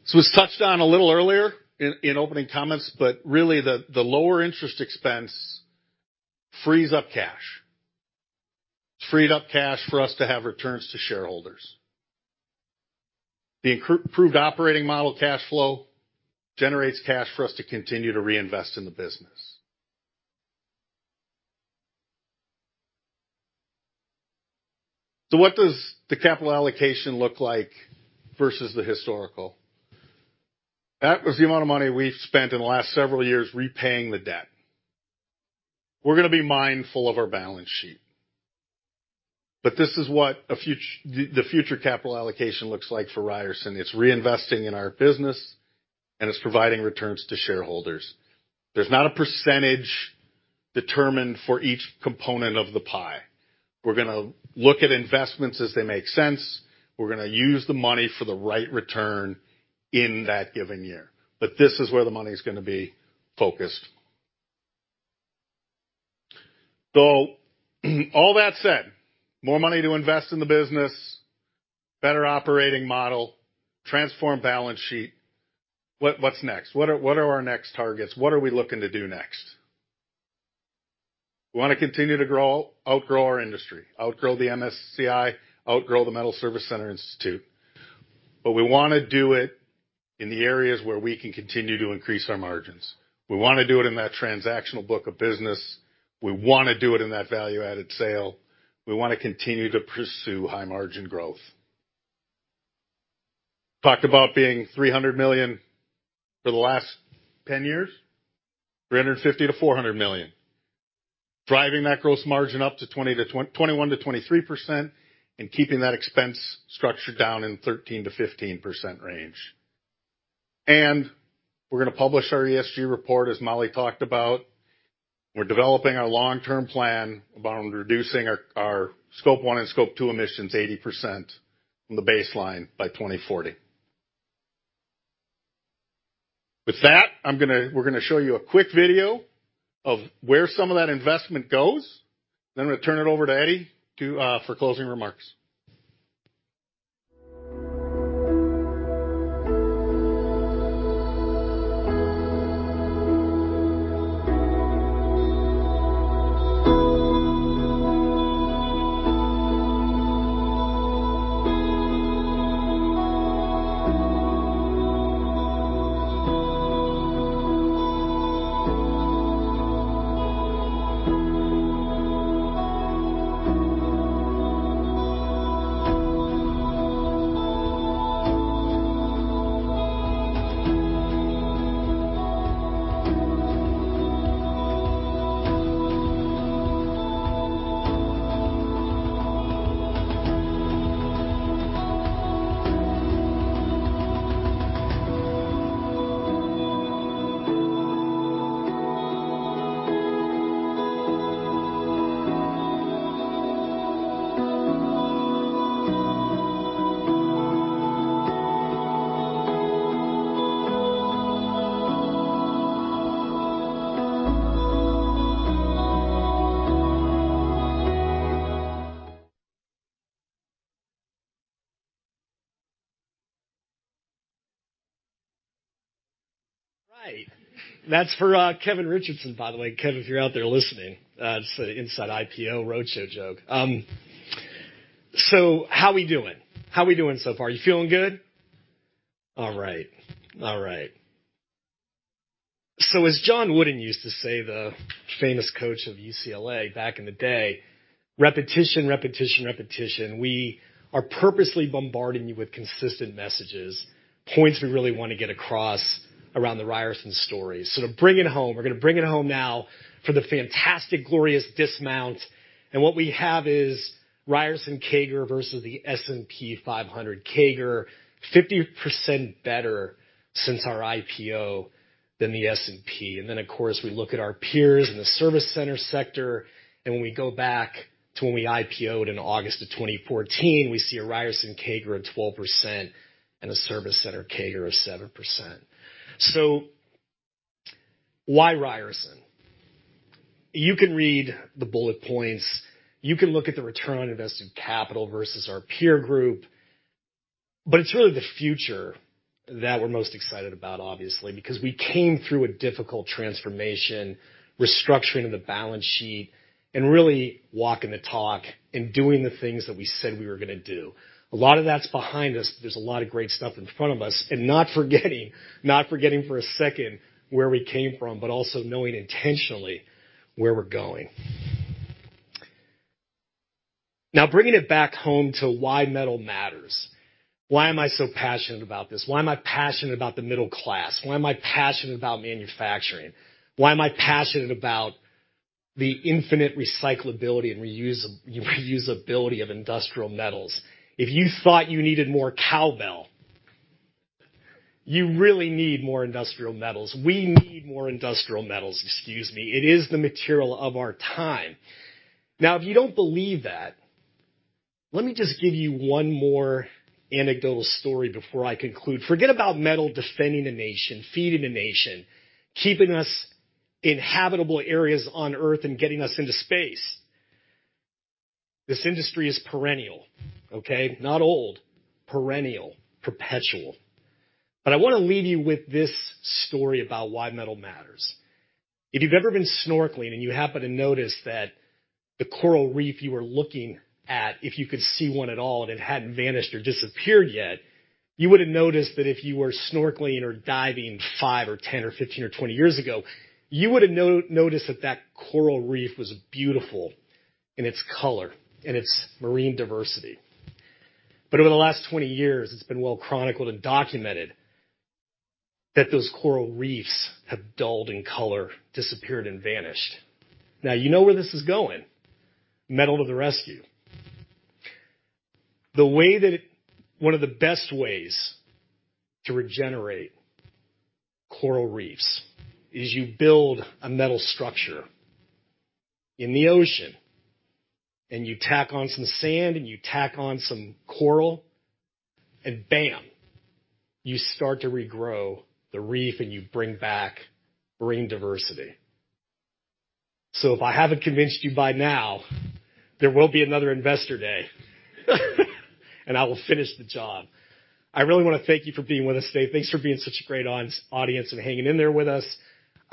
[SPEAKER 9] This was touched on a little earlier in opening comments, but really the lower interest expense frees up cash. It's freed up cash for us to have returns to shareholders. The improved operating model cash flow generates cash for us to continue to reinvest in the business. What does the capital allocation look like versus the historical? That was the amount of money we've spent in the last several years repaying the debt. We're going to be mindful of our balance sheet, but this is what the future capital allocation looks like for Ryerson. It's reinvesting in our business and it's providing returns to shareholders. There's not a percentage determined for each component of the pie. We're going to look at investments as they make sense. We're going to use the money for the right return in that given year, this is where the money is going to be focused. All that said, more money to invest in the business, better operating model, transformed balance sheet. What's next? What are our next targets? What are we looking to do next? We want to continue to outgrow our industry, outgrow the MSCI, outgrow the Metals Service Center Institute. We want to do it in the areas where we can continue to increase our margins. We want to do it in that transactional book of business. We want to do it in that value-added sale. We want to continue to pursue high-margin growth. Talked about being $300 million for the last 10 years, $350 million-$400 million, driving that gross margin up to 21%-23%, and keeping that expense structure down in 13%-15% range. We're going to publish our ESG report, as Molly talked about. We're developing our long-term plan about reducing our Scope 1 and Scope 2 emissions 80% from the baseline by 2040. With that, we're going to show you a quick video of where some of that investment goes. I'm going to turn it over to Eddie for closing remarks.
[SPEAKER 2] Right. That's for Kevin Richardson, by the way. Kevin, if you're out there listening, it's an inside IPO roadshow joke. How we doing? How we doing so far? You feeling good? All right. As John Wooden used to say, the famous coach of UCLA back in the day, "Repetition." We are purposely bombarding you with consistent messages, points we really want to get across around the Ryerson story. To bring it home, we're going to bring it home now for the fantastic, glorious dismount. What we have is Ryerson CAGR versus the S&P 500 CAGR, 50% better since our IPO than the S&P. Of course, we look at our peers in the service center sector, and when we go back to when we IPO'd in August of 2014, we see a Ryerson CAGR of 12% and a service center CAGR of 7%. Why Ryerson? You can read the bullet points. You can look at the return on invested capital versus our peer group. It's really the future that we're most excited about, obviously. We came through a difficult transformation, restructuring of the balance sheet, and really walking the talk and doing the things that we said we were going to do. A lot of that's behind us, but there's a lot of great stuff in front of us. Not forgetting for a second where we came from, but also knowing intentionally where we're going. Bringing it back home to why metal matters. Why am I so passionate about this? Why am I passionate about the middle class? Why am I passionate about manufacturing? Why am I passionate about the infinite recyclability and reusability of industrial metals? If you thought you needed more cowbell, you really need more industrial metals. We need more industrial metals. Excuse me. It is the material of our time. If you don't believe that, let me just give you one more anecdotal story before I conclude. Forget about metal defending the nation, feeding the nation, keeping us in habitable areas on Earth, and getting us into space. This industry is perennial. Okay? Not old, perennial, perpetual. I want to leave you with this story about why metal matters. If you've ever been snorkeling and you happen to notice that the coral reef you were looking at, if you could see one at all, and it hadn't vanished or disappeared yet, you would have noticed that if you were snorkeling or diving five or 10 or 15 or 20 years ago, you would've noticed that coral reef was beautiful in its color and its marine diversity. Over the last 20 years, it's been well chronicled and documented that those coral reefs have dulled in color, disappeared, and vanished. You know where this is going. Metal to the rescue. One of the best ways to regenerate coral reefs is you build a metal structure in the ocean, and you tack on some sand, and you tack on some coral, and bam, you start to regrow the reef, and you bring back marine diversity. If I haven't convinced you by now, there will be another Investor Day and I will finish the job. I really want to thank you for being with us today. Thanks for being such a great audience and hanging in there with us.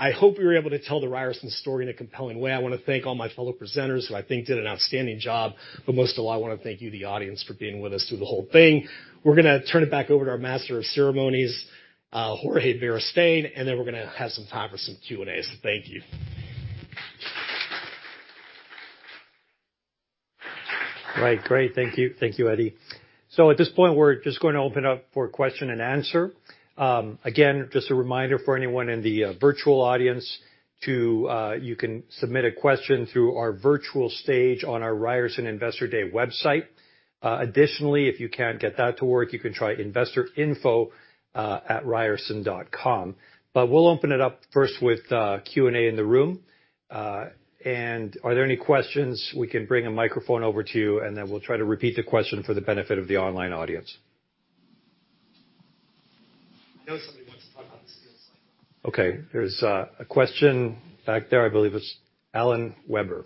[SPEAKER 2] I hope we were able to tell the Ryerson story in a compelling way. I want to thank all my fellow presenters, who I think did an outstanding job. Most of all, I want to thank you, the audience, for being with us through the whole thing. We're going to turn it back over to our master of ceremonies, Jorge Beristain, we're going to have some time for some Q&As. Thank you.
[SPEAKER 1] Right. Great. Thank you, Eddie. At this point, we're just going to open up for question and answer. Just a reminder for anyone in the virtual audience, you can submit a question through our virtual stage on our Ryerson Investor Day website. Additionally, if you can't get that to work, you can try investorinfo@ryerson.com. We'll open it up first with Q&A in the room. Are there any questions we can bring a microphone over to you, and then we'll try to repeat the question for the benefit of the online audience.
[SPEAKER 13] I know somebody wants to talk about the skills.
[SPEAKER 1] Okay, there's a question back there. I believe it's Alan Weber.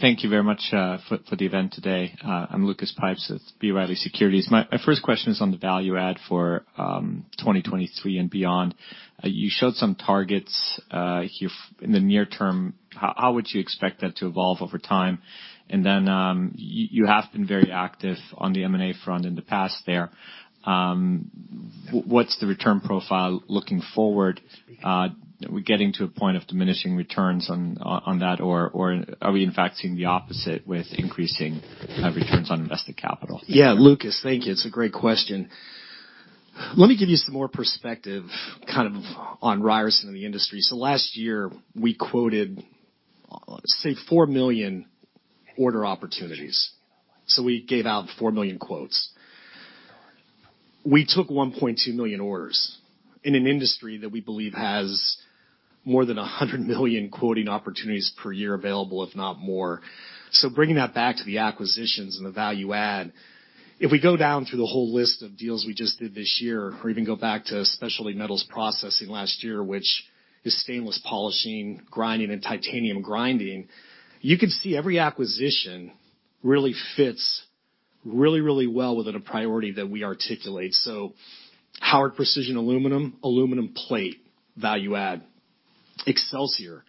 [SPEAKER 14] Thank you very much for the event today. I'm Lukas Pipes with B. Riley Securities. My first question is on the value add for 2023 and beyond. You showed some targets in the near term. How would you expect that to evolve over time? You have been very active on the M&A front in the past there. What's the return profile looking forward? Are we getting to a point of diminishing returns on that, or are we in fact seeing the opposite with increasing returns on invested capital?
[SPEAKER 2] Lukas, thank you. It's a great question. Let me give you some more perspective on Ryerson and the industry. Last year, we quoted, say, 4 million order opportunities. We gave out 4 million quotes. We took 1.2 million orders in an industry that we believe has more than 100 million quoting opportunities per year available, if not more. Bringing that back to the acquisitions and the value add, if we go down through the whole list of deals we just did this year, or even go back to Specialty Metals Processing last year, which is stainless polishing, grinding, and titanium grinding. You can see every acquisition really fits really well within a priority that we articulate. Howard Precision Metals, aluminum plate value add. Excelsior,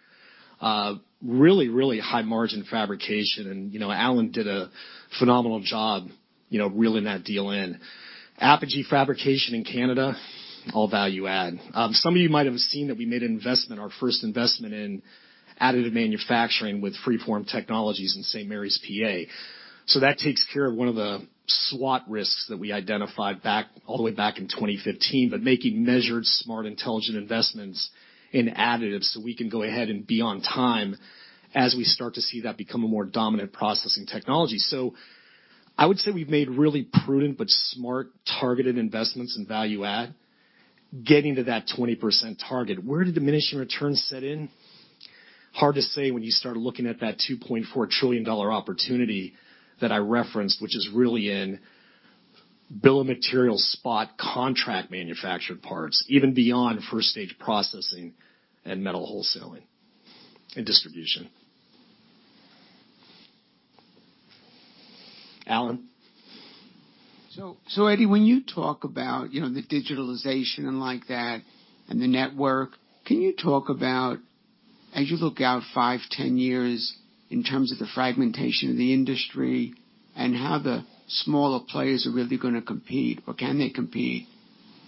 [SPEAKER 2] really high margin fabrication, and Alan did a phenomenal job reeling that deal in. Apogee Steel Fabrication in Canada, all value add. Some of you might have seen that we made an investment, our first investment in additive manufacturing with FreeFORM Technologies in St. Marys, PA. That takes care of one of the SWOT risks that we identified all the way back in 2015, but making measured, smart, intelligent investments in additives, so we can go ahead and be on time as we start to see that become a more dominant processing technology. I would say we've made really prudent but smart, targeted investments in value add, getting to that 20% target. Where do diminishing returns set in? Hard to say when you start looking at that $2.4 trillion opportunity that I referenced, which is really in bill of material spot contract manufactured parts, even beyond first stage processing and metal wholesaling and distribution. Alan?
[SPEAKER 15] Eddie, when you talk about the digitalization and the network, can you talk about, as you look out 5, 10 years in terms of the fragmentation of the industry and how the smaller players are really going to compete, or can they compete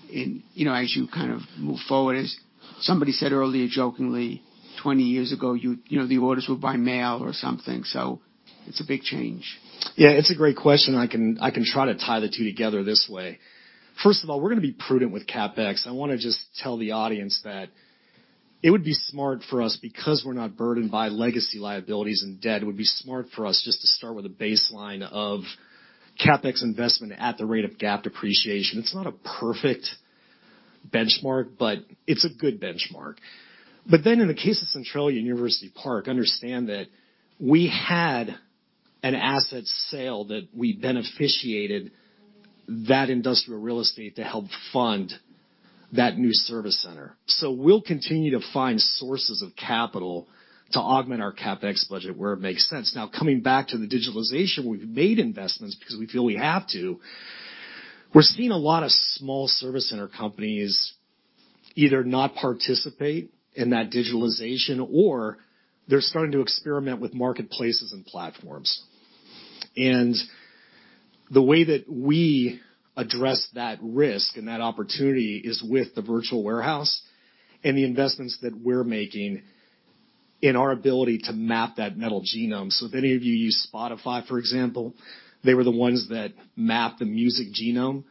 [SPEAKER 15] as you move forward? As somebody said earlier jokingly, 20 years ago, the orders were by mail or something. It's a big change.
[SPEAKER 2] It's a great question. I can try to tie the two together this way. First of all, we're going to be prudent with CapEx. I want to just tell the audience that it would be smart for us because we're not burdened by legacy liabilities and debt. It would be smart for us just to start with a baseline of CapEx investment at the rate of GAAP depreciation. It's not a perfect benchmark, but it's a good benchmark. In the case of Centralia and University Park, understand that we had an asset sale that we beneficiated that industrial real estate to help fund that new service center. We'll continue to find sources of capital to augment our CapEx budget where it makes sense. Now, coming back to the digitalization, we've made investments because we feel we have to. The way that we address that risk and that opportunity is with the virtual warehouse and the investments that we're making in our ability to map that metal genome. If any of you use Spotify, for example, they were the ones that mapped the music genome.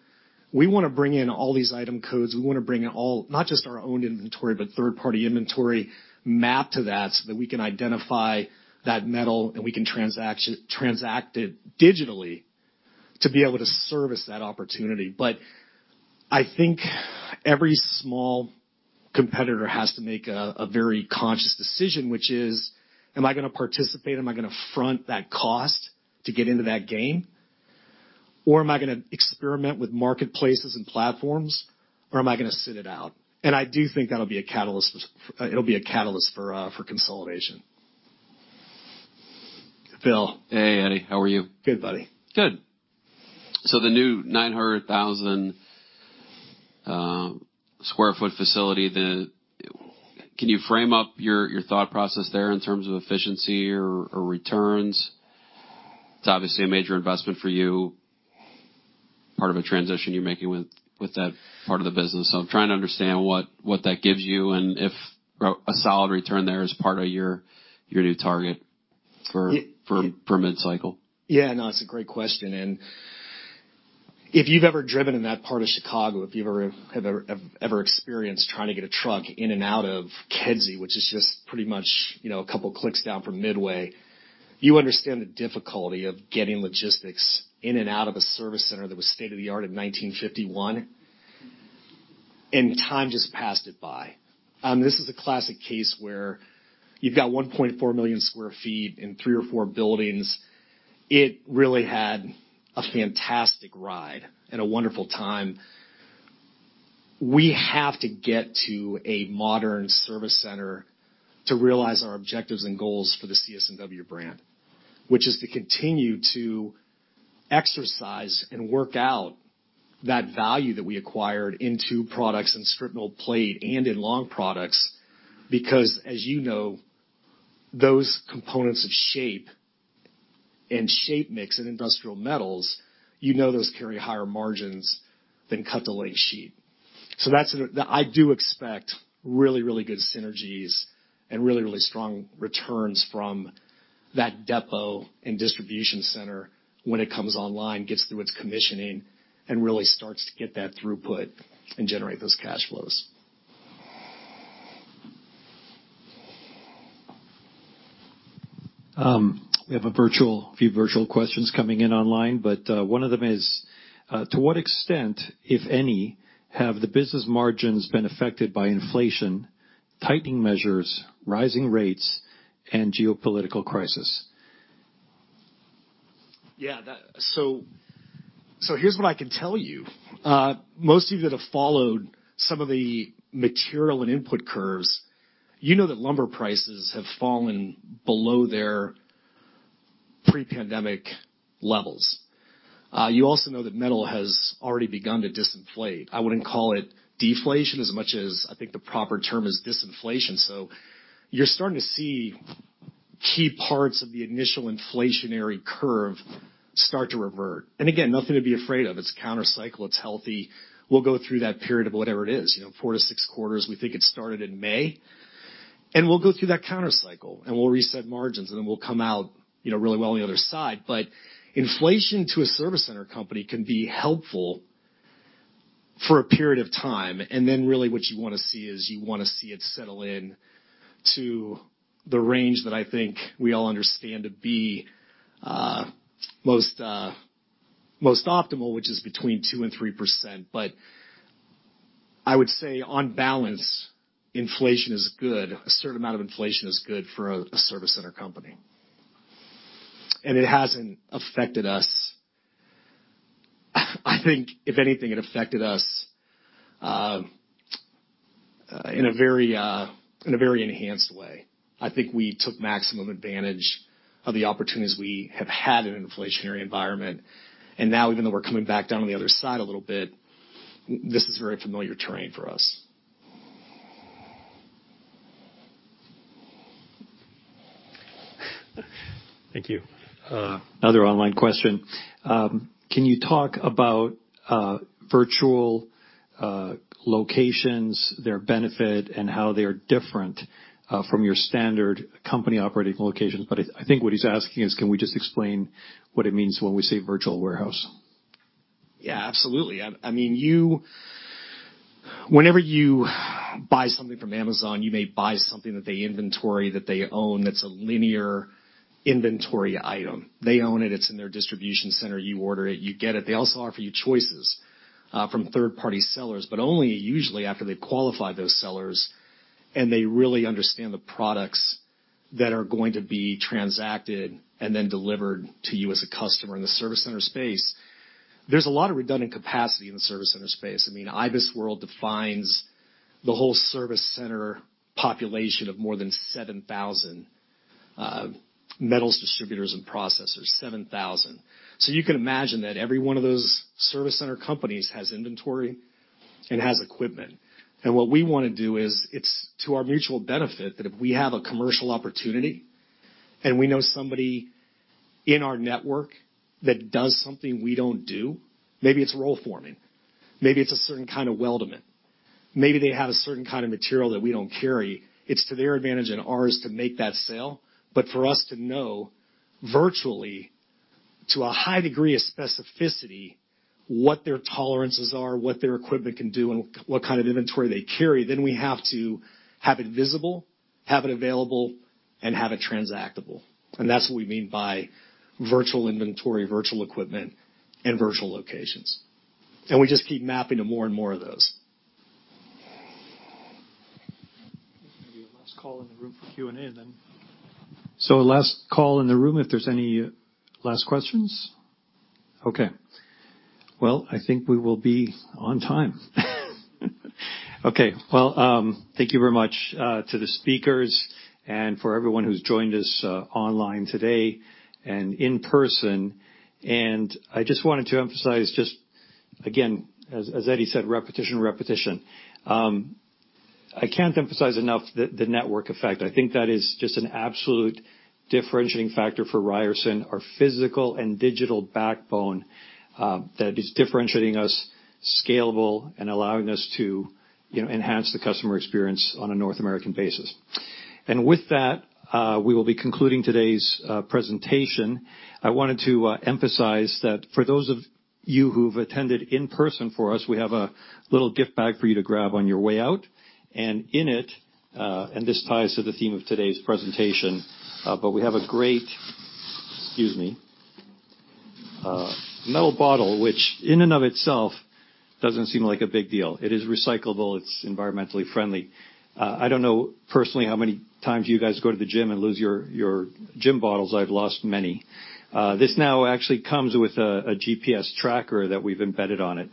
[SPEAKER 2] We want to bring in all these item codes. We want to bring in all, not just our own inventory, but third-party inventory mapped to that so that we can identify that metal, and we can transact it digitally to be able to service that opportunity. I think every small competitor has to make a very conscious decision, which is, am I going to participate? Am I going to front that cost to get into that game? Am I going to experiment with marketplaces and platforms, or am I going to sit it out? I do think it'll be a catalyst for consolidation. Phil.
[SPEAKER 13] Hey, Eddie. How are you?
[SPEAKER 2] Good, buddy.
[SPEAKER 13] Good. The new 900,000 sq ft facility, can you frame up your thought process there in terms of efficiency or returns? It's obviously a major investment for you
[SPEAKER 15] Part of a transition you're making with that part of the business. I'm trying to understand what that gives you, and if a solid return there is part of your new target for mid-cycle.
[SPEAKER 2] Yeah, no, it's a great question. If you've ever driven in that part of Chicago, if you've ever experienced trying to get a truck in and out of Kedzie, which is just pretty much a couple clicks down from Midway, you understand the difficulty of getting logistics in and out of a service center that was state-of-the-art in 1951, and time just passed it by. This is a classic case where you've got 1.4 million sq ft in three or four buildings. It really had a fantastic ride and a wonderful time. We have to get to a modern service center to realize our objectives and goals for the CSW brand, which is to continue to exercise and work out that value that we acquired into products and strip mill plate and in long products. As you know, those components of shape and shape mix in industrial metals, you know those carry higher margins than cut-to-length sheet. I do expect really, really good synergies and really, really strong returns from that depot and distribution center when it comes online, gets through its commissioning, and really starts to get that throughput and generate those cash flows.
[SPEAKER 1] We have a few virtual questions coming in online. One of them is: To what extent, if any, have the business margins been affected by inflation, tightening measures, rising rates, and geopolitical crisis?
[SPEAKER 2] Yeah. Here's what I can tell you. Most of you that have followed some of the material and input curves, you know that lumber prices have fallen below their pre-pandemic levels. You also know that metal has already begun to disinflate. I wouldn't call it deflation as much as I think the proper term is disinflation. You're starting to see key parts of the initial inflationary curve start to revert. Again, nothing to be afraid of. It's counter-cycle. It's healthy. We'll go through that period of whatever it is, 4-6 quarters. We think it started in May. We'll go through that counter cycle, and we'll reset margins, and then we'll come out really well on the other side. Inflation to a service center company can be helpful for a period of time, and then really what you want to see is you want to see it settle in to the range that I think we all understand to be most optimal, which is between 2% and 3%. I would say, on balance, inflation is good. A certain amount of inflation is good for a service center company. It hasn't affected us. I think if anything, it affected us in a very enhanced way. I think we took maximum advantage of the opportunities we have had in an inflationary environment. Now, even though we're coming back down on the other side a little bit, this is very familiar terrain for us.
[SPEAKER 1] Thank you. Another online question. Can you talk about virtual locations, their benefit, and how they are different from your standard company operating locations? I think what he's asking is, can we just explain what it means when we say virtual warehouse?
[SPEAKER 2] Yeah, absolutely. Whenever you buy something from Amazon, you may buy something that they inventory that they own that's a linear inventory item. They own it. It's in their distribution center. You order it. You get it. They also offer you choices from third-party sellers, but only usually after they qualify those sellers and they really understand the products that are going to be transacted and then delivered to you as a customer. In the service center space, there's a lot of redundant capacity in the service center space. IBISWorld defines the whole service center population of more than 7,000 metals distributors and processors, 7,000. You can imagine that every one of those service center companies has inventory and has equipment. What we want to do is it's to our mutual benefit that if we have a commercial opportunity and we know somebody in our network that does something we don't do, maybe it's roll forming, maybe it's a certain kind of weldment, maybe they have a certain kind of material that we don't carry, it's to their advantage and ours to make that sale. For us to know virtually, to a high degree of specificity, what their tolerances are, what their equipment can do, and what kind of inventory they carry, then we have to have it visible, have it available, and have it transactable. That's what we mean by virtual inventory, virtual equipment, and virtual locations. We just keep mapping to more and more of those.
[SPEAKER 1] Maybe a last call in the room for Q&A then. Last call in the room if there's any last questions. Okay. Well, I think we will be on time. Okay. Well, thank you very much to the speakers and for everyone who's joined us online today and in person. I just wanted to emphasize just again, as Eddie said, repetition. I can't emphasize enough the network effect. I think that is just an absolute differentiating factor for Ryerson, our physical and digital backbone that is differentiating us, scalable, and allowing us to enhance the customer experience on a North American basis. With that, we will be concluding today's presentation. I wanted to emphasize that for those of you who've attended in person for us, we have a little gift bag for you to grab on your way out. In it, and this ties to the theme of today's presentation, we have a great, excuse me, metal bottle, which in and of itself doesn't seem like a big deal. It is recyclable. It's environmentally friendly. I don't know personally how many times you guys go to the gym and lose your gym bottles. I've lost many. This now actually comes with a GPS tracker that we've embedded on it.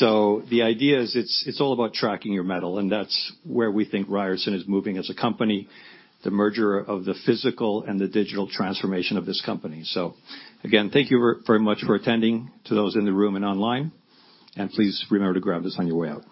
[SPEAKER 1] The idea is it's all about tracking your metal, and that's where we think Ryerson is moving as a company, the merger of the physical and the digital transformation of this company. Again, thank you very much for attending to those in the room and online, and please remember to grab this on your way out.